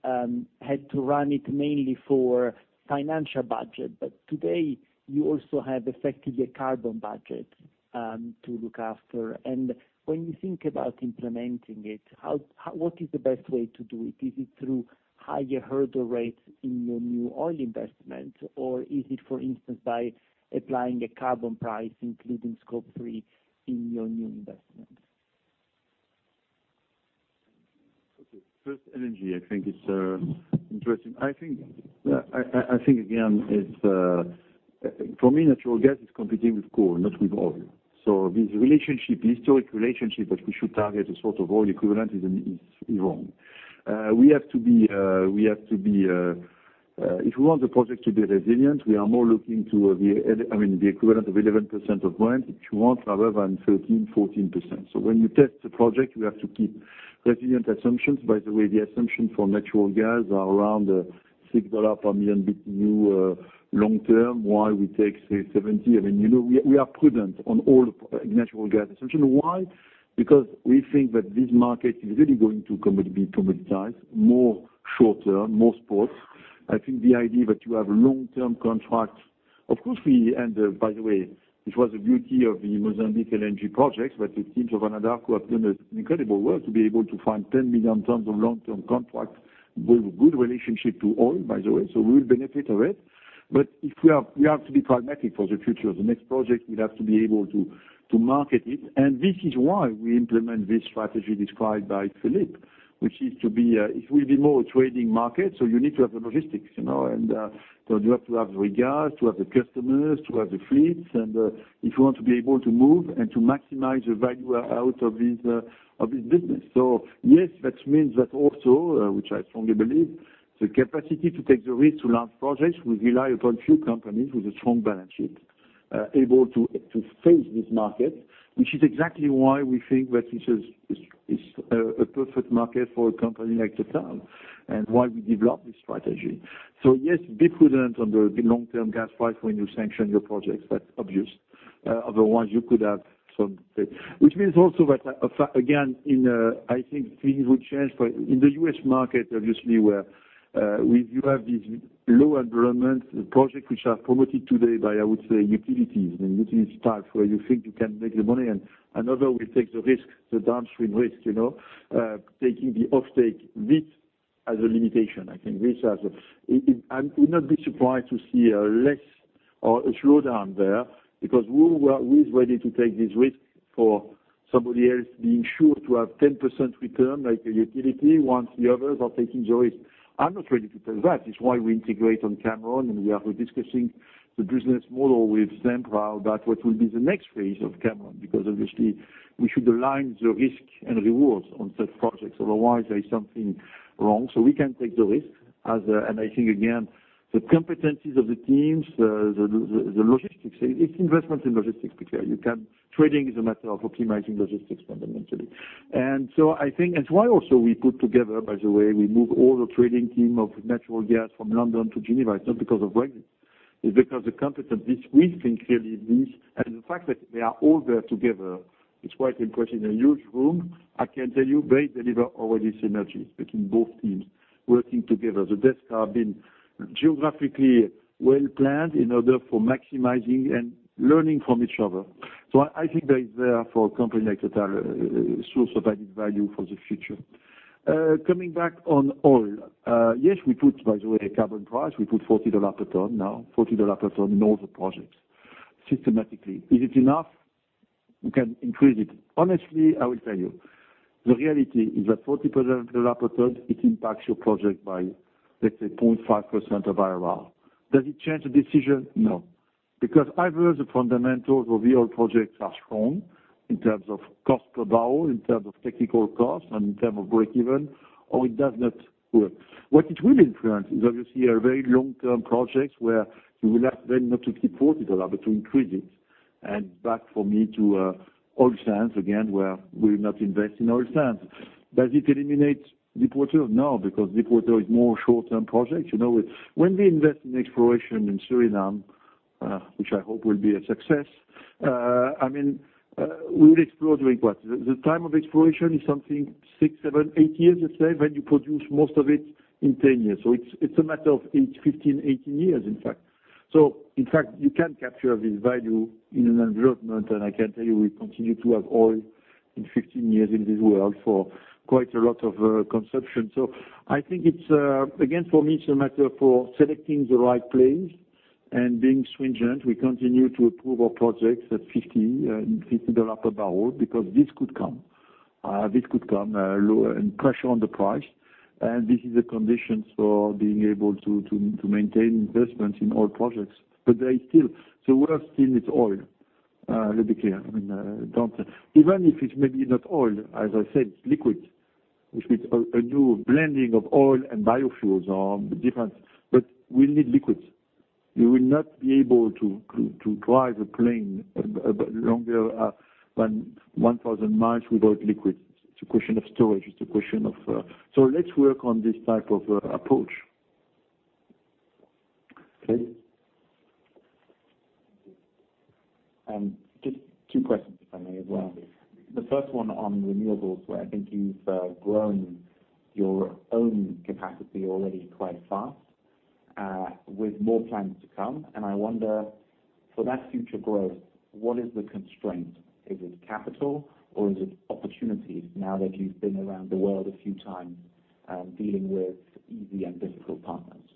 had to run it mainly for financial budget, but today you also have effectively a carbon budget to look after. When you think about implementing it, what is the best way to do it? Is it through higher hurdle rates in your new oil investment, or is it, for instance, by applying a carbon price, including Scope 3 in your new investment?
Okay. First, energy, I think it's interesting. I think, again, for me, natural gas is competing with coal, not with oil. This relationship, historic relationship that we should target a sort of oil equivalent is wrong. If we want the project to be resilient, we are more looking to the equivalent of 11% of [CO2], if you want, rather than 13%, 14%. When you test a project, we have to keep resilient assumptions. By the way, the assumption for natural gas are around $6 per million BTU long term. Why we take? We are prudent on all natural gas assumption. Why? Because we think that this market is really going to be commoditized, more short term, more spots. I think the idea that you have long-term contracts, of course, we By the way, it was the beauty of the Mozambique LNG projects that the teams of Anadarko have done an incredible work to be able to find 10 million tons of long-term contracts with good relationship to oil, by the way. We will benefit of it. We have to be pragmatic for the future. The next project, we have to be able to market it. This is why we implement this strategy described by Philippe, which is to be, it will be more a trading market, so you need to have the logistics. You have to have the regas, to have the customers, to have the fleets, and if you want to be able to move and to maximize the value out of this business. Yes, that means that also, which I strongly believe, the capacity to take the risk to launch projects will rely upon few companies with a strong balance sheet, able to face this market, which is exactly why we think that this is a perfect market for a company like Total and why we developed this strategy. Yes, be prudent on the long-term gas price when you sanction your projects. That's obvious. That means also that, again, I think things will change, but in the U.S. market, obviously, where you have these low environment projects which are promoted today by, I would say, utilities and utility where you think you can make the money and another will take the risk, the downstream risk. Taking the offtake risk as a limitation. I would not be surprised to see a less or a slowdown there, because who is ready to take this risk for somebody else being sure to have 10% return, like a utility, once the others are taking the risk? I'm not ready to take that. It's why we integrate on Cameron, and we are discussing the business model with Sempra about what will be the next phase of Cameron, because obviously, we should align the risk and rewards on such projects. Otherwise, there is something wrong. We can take the risk. I think, again, the competencies of the teams, the logistics, it's investment in logistics because trading is a matter of optimizing logistics, fundamentally. I think that's why also we put together, by the way, we move all the trading team of natural gas from London to Geneva. It's not because of Brexit. It's because the competencies we think really need, and the fact that they are all there together is quite important. In a huge room, I can tell you, they deliver already synergies between both teams working together. The desks have been geographically well planned in order for maximizing and learning from each other. I think there is there for a company like Total a source of added value for the future. Coming back on oil. Yes, we put, by the way, carbon price. We put $40 a ton now, $40 a ton in all the projects systematically. Is it enough? We can increase it. Honestly, I will tell you, the reality is that $40 a ton, it impacts your project by, let's say, 0.5% of IRR. Does it change the decision? No, because either the fundamentals of the oil projects are strong in terms of cost per barrel, in terms of technical cost, and in term of breakeven, or it does not work. What it will influence is, obviously, our very long-term projects, where you will ask then not to keep $40, but to increase it. Back for me to oil sands again, where we will not invest in oil sands. Does it eliminate Deepwater? No, because Deepwater is more short-term projects. When we invest in exploration in Suriname, which I hope will be a success, we will explore during what? The time of exploration is something, six, seven, eight years, let's say, when you produce most of it in 10 years. It's a matter of 15, 18 years, in fact. In fact, you can capture this value in an environment, and I can tell you, we continue to have oil in 15 years in this world for quite a lot of consumption. I think it's, again, for me, it's a matter for selecting the right place and being stringent. We continue to approve our projects at $50 a barrel because this could come. This could come, pressure on the price, and this is a condition for being able to maintain investments in oil projects. The worst thing is oil. Let's be clear. Even if it's maybe not oil, as I said, it's liquid, which means a new blending of oil and biofuels or different, but we need liquids. You will not be able to drive a plane longer than 1,000 mi without liquids. It's a question of storage. Let's work on this type of approach. Okay?
Just two questions, if I may, as well.
Yeah.
The first one on renewables, where I think you've grown your own capacity already quite fast, with more plans to come. I wonder, for that future growth, what is the constraint? Is it capital or is it opportunities now that you've been around the world a few times dealing with easy and difficult partners?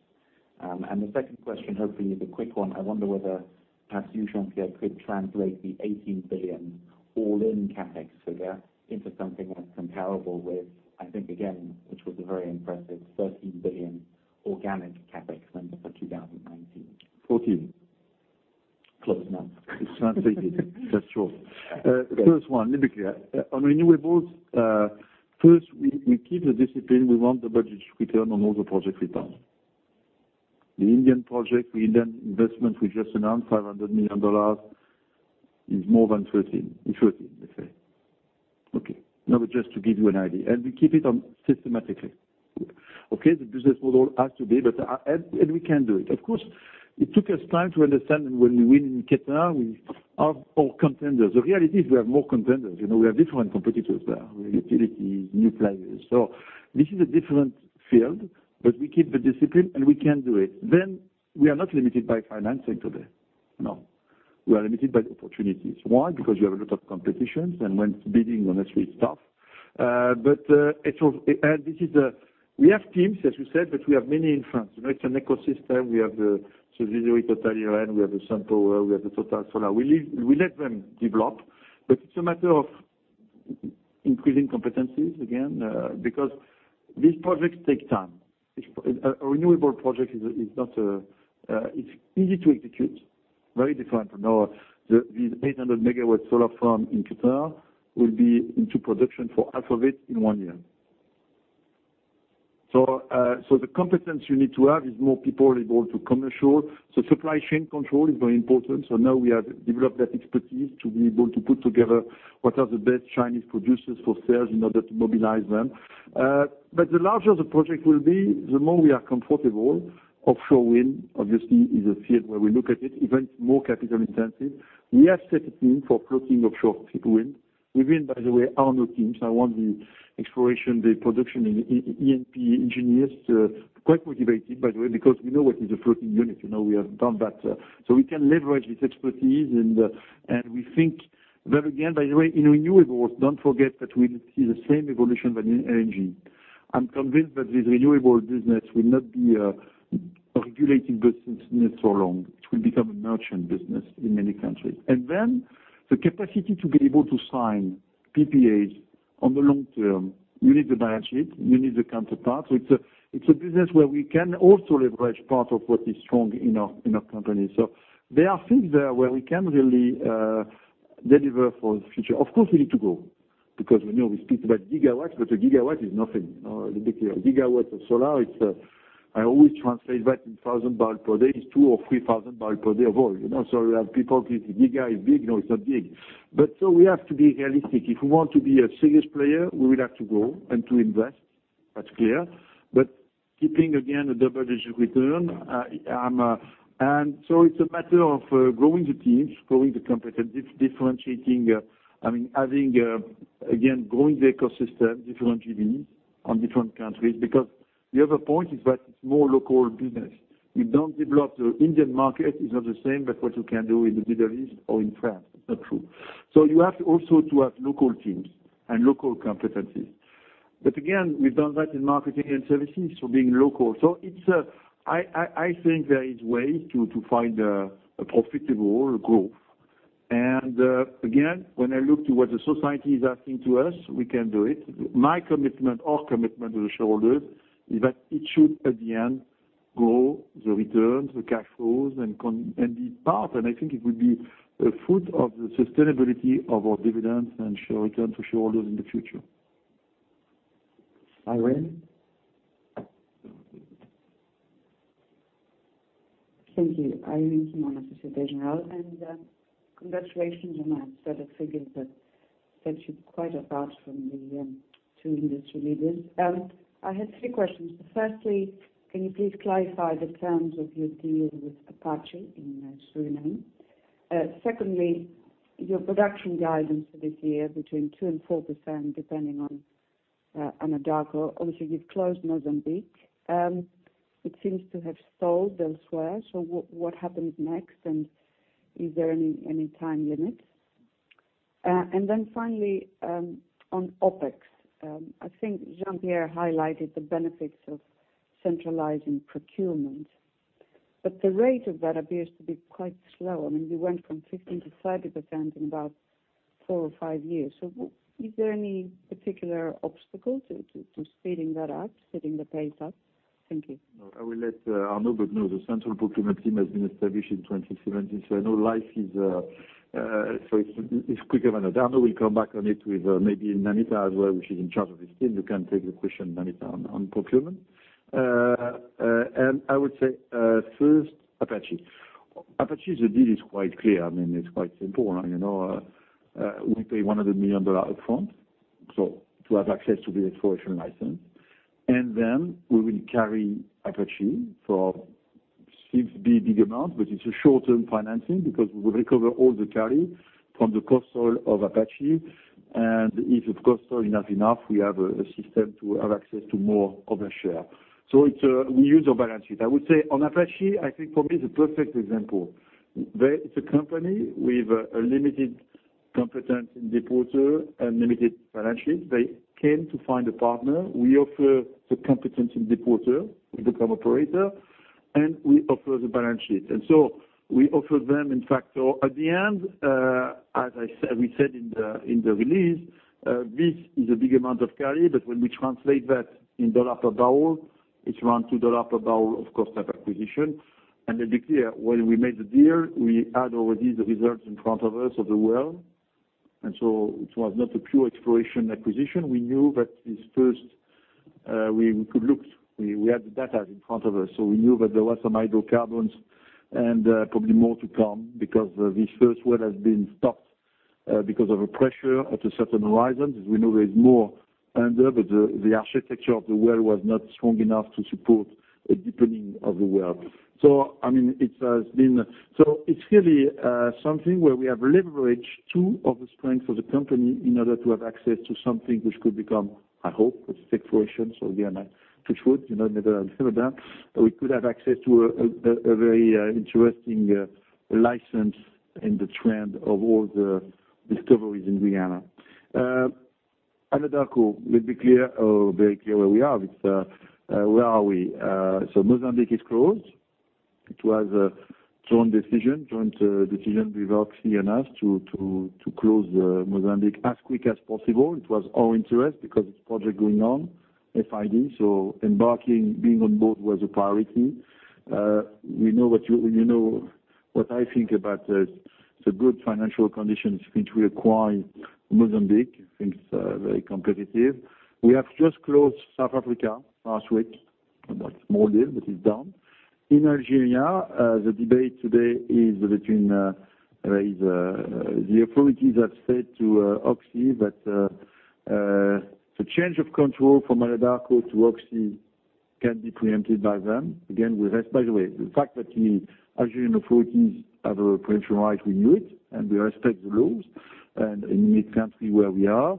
The second question, hopefully, is a quick one. I wonder whether perhaps you, Jean-Pierre, could translate the $18 billion all-in CapEx figure into something that's comparable with, I think, again, which was a very impressive $13 billion organic CapEx number for 2019.
Fourteen.
Close enough.
It's translated. That's true.
Okay.
First one, let me be clear. On renewables, first, we keep the discipline. We want the budget return on all the project we've done. The Indian project, the Indian investment we just announced, EUR 500 million, is more than 13. It's 13, let's say. Okay. No, but just to give you an idea. We keep it on systematically. Okay. The business model has to be, and we can do it. Of course, it took us time to understand that when you win in Qatar, we have more contenders. The reality is we have more contenders. We have different competitors there, utility, new players. This is a different field, but we keep the discipline, and we can do it. We are not limited by financing today. No. We are limited by the opportunities. One, because you have a lot of competitions, and when it's bidding, honestly, it's tough. We have teams, as you said. We have many in France. It's an ecosystem. We have the Total Eren, we have the SunPower, we have the Total Solar. We let them develop, but it's a matter of increasing competencies again, because these projects take time. A renewable project is easy to execute. Very different. These 800 MW solar farm in Qatar will be into production for half of it in one year. The competence you need to have is more people able to commercial. Supply chain control is very important. Now we have developed that expertise to be able to put together what are the best Chinese producers for cells in order to mobilize them. The larger the project will be, the more we are comfortable. Offshore wind, obviously, is a field where we look at it, even more capital intensive. We have set a team for floating offshore wind. Within, by the way, our new teams. I want the exploration, the production in E&P engineers. Quite motivated, by the way, because we know what is a floating unit. We have done that. We can leverage this expertise, and we think that again, by the way, in renewables, don't forget that we see the same evolution than in LNG. I'm convinced that this renewable business will not be a regulated business for long. It will become a merchant business in many countries. Then the capacity to be able to sign PPAs on the long term, you need the balance sheet, you need the counterpart. It's a business where we can also leverage part of what is strong in our company. There are things there where we can really deliver for the future. Of course, we need to grow, because we know we speak about gigawatts, but a gigawatt is nothing. Let's be clear. A gigawatt of solar, I always translate that in 1,000 barrel per day, is 2,000 or 3,000 barrel per day of oil. We have people, "Giga is big." No, it's not big. We have to be realistic. If we want to be a serious player, we will have to grow and to invest. That's clear. Keeping, again, a double-digit return. It's a matter of growing the teams, growing the competencies, differentiating, having, again, growing the ecosystem, different JVs on different countries. The other point is that it's more local business. We don't develop the Indian market, is not the same, what you can do in the Middle East or in France. It's not true. You have to also to have local teams and local competencies. Again, we've done that in Marketing & Services, so being local. I think there is ways to find a profitable growth. Again, when I look to what the society is asking to us, we can do it. My commitment, our commitment to the shareholders is that it should, at the end, grow the returns, the cash flows, and be part. I think it will be a fruit of the sustainability of our dividends and return to shareholders in the future. Irene?
Thank you. Irene Himona from Societe Generale. Congratulations on that. It figures that sets you quite apart from the two industry leaders. I had three questions. Firstly, can you please clarify the terms of your deal with Apache in Suriname? Secondly, your production guidance for this year between 2% and 4%, depending on Anadarko. Obviously, you've closed Mozambique. It seems to have stalled elsewhere. What happens next, and is there any time limit? Finally, on OpEx, I think Jean-Pierre highlighted the benefits of centralizing procurement. The rate of that appears to be quite slow. You went from 15% to 30% in about four or five years. Is there any particular obstacle to speeding that up, setting the pace up? Thank you.
I will let Arnaud. The central procurement team has been established in 2017. I know life is quicker than that. Arnaud will come back on it with maybe Namita as well, which is in charge of this team. You can take the question, Namita, on procurement. I would say, first, Apache. Apache, the deal is quite clear. It's quite simple. We pay $100 million up front to have access to the exploration license. We will carry Apache for a big amount. It's a short-term financing because we will recover all the carry from the cost oil of Apache. If the cost oil is not enough, we have a system to have access to more of a share. We use our balance sheet. I would say on Apache, I think for me, it's a perfect example. It's a company with a limited competence in deepwater and limited balance sheet. They came to find a partner. We offer the competence in deepwater. We become operator, and we offer the balance sheet. We offer them, in fact At the end, as we said in the release, this is a big amount of carry, but when we translate that in dollar per barrel, it's around $2 per barrel of cost of acquisition. To be clear, when we made the deal, we had already the results in front of us of the well, and so it was not a pure exploration acquisition. We knew that this first, we could look. We had the data in front of us, so we knew that there was some hydrocarbons and probably more to come because this first well has been stopped because of a pressure at a certain horizon. As we know, there is more under, but the architecture of the well was not strong enough to support a deepening of the well. It's really something where we have leveraged two of the strengths of the company in order to have access to something which could become, I hope, a success for us. Again, touch wood, never a cigarette. We could have access to a very interesting license in the trend of all the discoveries in Guyana. Anadarko. Let's be very clear where we are. Where are we? Mozambique is closed. It was a joint decision with Oxy and us to close the Mozambique as quick as possible. It was our interest because it's project going on, FID. Embarquing, being on board was a priority. You know what I think about the good financial conditions which require Mozambique, things are very competitive. We have just closed South Africa last week. A small deal, but it's done. In Algeria, the debate today is between the authorities have said to Oxy that the change of control from Anadarko to Oxy can be preempted by them. Again, by the way, the fact that the Algerian authorities have a preemption right, we knew it, and we respect the rules and in each country where we are.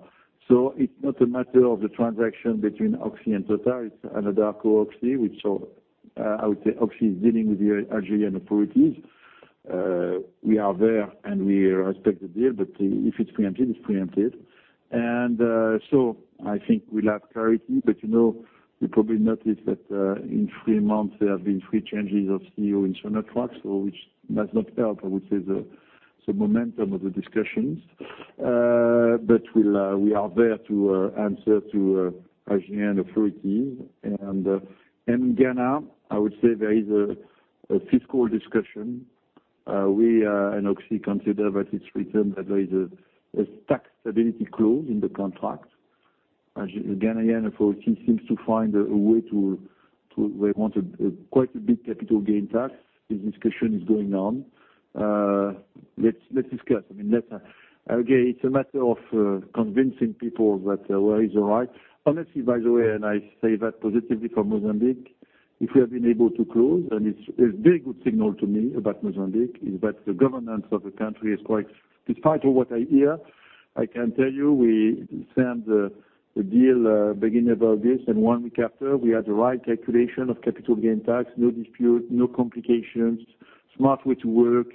It's not a matter of the transaction between Oxy and Total. It's Anadarko, Oxy. I would say Oxy is dealing with the Algerian authorities. We are there, and we respect the deal, but if it's preempted, it's preempted. I think we'll have clarity. You probably noticed that in three months, there have been three changes of CEO in Sonatrach, which does not help, I would say, the momentum of the discussions. We are there to answer to Ghanaian authorities. In Ghana, I would say there is a fiscal discussion. We and Oxy consider that it's written that there is a tax stability clause in the contract. Ghanaian authorities, they want quite a big capital gain tax. This discussion is going on. Let's discuss. It's a matter of convincing people that our way is all right. Honestly, by the way, I say that positively for Mozambique, if we have been able to close, it's a very good signal to me about Mozambique, is that the governance of the country is quite. Despite what I hear, I can tell you we signed the deal beginning of August, and one week after, we had the right calculation of capital gain tax, no dispute, no complications, smart way to work.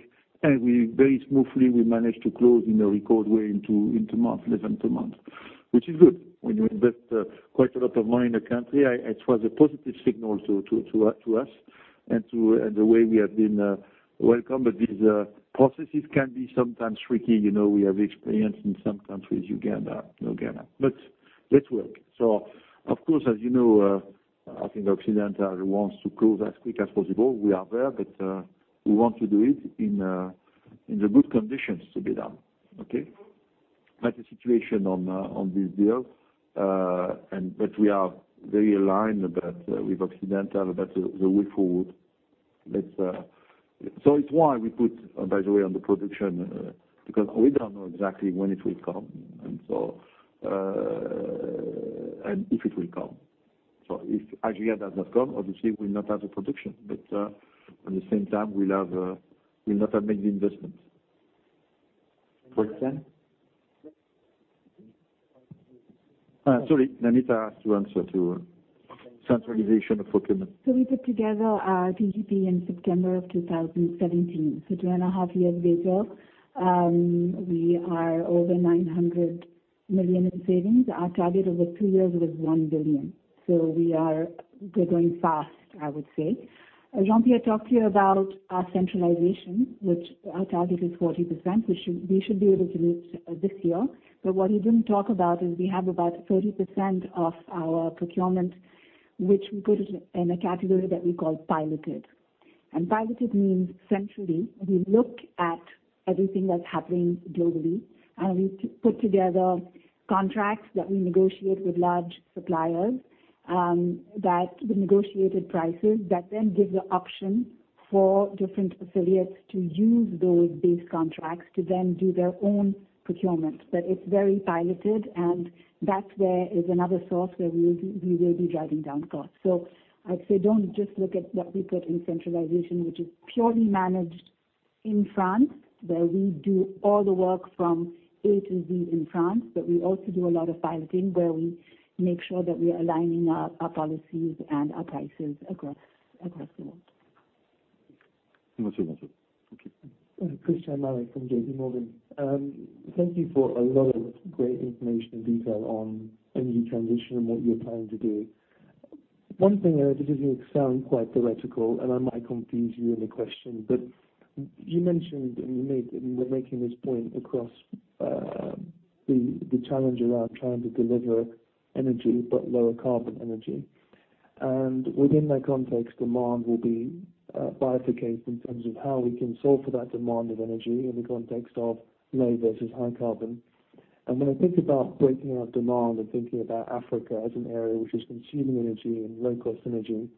Very smoothly, we managed to close in a record way into less than two months, which is good. When you invest quite a lot of money in a country, it was a positive signal to us and the way we have been welcomed. These processes can be sometimes tricky. We have experience in some countries, Uganda. Let's work. Of course, as you know, I think Occidental wants to close as quick as possible. We are there, but we want to do it in the good conditions to be done. That's the situation on this deal. We are very aligned with Occidental about the way forward. It's why we put, by the way, on the production, because we don't know exactly when it will come, and if it will come. If Egina does not come, obviously, we'll not have the production. At the same time, we'll not have made the investment. Christyan? Sorry, Namita has to answer to centralization of procurement.
We put together our PGP in September 2017. Two and a half years later, we are over 900 million in savings. Our target over two years was 1 billion. We are going fast, I would say. Jean-Pierre talked to you about our centralization, which our target is 40%, which we should be able to meet this year. What he didn't talk about is we have about 30% of our procurement, which we put in a category that we call piloted. Piloted means centrally, we look at everything that's happening globally, and we put together contracts that we negotiate with large suppliers, that the negotiated prices, that give the option for different affiliates to use those base contracts to do their own procurement. It's very piloted, that's where is another source where we will be driving down costs. I'd say don't just look at what we put in centralization, which is purely managed in France, where we do all the work from A to Z in France, but we also do a lot of piloting where we make sure that we are aligning our policies and our prices across the world.
Merci, Namita. Thank you.
Christyan Malek from JPMorgan. Thank you for a lot of great information and detail on energy transition and what you're planning to do. One thing, this is going to sound quite theoretical, and I might confuse you in the question, but you mentioned, and you were making this point across the challenge around trying to deliver energy, but lower carbon energy. Within that context, demand will be bifurcated in terms of how we can solve for that demand of energy in the context of low versus high carbon. When I think about breaking out demand and thinking about Africa as an area which is consuming energy and low cost energy,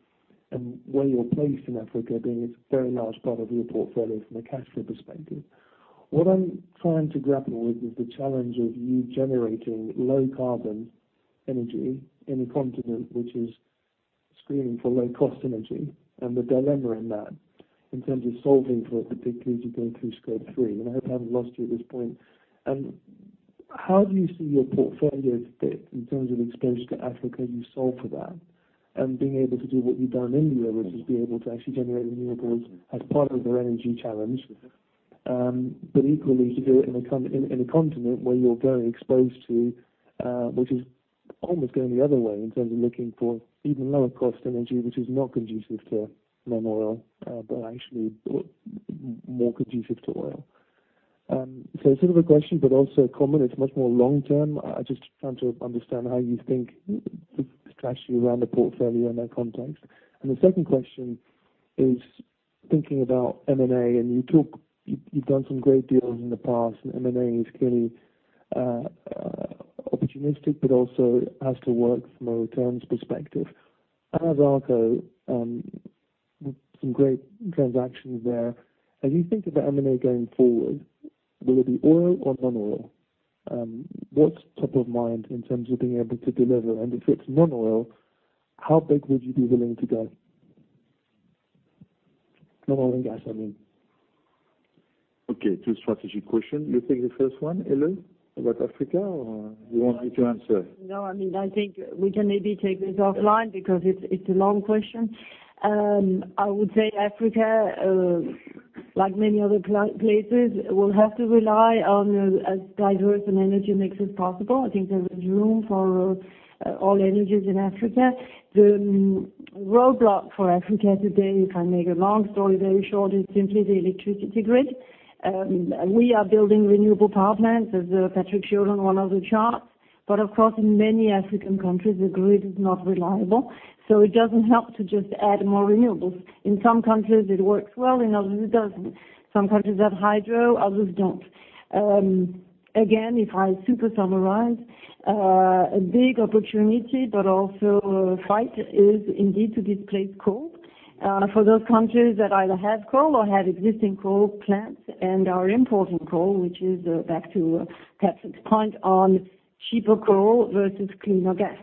and where you're placed in Africa, being it's a very large part of your portfolio from a cash flow perspective, what I'm trying to grapple with is the challenge of you generating low carbon energy in a continent which is screaming for low cost energy and the dilemma in that in terms of solving for it, particularly going through Scope 3. I hope I haven't lost you at this point. How do you see your portfolio fit in terms of exposure to Africa? You solved for that and being able to do what you've done in Europe, which is be able to actually generate renewables as part of their energy challenge. Equally, to do it in a continent where you're very exposed to, which is almost going the other way in terms of looking for even lower cost energy, which is not conducive to non-oil, but actually more conducive to oil. It's a bit of a question, but also a comment. It's much more long-term. I'm just trying to understand how you think, the strategy around the portfolio in that context. The second question is thinking about M&A, and you've done some great deals in the past, and M&A is clearly opportunistic, but also has to work from a returns perspective. Anadarko, some great transactions there. As you think about M&A going forward, will it be oil or non-oil? What's top of mind in terms of being able to deliver? If it's non-oil, how big would you be willing to go? Non-oil and gas, I mean.
Okay, two strategic questions. You take the first one, Helle, about Africa, or you want me to answer?
No, I think we can maybe take this offline because it's a long question. I would say Africa, like many other places, will have to rely on as diverse an energy mix as possible. I think there is room for all energies in Africa. The roadblock for Africa today, if I make a long story very short, is simply the electricity grid. We are building renewable power plants, as Patrick showed on one of the charts. Of course, in many African countries, the grid is not reliable, so it doesn't help to just add more renewables. In some countries, it works well, in others, it doesn't. Some countries have hydro, others don't. Again, if I super summarize, a big opportunity but also a fight is indeed to displace coal. For those countries that either have coal or have existing coal plants and are importing coal, which is back to Patrick's point on cheaper coal versus cleaner gas.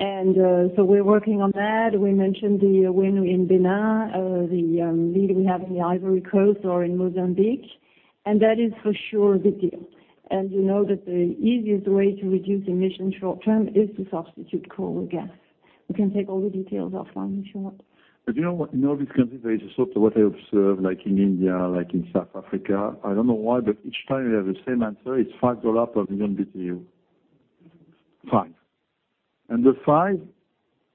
We're working on that. We mentioned the wind in Benin, the lead we have in the Ivory Coast or in Mozambique. That is for sure the deal. You know that the easiest way to reduce emissions short term is to substitute coal with gas. We can take all the details offline if you want.
In all these countries, there is a sort of what I observe, like in India, like in South Africa, I don't know why, each time they have the same answer. It's EUR 5 per million BTU. 5. Under 5,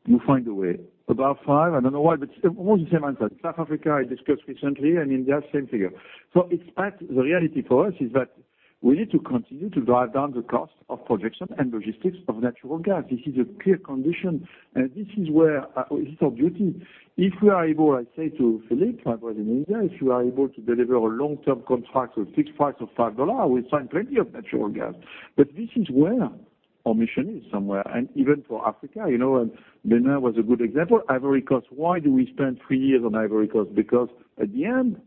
you find a way. Above 5, I don't know why, it's almost the same answer. South Africa, I discussed recently, and India, same figure. In spite, the reality for us is that we need to continue to drive down the cost of projection and logistics of natural gas. This is a clear condition, and this is our duty. If we are able, I say to Philippe, my brother in India, "If you are able to deliver a long-term contract with fixed price of EUR 5, we sign plenty of natural gas." This is where our mission is, somewhere. Even for Africa, Benin was a good example. Ivory Coast, why do we spend three years on Ivory Coast? At the end,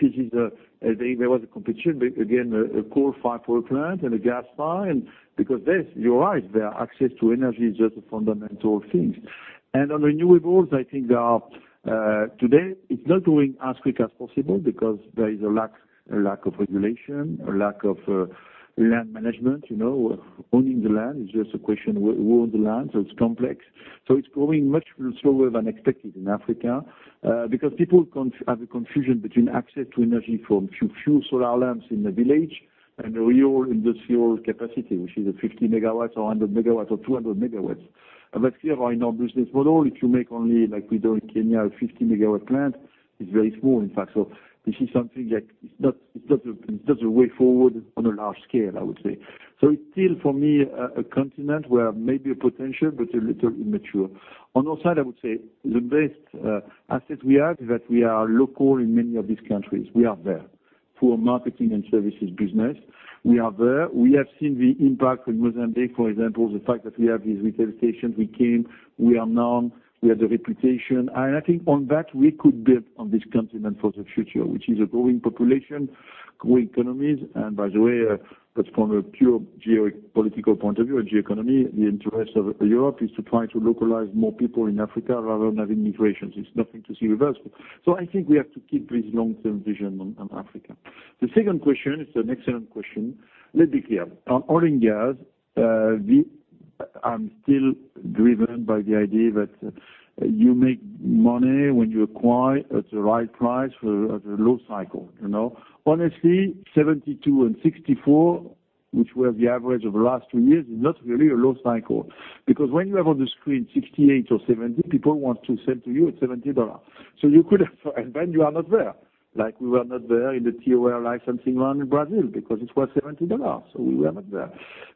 there was a competition, but again, a coal-fired power plant and a gas plant. You're right, their access to energy is just a fundamental thing. On renewables, I think today it's not going as quick as possible because there is a lack of regulation, a lack of land management. Owning the land is just a question. Who owns the land? It's complex. It's growing much slower than expected in Africa because people have a confusion between access to energy from few solar lamps in the village and a real industrial capacity, which is a 50 megawatts or 100 megawatts or 200 MW. Clear in our business model, if you make only like we do in Kenya, a 50 MW plant, it's very small, in fact. This is something that is not a way forward on a large scale, I would say. It's still, for me, a continent where maybe a potential but a little immature. On your side, I would say the best asset we have is that we are local in many of these countries. We are there. Through our marketing and services business, we are there. We have seen the impact in Mozambique, for example, the fact that we have these retail stations. We came, we are known, we have the reputation. I think on that, we could build on this continent for the future, which is a growing population, growing economies. By the way, that's from a pure geopolitical point of view, a geoeconomy, the interest of Europe is to try to localize more people in Africa rather than having migrations. It's nothing to see with us. I think we have to keep this long-term vision on Africa. The second question, it's an excellent question. Let's be clear. On oil and gas, I'm still driven by the idea that you make money when you acquire at the right price at a low cycle. Honestly, $72 and $64, which were the average of the last two years, is not really a low cycle. When you have on the screen $68 or $70, people want to sell to you at $70. You are not there. Like we were not there in the TOL licensing round in Brazil because it was $70, so we were not there.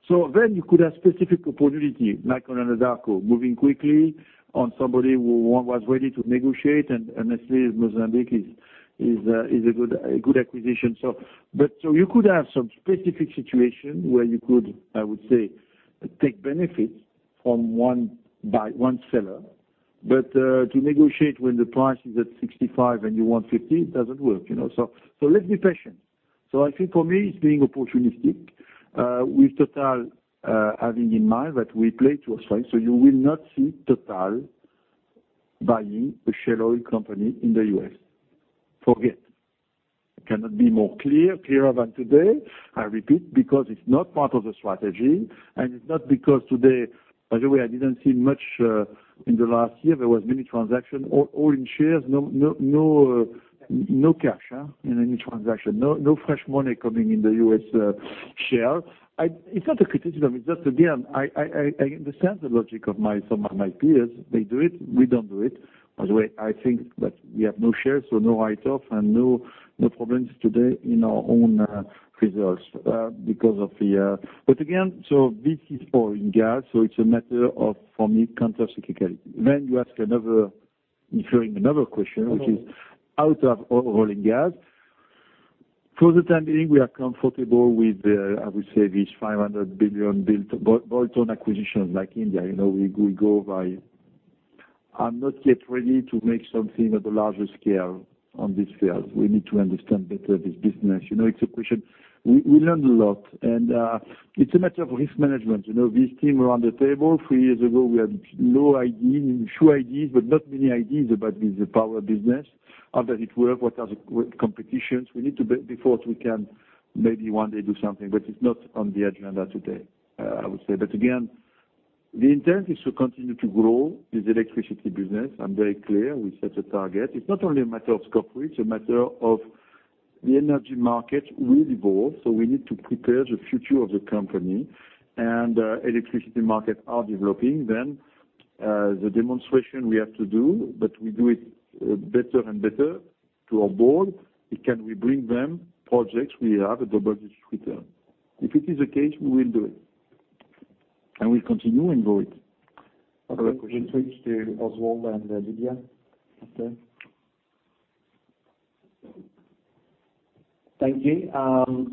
You could have specific opportunity, like on Anadarko, moving quickly on somebody who was ready to negotiate. Honestly, Mozambique is a good acquisition. You could have some specific situation where you could, I would say, take benefits from one seller. To negotiate when the price is at 65 and you want 50, it doesn't work. Let's be patient. I think for me, it's being opportunistic with Total having in mind that we play to our strength. You will not see Total buying a shale oil company in the U.S. Forget. I cannot be more clearer than today. I repeat, because it's not part of the strategy, and it's not because today By the way, I didn't see much in the last year. There was many transaction, all in shares, no cash in any transaction. No fresh money coming in the U.S. shale. It's not a criticism. It's just again, I understand the logic of some of my peers. They do it, we don't do it. By the way, I think that we have no shares, so no write-off and no problems today in our own results. Again, this is oil and gas, it's a matter of, for me, counter cyclicity. You ask another question, which is out of oil and gas, for the time being, we are comfortable with, I would say, this 500 billion bolt-on acquisitions like India. I'm not yet ready to make something at a larger scale on this field. We need to understand better this business. It's a question. We learned a lot, it's a matter of risk management. This team around the table, three years ago, we had no idea, few ideas, but not many ideas about this power business. How does it work? What are the competitions? We need to build before we can maybe one day do something, but it's not on the agenda today, I would say. Again, the intent is to continue to grow this electricity business. I'm very clear. We set a target. It's not only a matter of scope, it's a matter of the energy market will evolve. We need to prepare the future of the company, and electricity markets are developing. The demonstration we have to do, but we do it better and better to our board. Can we bring them projects? We have a double-digit return. If it is the case, we will do it, and we'll continue and grow it. Other questions? We switch to Oswald and Lydia after.
Thank you.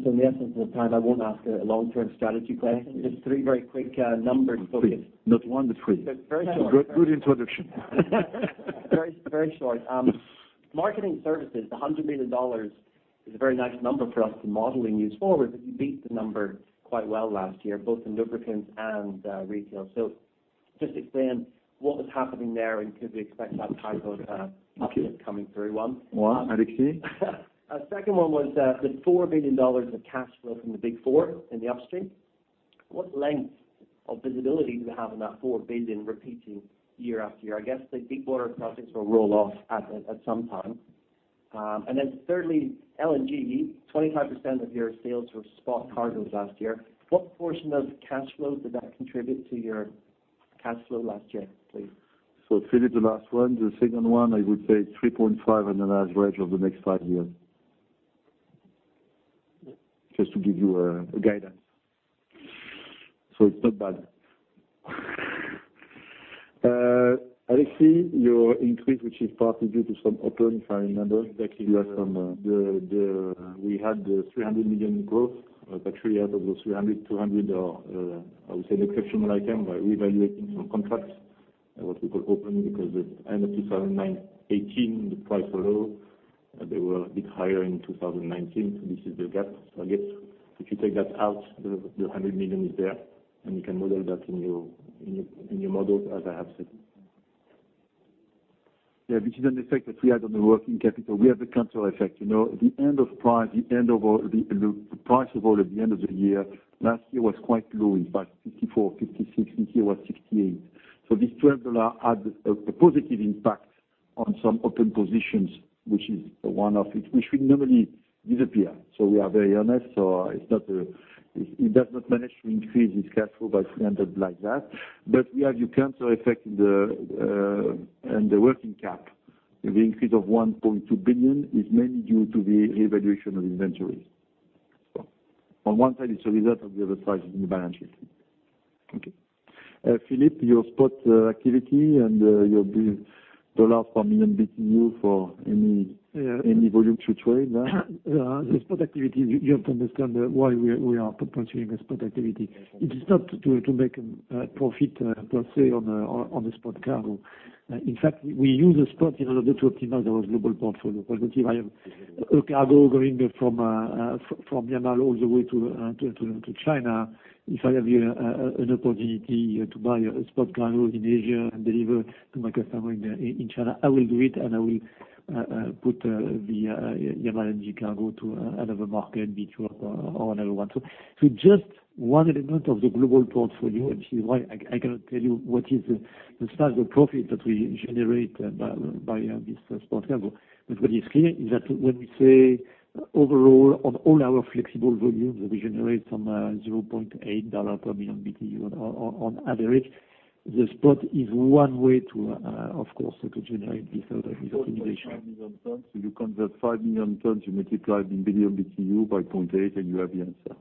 In the essence of time, I won't ask a long-term strategy question. Just three very quick numbers focused.
Three. Not one, but three.
Very short.
Good introduction.
Very short. Marketing & Services, the $100 million is a very nice number for us to model and use forward, but you beat the number quite well last year, both in lubricants and retail. Just explain what was happening there, and could we expect that type of?
Okay
uplift coming through, one?
One, Alexis?
Second one was the $4 billion of cash flow from the Big Four in the upstream. What length of visibility do we have on that $4 billion repeating year after year? I guess the big water projects will roll off at some time. Then thirdly, LNG, 25% of your sales were spot cargoes last year. What portion of cash flow did that contribute to your cash flow last year, please?
Philippe, the last one. The second one, I would say 3.5 on an average of the next five years. Just to give you a guidance. It's not bad. Alexis, your increase, which is partly due to some OpEx, if I remember.
Exactly. We had the $300 million growth, but actually out of those $300 million, $200 million are, I would say, an exceptional item by reevaluating some contracts, what we call open because at the end of 2018, the price were low. They were a bit higher in 2019. So this is the gap, I guess. If you take that out, the $100 million is there, and you can model that in your models, as I have said.
Yeah, which is an effect that we had on the working capital. We have a counter effect. The price of oil at the end of the year, last year was quite low. In fact, $54, $56. This year was $68. This $12 had a positive impact on some open positions, which is one of it, which will normally disappear. We are very honest. It does not manage to increase its cash flow by $300 like that. We have a counter effect in the working cap. The increase of $1.2 billion is mainly due to the reevaluation of inventories. On one side, it's a result, on the other side, it's in the balance sheet.
Okay.
Philippe, your spot activity and your dollar per million BTU.
Yeah any volume to trade. The spot activity, you have to understand why we are pursuing the spot activity. It is not to make profit per se on the spot cargo. In fact, we use the spot in order to optimize our global portfolio. For example, if I have a cargo going from Yamal all the way to China, if I have an opportunity to buy a spot cargo in Asia and deliver to my customer in China, I will do it, and I will put the Yamal LNG cargo to another market, BTU, or another one. Just one element of the global portfolio, and this is why I cannot tell you what is the size of profit that we generate by this spot cargo. What is clear is that when we say overall on all our flexible volumes, that we generate some $0.8 per million BTU on average. The spot is one way to, of course, to generate this sort of optimization.
4.9 million tons. You convert 5 million tons, you multiply the million BTU by 0.8, and you have the answer.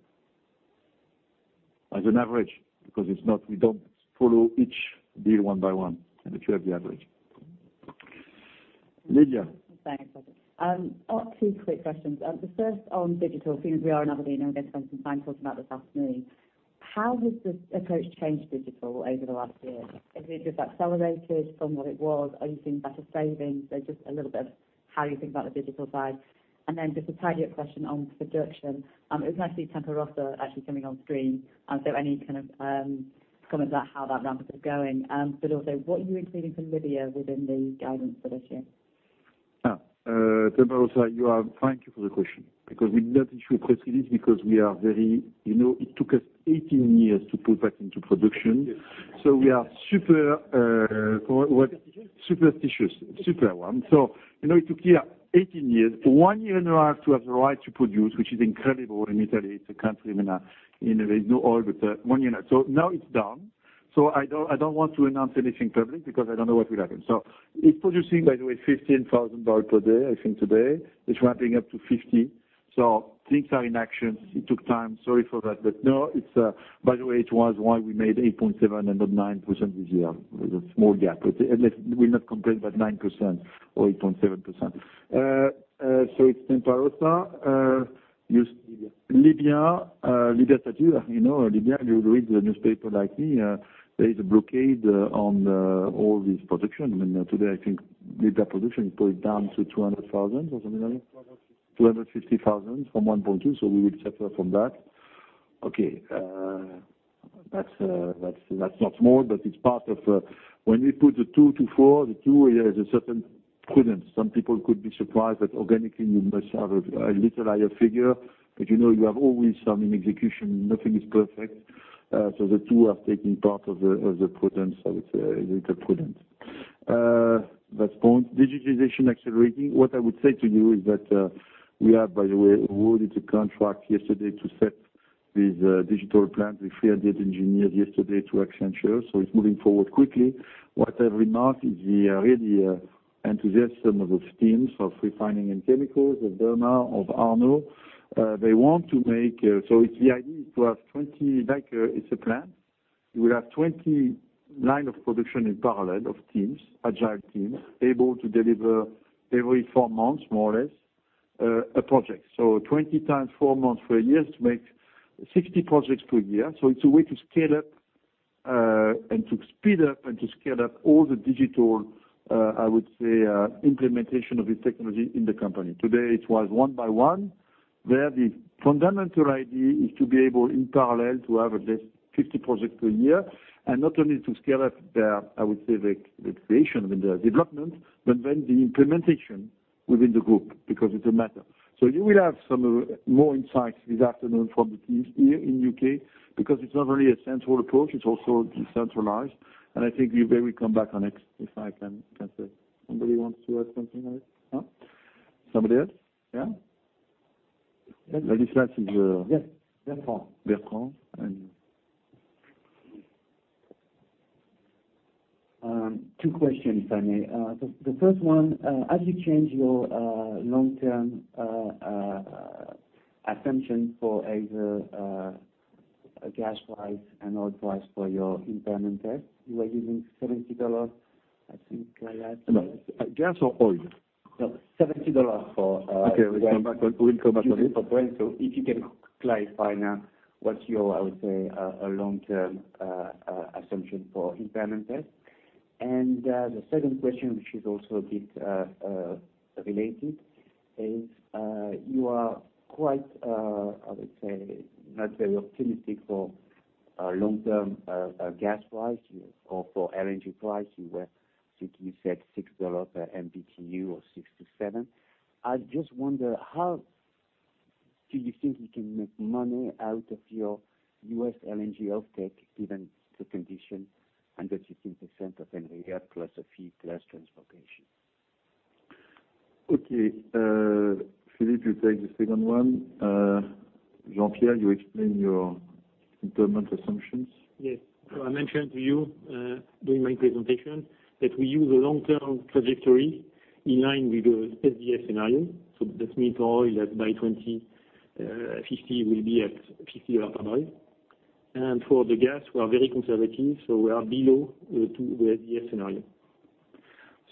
As an average, because we don't follow each deal one by one, but you have the average. Lydia.
Thanks, Patrick. Two quick questions. The first on digital, seeing as we are in Aberdeen, we're going to spend some time talking about this afternoon. How has the approach to change digital over the last year? Has it just accelerated from what it was? Are you seeing better savings? Just a little bit how you think about the digital side. Just a target question on production. It was nice to see Tempa Rossa actually coming on screen. Any kind of comments on how that ramp-up is going? Also, what are you including for Libya within the guidance for this year?
Tempa Rossa, thank you for the question, because we did not issue a press release. It took us 18 years to put back into production.
Yes.
So we are super-
Superstitious?
Superstitious. Super one. It took here 18 years. For one year now, to have the right to produce, which is incredible in Italy. It's a country with no oil, but one year. Now it's done. I don't want to announce anything public because I don't know what will happen. It's producing, by the way, $15,000 per day, I think today. It's ramping up to 50. Things are in action. It took time. Sorry for that. No, by the way, it was why we made 8.7% and not 9% this year. There's a small gap. We will not complain about 9% or 8.7%. It's Tempa Rossa.
Libya.
Libya. Libya, you know Libya, you read the newspaper like me. There is a blockade on all this production. Today, I think Libya production is probably down to 200,000 or something like that, 250,000 from 1.2, so we will suffer from that. Okay. That's not small, but it's part of when we put the two to four, the two, there is a certain prudence. Some people could be surprised that organically you must have a little higher figure, but you know you have always some in execution, nothing is perfect. The two are taking part of the prudence, so it's a little prudent. That's point. Digitalization accelerating. What I would say to you is that we have, by the way, awarded a contract yesterday to set these digital plans with 300 engineers yesterday to Accenture, so it's moving forward quickly. What I remark is the really enthusiasm of those teams, of Refining & Chemicals, of Bernard, of Arnaud. They want to make. The idea is to have 20, like it's a plan. You will have 20 line of production in parallel of teams, agile teams, able to deliver every four months, more or less, a project. 20 times four months for a year is to make 60 projects per year. It's a way to scale up and to speed up and to scale up all the digital, I would say, implementation of the technology in the company. Today, it was one by one. There, the fundamental idea is to be able, in parallel, to have at least 50 projects per year, and not only to scale up the, I would say, the creation, the development, but then the implementation within the group, because it's a matter. You will have some more insights this afternoon from the teams here in U.K., because it is not only a central approach, it is also decentralized. I think Hubert will come back on it, if I can say. Somebody wants to add something on it? No? Somebody else? Yeah.
Yes. Bertrand.
Bertrand.
Two questions, if I may. The first one, as you change your long-term assumption for either gas price and oil price for your impairment test, you were using $70, I think, like that?
No. Gas or oil?
No, $70.
Okay. We'll come back to this
if you can clarify now, what's your, I would say, long-term assumption for impairment test? The second question, which is also a bit related, is you are quite, I would say, not very optimistic for long-term gas price or for LNG price. I think you said $6 per MMBtu or $6-$7. I just wonder, how do you think you can make money out of your US LNG offtake given the condition under 16% of Henry Hub plus a fee, plus transportation?
Okay. Philippe, you take the second one. Jean-Pierre, you explain your impairment assumptions.
I mentioned to you during my presentation that we use a long-term trajectory in line with the SDS scenario. That means oil, by 2050, will be at $50 a barrel. For the gas, we are very conservative, so we are below the SDS scenario.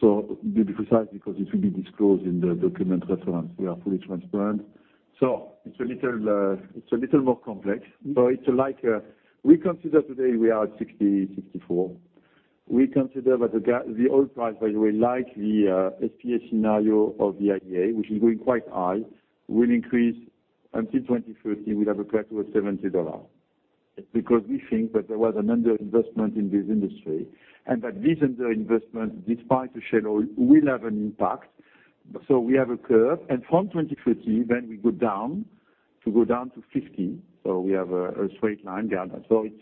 To be precise, because it will be disclosed in the document reference, we are fully transparent. It's a little more complex. We consider today we are at 60, 64. We consider that the oil price, by the way, like the SDS scenario of the IEA, which is going quite high, will increase until 2030, we'll have a plateau at $70. We think that there was an underinvestment in this industry, and that this underinvestment, despite the shale oil, will have an impact. We have a curve, and from 2030, then we go down to 50. We have a straight line down there. It's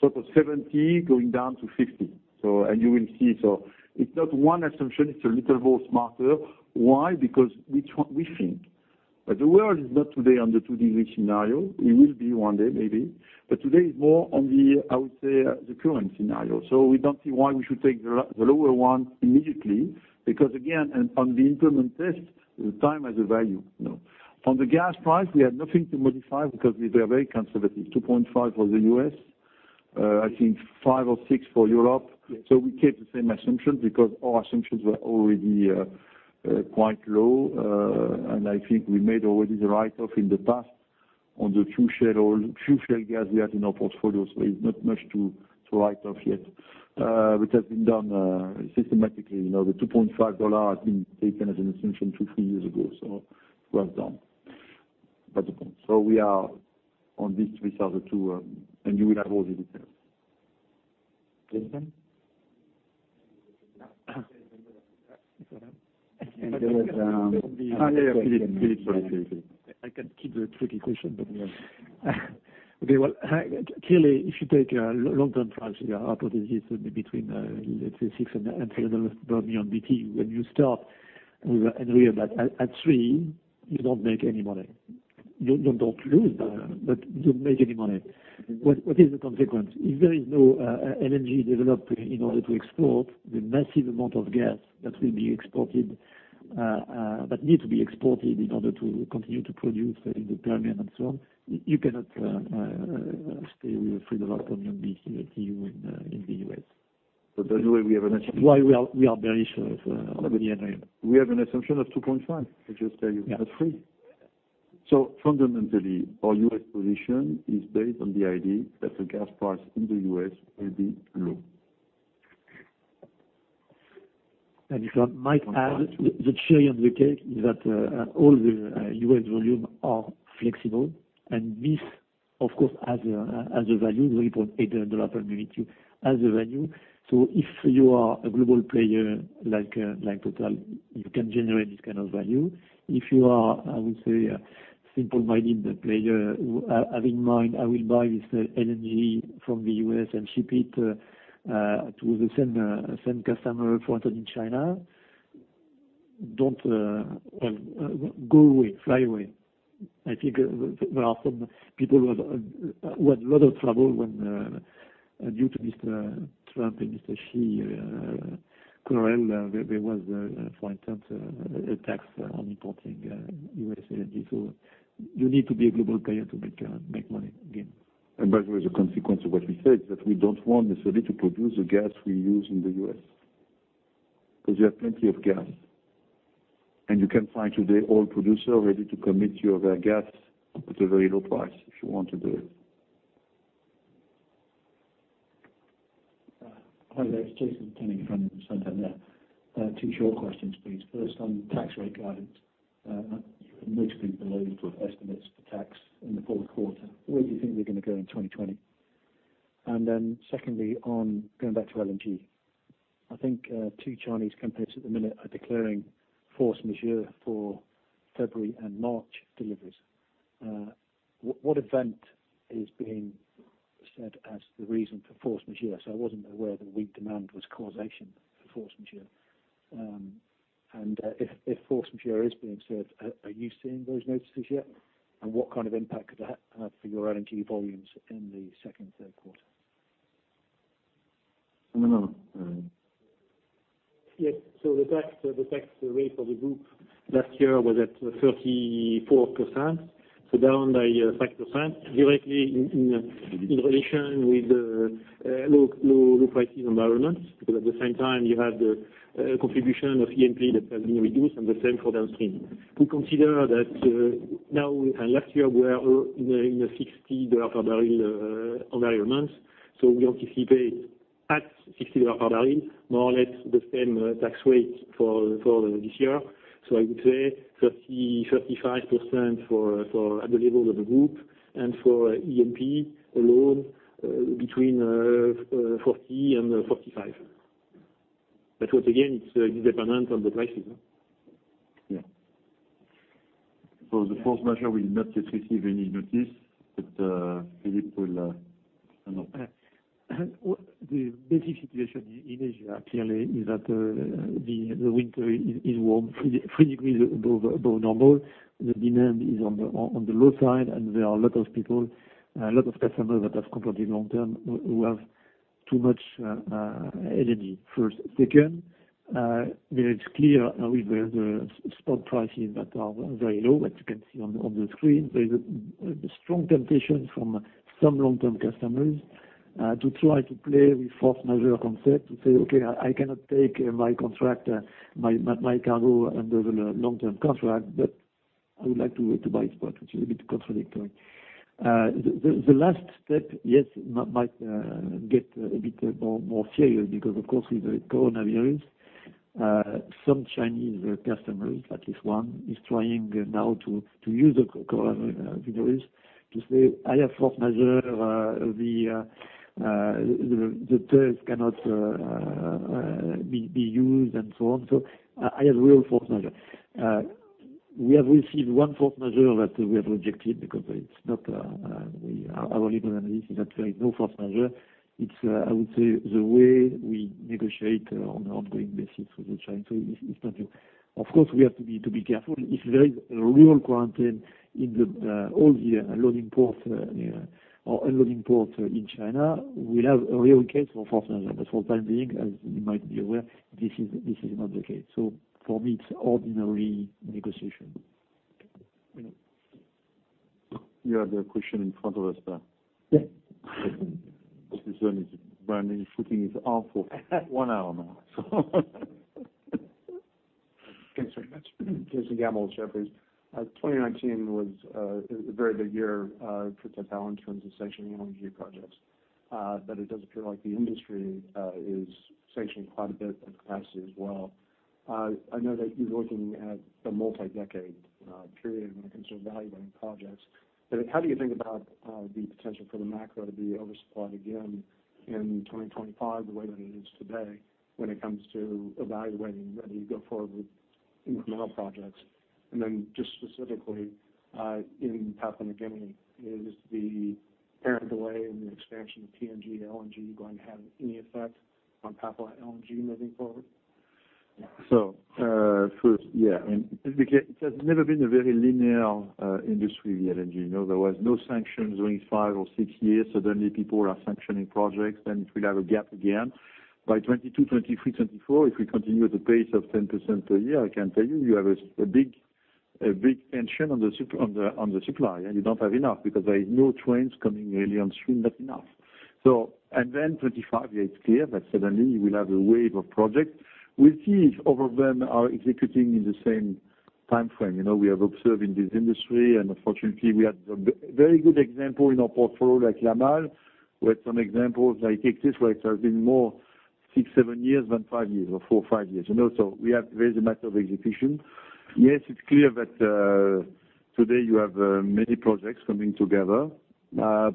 sort of 70 going down to 60. You will see. It's not one assumption, it's a little more smarter. Why? We think. The world is not today on the two degree scenario. It will be one day, maybe. Today is more on the, I would say, the current scenario. We don't see why we should take the lower one immediately, because, again, on the impairment test, time has a value. On the gas price, we have nothing to modify because we are very conservative, $2.5 for the U.S., I think five or six for Europe. We kept the same assumptions because our assumptions were already quite low. And I think we made already the write-off in the past on the few shale gas we had in our portfolio. It's not much to write off yet, which has been done systematically. The $2.5 has been taken as an assumption two, three years ago. It was done. We are on this 3,002, and you will have all the details. Jason? Yeah, Philippe.
I can keep the tricky question, but okay. Well, clearly, if you take a long-term strategy, our hypothesis will be between, let's say, 6 and $3 billion BTU. When you start with Henry Hub at $3, you don't make any money. You don't lose, but you don't make any money. What is the consequence? If there is no LNG developed in order to export the massive amount of gas that will be exported, that needs to be exported in order to continue to produce in the Permian and so on, you cannot stay with $3 billion BTU in the U.S.
By the way, we have an assumption.
Why we are bearish of Henry Hub.
We have an assumption of 2.5, I just tell you, not three. Fundamentally, our U.S. position is based on the idea that the gas price in the U.S. will be low.
If I might add, the cherry on the cake is that all the U.S. volume are flexible, and this, of course, has a value, $800 million as a value. If you are a global player like TotalEnergies, you can generate this kind of value. If you are, I would say, a simple-minded player who have in mind, "I will buy this LNG from the U.S. and ship it to the same customer, for instance, in China," go away. Fly away. I think there are some people who had a lot of trouble when, due to Mr. Trump and Mr. Xi quarrel, there was, for instance, a tax on importing U.S. LNG. You need to be a global player to make money again.
By the way, the consequence of what we said is that we don't want necessarily to produce the gas we use in the U.S., because we have plenty of gas. You can find today all producer ready to commit you their gas at a very low price if you want to do it.
Hi there. It's Jason Kenney from Santander. Two short questions, please. First, on tax rate guidance. You've mostly below your estimates for tax in the fourth quarter. Where do you think they're going to go in 2020? Secondly, on going back to LNG. I think two Chinese companies at the minute are declaring force majeure for February and March deliveries. What event is being said as the reason for force majeure? I wasn't aware that weak demand was causation for force majeure. If force majeure is being served, are you seeing those notices yet? What kind of impact could that have for your LNG volumes in the second and third quarter?
No.
Yes. The tax rate for the group last year was at 34%, down by 5% directly in relation with the low prices environments, because at the same time, you have the contribution of E&P that has been reduced and the same for downstream. We consider that now and last year, we are in a $60 per barrel environment, we anticipate at $60 per barrel, more or less the same tax rate for this year. I would say 35% at the level of the group and for E&P alone, between 40% and 45%. Again, it's dependent on the prices.
Yeah. For the force majeure, we've not yet received any notice, but Philippe will know.
The basic situation in Asia, clearly, is that the winter is warm, three degrees above normal. The demand is on the low side, and there are a lot of people, a lot of customers that have contracted long term who have too much LNG first. Second, it's clear with the spot prices that are very low, as you can see on the screen. There is a strong temptation from some long-term customers to try to play with force majeure concept to say, "Okay, I cannot take my cargo under the long-term contract, but I would like to buy spot," which is a bit contradictory. The last step, yes, might get a bit more serious because, of course, with the coronavirus, some Chinese customers, at least one, is trying now to use the coronavirus to say, "I have force majeure. The terms cannot be used and so on. I have real force majeure. We have received one force majeure that we have rejected because our legal analysis is that there is no force majeure. It's, I would say, the way we negotiate on an ongoing basis with China. It's nothing. Of course, we have to be careful. If there is a real quarantine in all the loading port or unloading port in China, we'll have a real case for force majeure. For the time being, as you might be aware, this is not the case. For me, it's ordinary negotiation.
You have the question in front of us there.
Yeah.
This is only branding. Shooting is off for one hour now.
Thanks very much. Jason Gammel, Jefferies. 2019 was a very big year for Total in terms of sanctioning LNG projects. It does appear like the industry is sanctioning quite a bit of capacity as well. I know that you're looking at a multi-decade period when it comes to evaluating projects. How do you think about the potential for the macro to be oversupplied again in 2025 the way that it is today when it comes to evaluating whether you go forward with new projects? Just specifically, in Papua New Guinea, is the apparent delay in the expansion of PNG LNG going to have any effect on Papua LNG moving forward?
First, yeah. It has never been a very linear industry, the LNG. There was no sanctions during five or six years. Suddenly, people are sanctioning projects. If we have a gap again, by 2022, 2023, 2024, if we continue at the pace of 10% a year, I can tell you have a big tension on the supply, and you don't have enough because there is no trains coming really on stream, not enough. 2025, it's clear that suddenly you will have a wave of projects. We'll see if all of them are executing in the same timeframe. We have observed in this industry, and unfortunately, we had a very good example in our portfolio like Yamal. We had some examples like Texas, where it has been more six, seven years than five years, or four, five years. There is a matter of execution. Yes, it's clear that today you have many projects coming together. I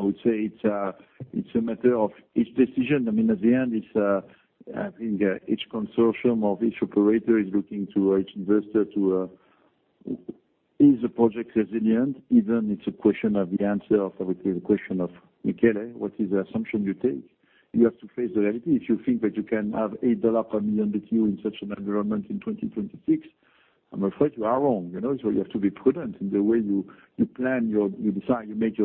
would say it's a matter of each decision. At the end, I think each consortium or each operator is looking to each investor to, is the project resilient? Even it's a question of the answer of, I would say, the question of Michele, what is the assumption you take? You have to face the reality. If you think that you can have $8 per million BTU in such an environment in 2026, I'm afraid you are wrong. You have to be prudent in the way you plan, you decide, you make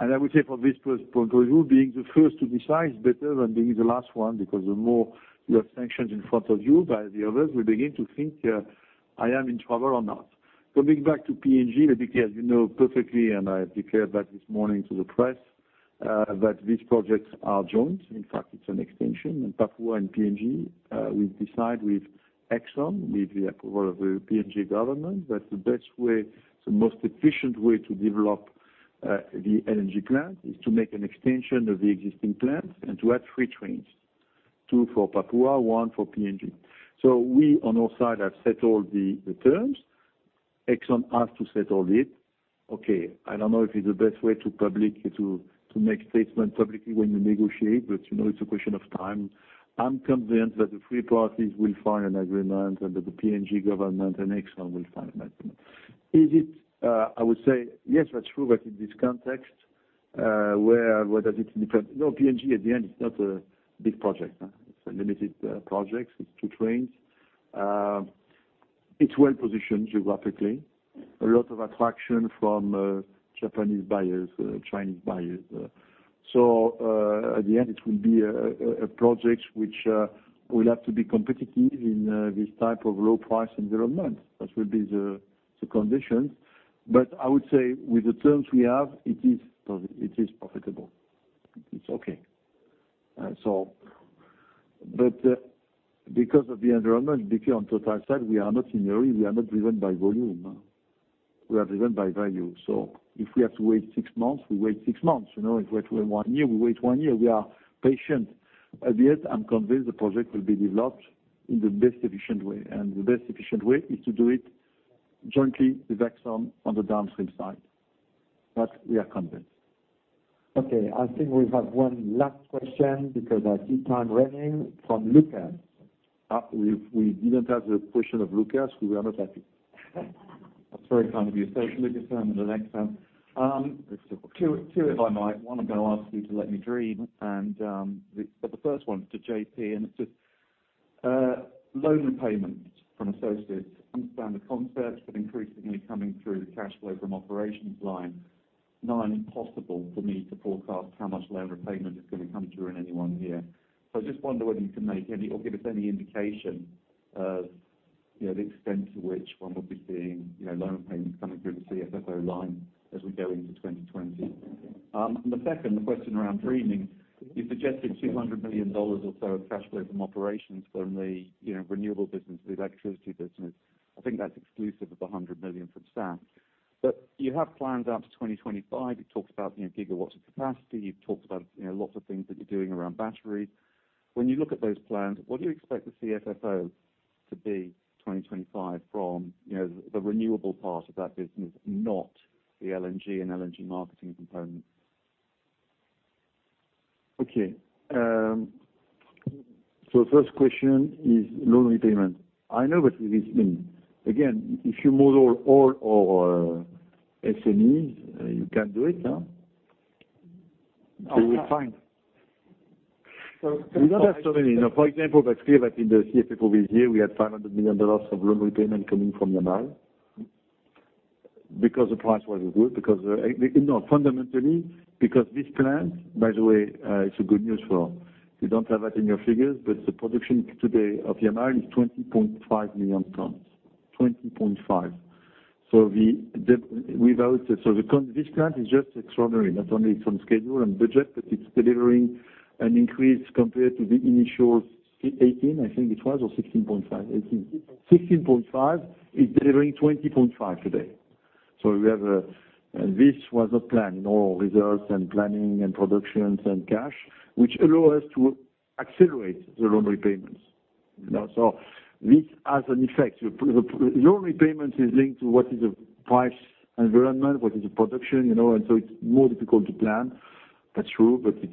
your decisions. I would say from this point of view, being the first to decide is better than being the last one, because the more you have sanctions in front of you by the others, we begin to think, "I am in trouble or not." Coming back to PNG, because you know perfectly, and I declared that this morning to the press, that these projects are joint. In fact, it's an extension. In Papua and PNG, we decide with Exxon, with the approval of the PNG government, that the best way, the most efficient way to develop the LNG plant is to make an extension of the existing plant and to add 3 trains. 2 for Papua, 1 for PNG. We, on our side, have set all the terms. Exxon has to set all it. Okay, I don't know if it's the best way to make statements publicly when you negotiate, you know it's a question of time. I'm convinced that the three parties will find an agreement and that the PNG government and Exxon will find an agreement. I would say yes, that's true, but in this context, where does it depend? No, PNG at the end is not a big project. It's a limited project. It's two trains. It's well positioned geographically. A lot of attraction from Japanese buyers, Chinese buyers. At the end, it will be a project which will have to be competitive in this type of low price environment. That will be the conditions. I would say with the terms we have, it is profitable. It's okay. Because of the environment, particularly on Total's side, we are not in a hurry. We are not driven by volume. We are driven by value. If we have to wait six months, we wait six months. If we have to wait one year, we wait one year. We are patient. At the end, I'm convinced the project will be developed in the best efficient way, and the best efficient way is to do it jointly with Exxon on the downstream side. That we are convinced. I think we have one last question because I see time running, from Lucas. We didn't have the question of Lucas. We are not happy.
That's very kind of you. It's Lucas, I'm at Exane. Two, if I might. One, I'm going to ask you to let me dream. The first one is to J.P., and it's just loan repayments from associates. Understand the concept, increasingly coming through the cash flow from operations line. Nigh on impossible for me to forecast how much loan repayment is going to come through in any one year. I just wonder whether you can make any or give us any indication of the extent to which one will be seeing loan payments coming through the CFFO line as we go into 2020. The second question around dreaming, you suggested $200 million or so of cash flow from operations from the renewable business, the electricity business. I think that's exclusive of the 100 million from SAM. You have plans out to 2025. You talked about gigawatts of capacity. You've talked about lots of things that you're doing around battery. When you look at those plans, what do you expect the CFFO to be 2025 from the renewable part of that business, not the LNG and LNG marketing component?
Okay. First question is loan repayment. I know what this means. Again, if you model all our SMEs, you can do it. You will find. We don't have so many. For example, that's clear that in the CFFO this year, we had $500 million of loan repayment coming from Yamal. The price was good. This plant, by the way, it's good news for You don't have that in your figures, but the production today of Yamal is 20.5 million tons, 20.5. This plant is just extraordinary. Not only it's on schedule and budget, but it's delivering an increase compared to the initial 18, I think it was, or 16.5. 16.5. 16.5 is delivering 20.5 today. This was a plan. All reserves and planning and productions and cash, which allow us to accelerate the loan repayments. This has an effect. Loan repayment is linked to what is the price environment, what is the production, it's more difficult to plan. That's true, let's be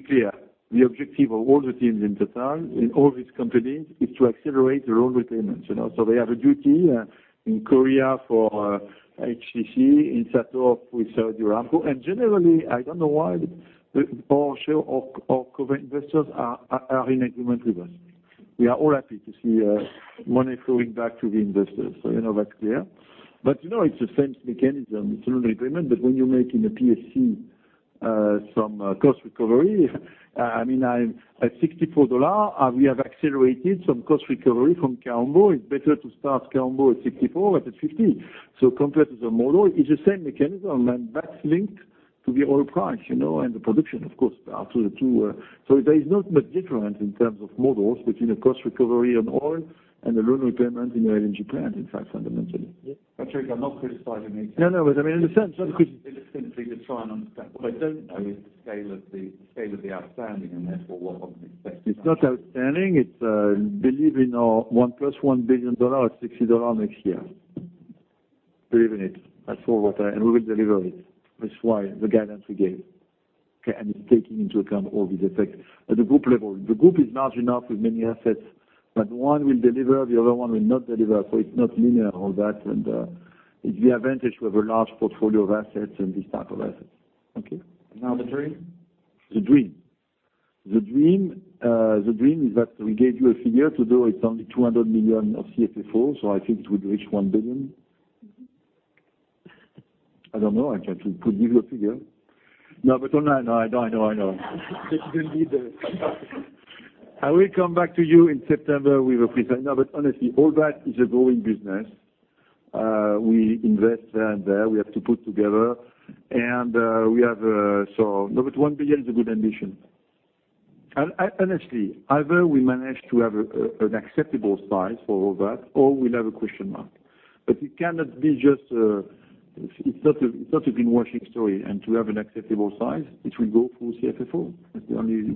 clear. The objective of all the teams in Total, in all these companies, is to accelerate the loan repayments. They have a duty in Korea for HCC, in SATORP with Saudi Aramco. Generally, I don't know why our co-investors are in agreement with us. We are all happy to see money flowing back to the investors. You know that's clear. It's the same mechanism. It's a loan repayment. When you're making a PSC, some cost recovery, at $64, we have accelerated some cost recovery from Kaombo. It's better to start Kaombo at $64 than at $50. Compared to the model, it's the same mechanism, and that's linked-To the oil price, and the production, of course, are the two. There is not much difference in terms of models between a cost recovery on oil and the loan repayment in your LNG plant, in fact, fundamentally.
Patrick, I'm not criticizing it.
No, I mean, in a sense.
It is simply to try and understand. What I don't know is the scale of the outstanding, and therefore what one can expect.
It's not outstanding. It's, believe in our $1 plus $1 billion at $60 next year. Believe in it. That's all what I. We will deliver it. That's why the guidance we gave. Okay? It's taking into account all these effects at the group level. The group is large enough with many assets, that one will deliver, the other one will not deliver. It's not linear, all that, and it's the advantage. We have a large portfolio of assets and this type of assets. Okay?
Now the dream?
The dream. The dream is that we gave you a figure. Today, it's only 200 million of CFFO, so I think it would reach 1 billion. I don't know. I could give you a figure. No, I know. You don't need. I will come back to you in September. Honestly, all that is a growing business. We invest there and there. We have to put together, and we have a. 1 billion is a good ambition. Honestly, either we manage to have an acceptable size for all that, or we'll have a question mark. It cannot be just a. It's not a greenwashing story. To have an acceptable size, it will go through CFFO.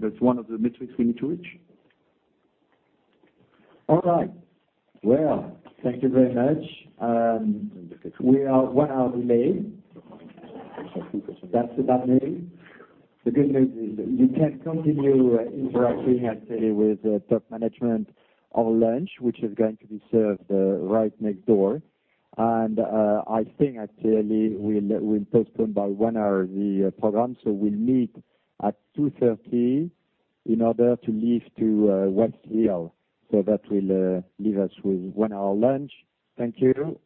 That's one of the metrics we need to reach.
All right. Well, thank you very much. We are one hour delayed. That's the bad news. The good news is you can continue interacting, actually, with top management over lunch, which is going to be served right next door. I think, actually, we'll postpone by one hour the program, so we'll meet at 2:30 in order to leave to Westhill. That will leave us with one hour lunch. Thank you.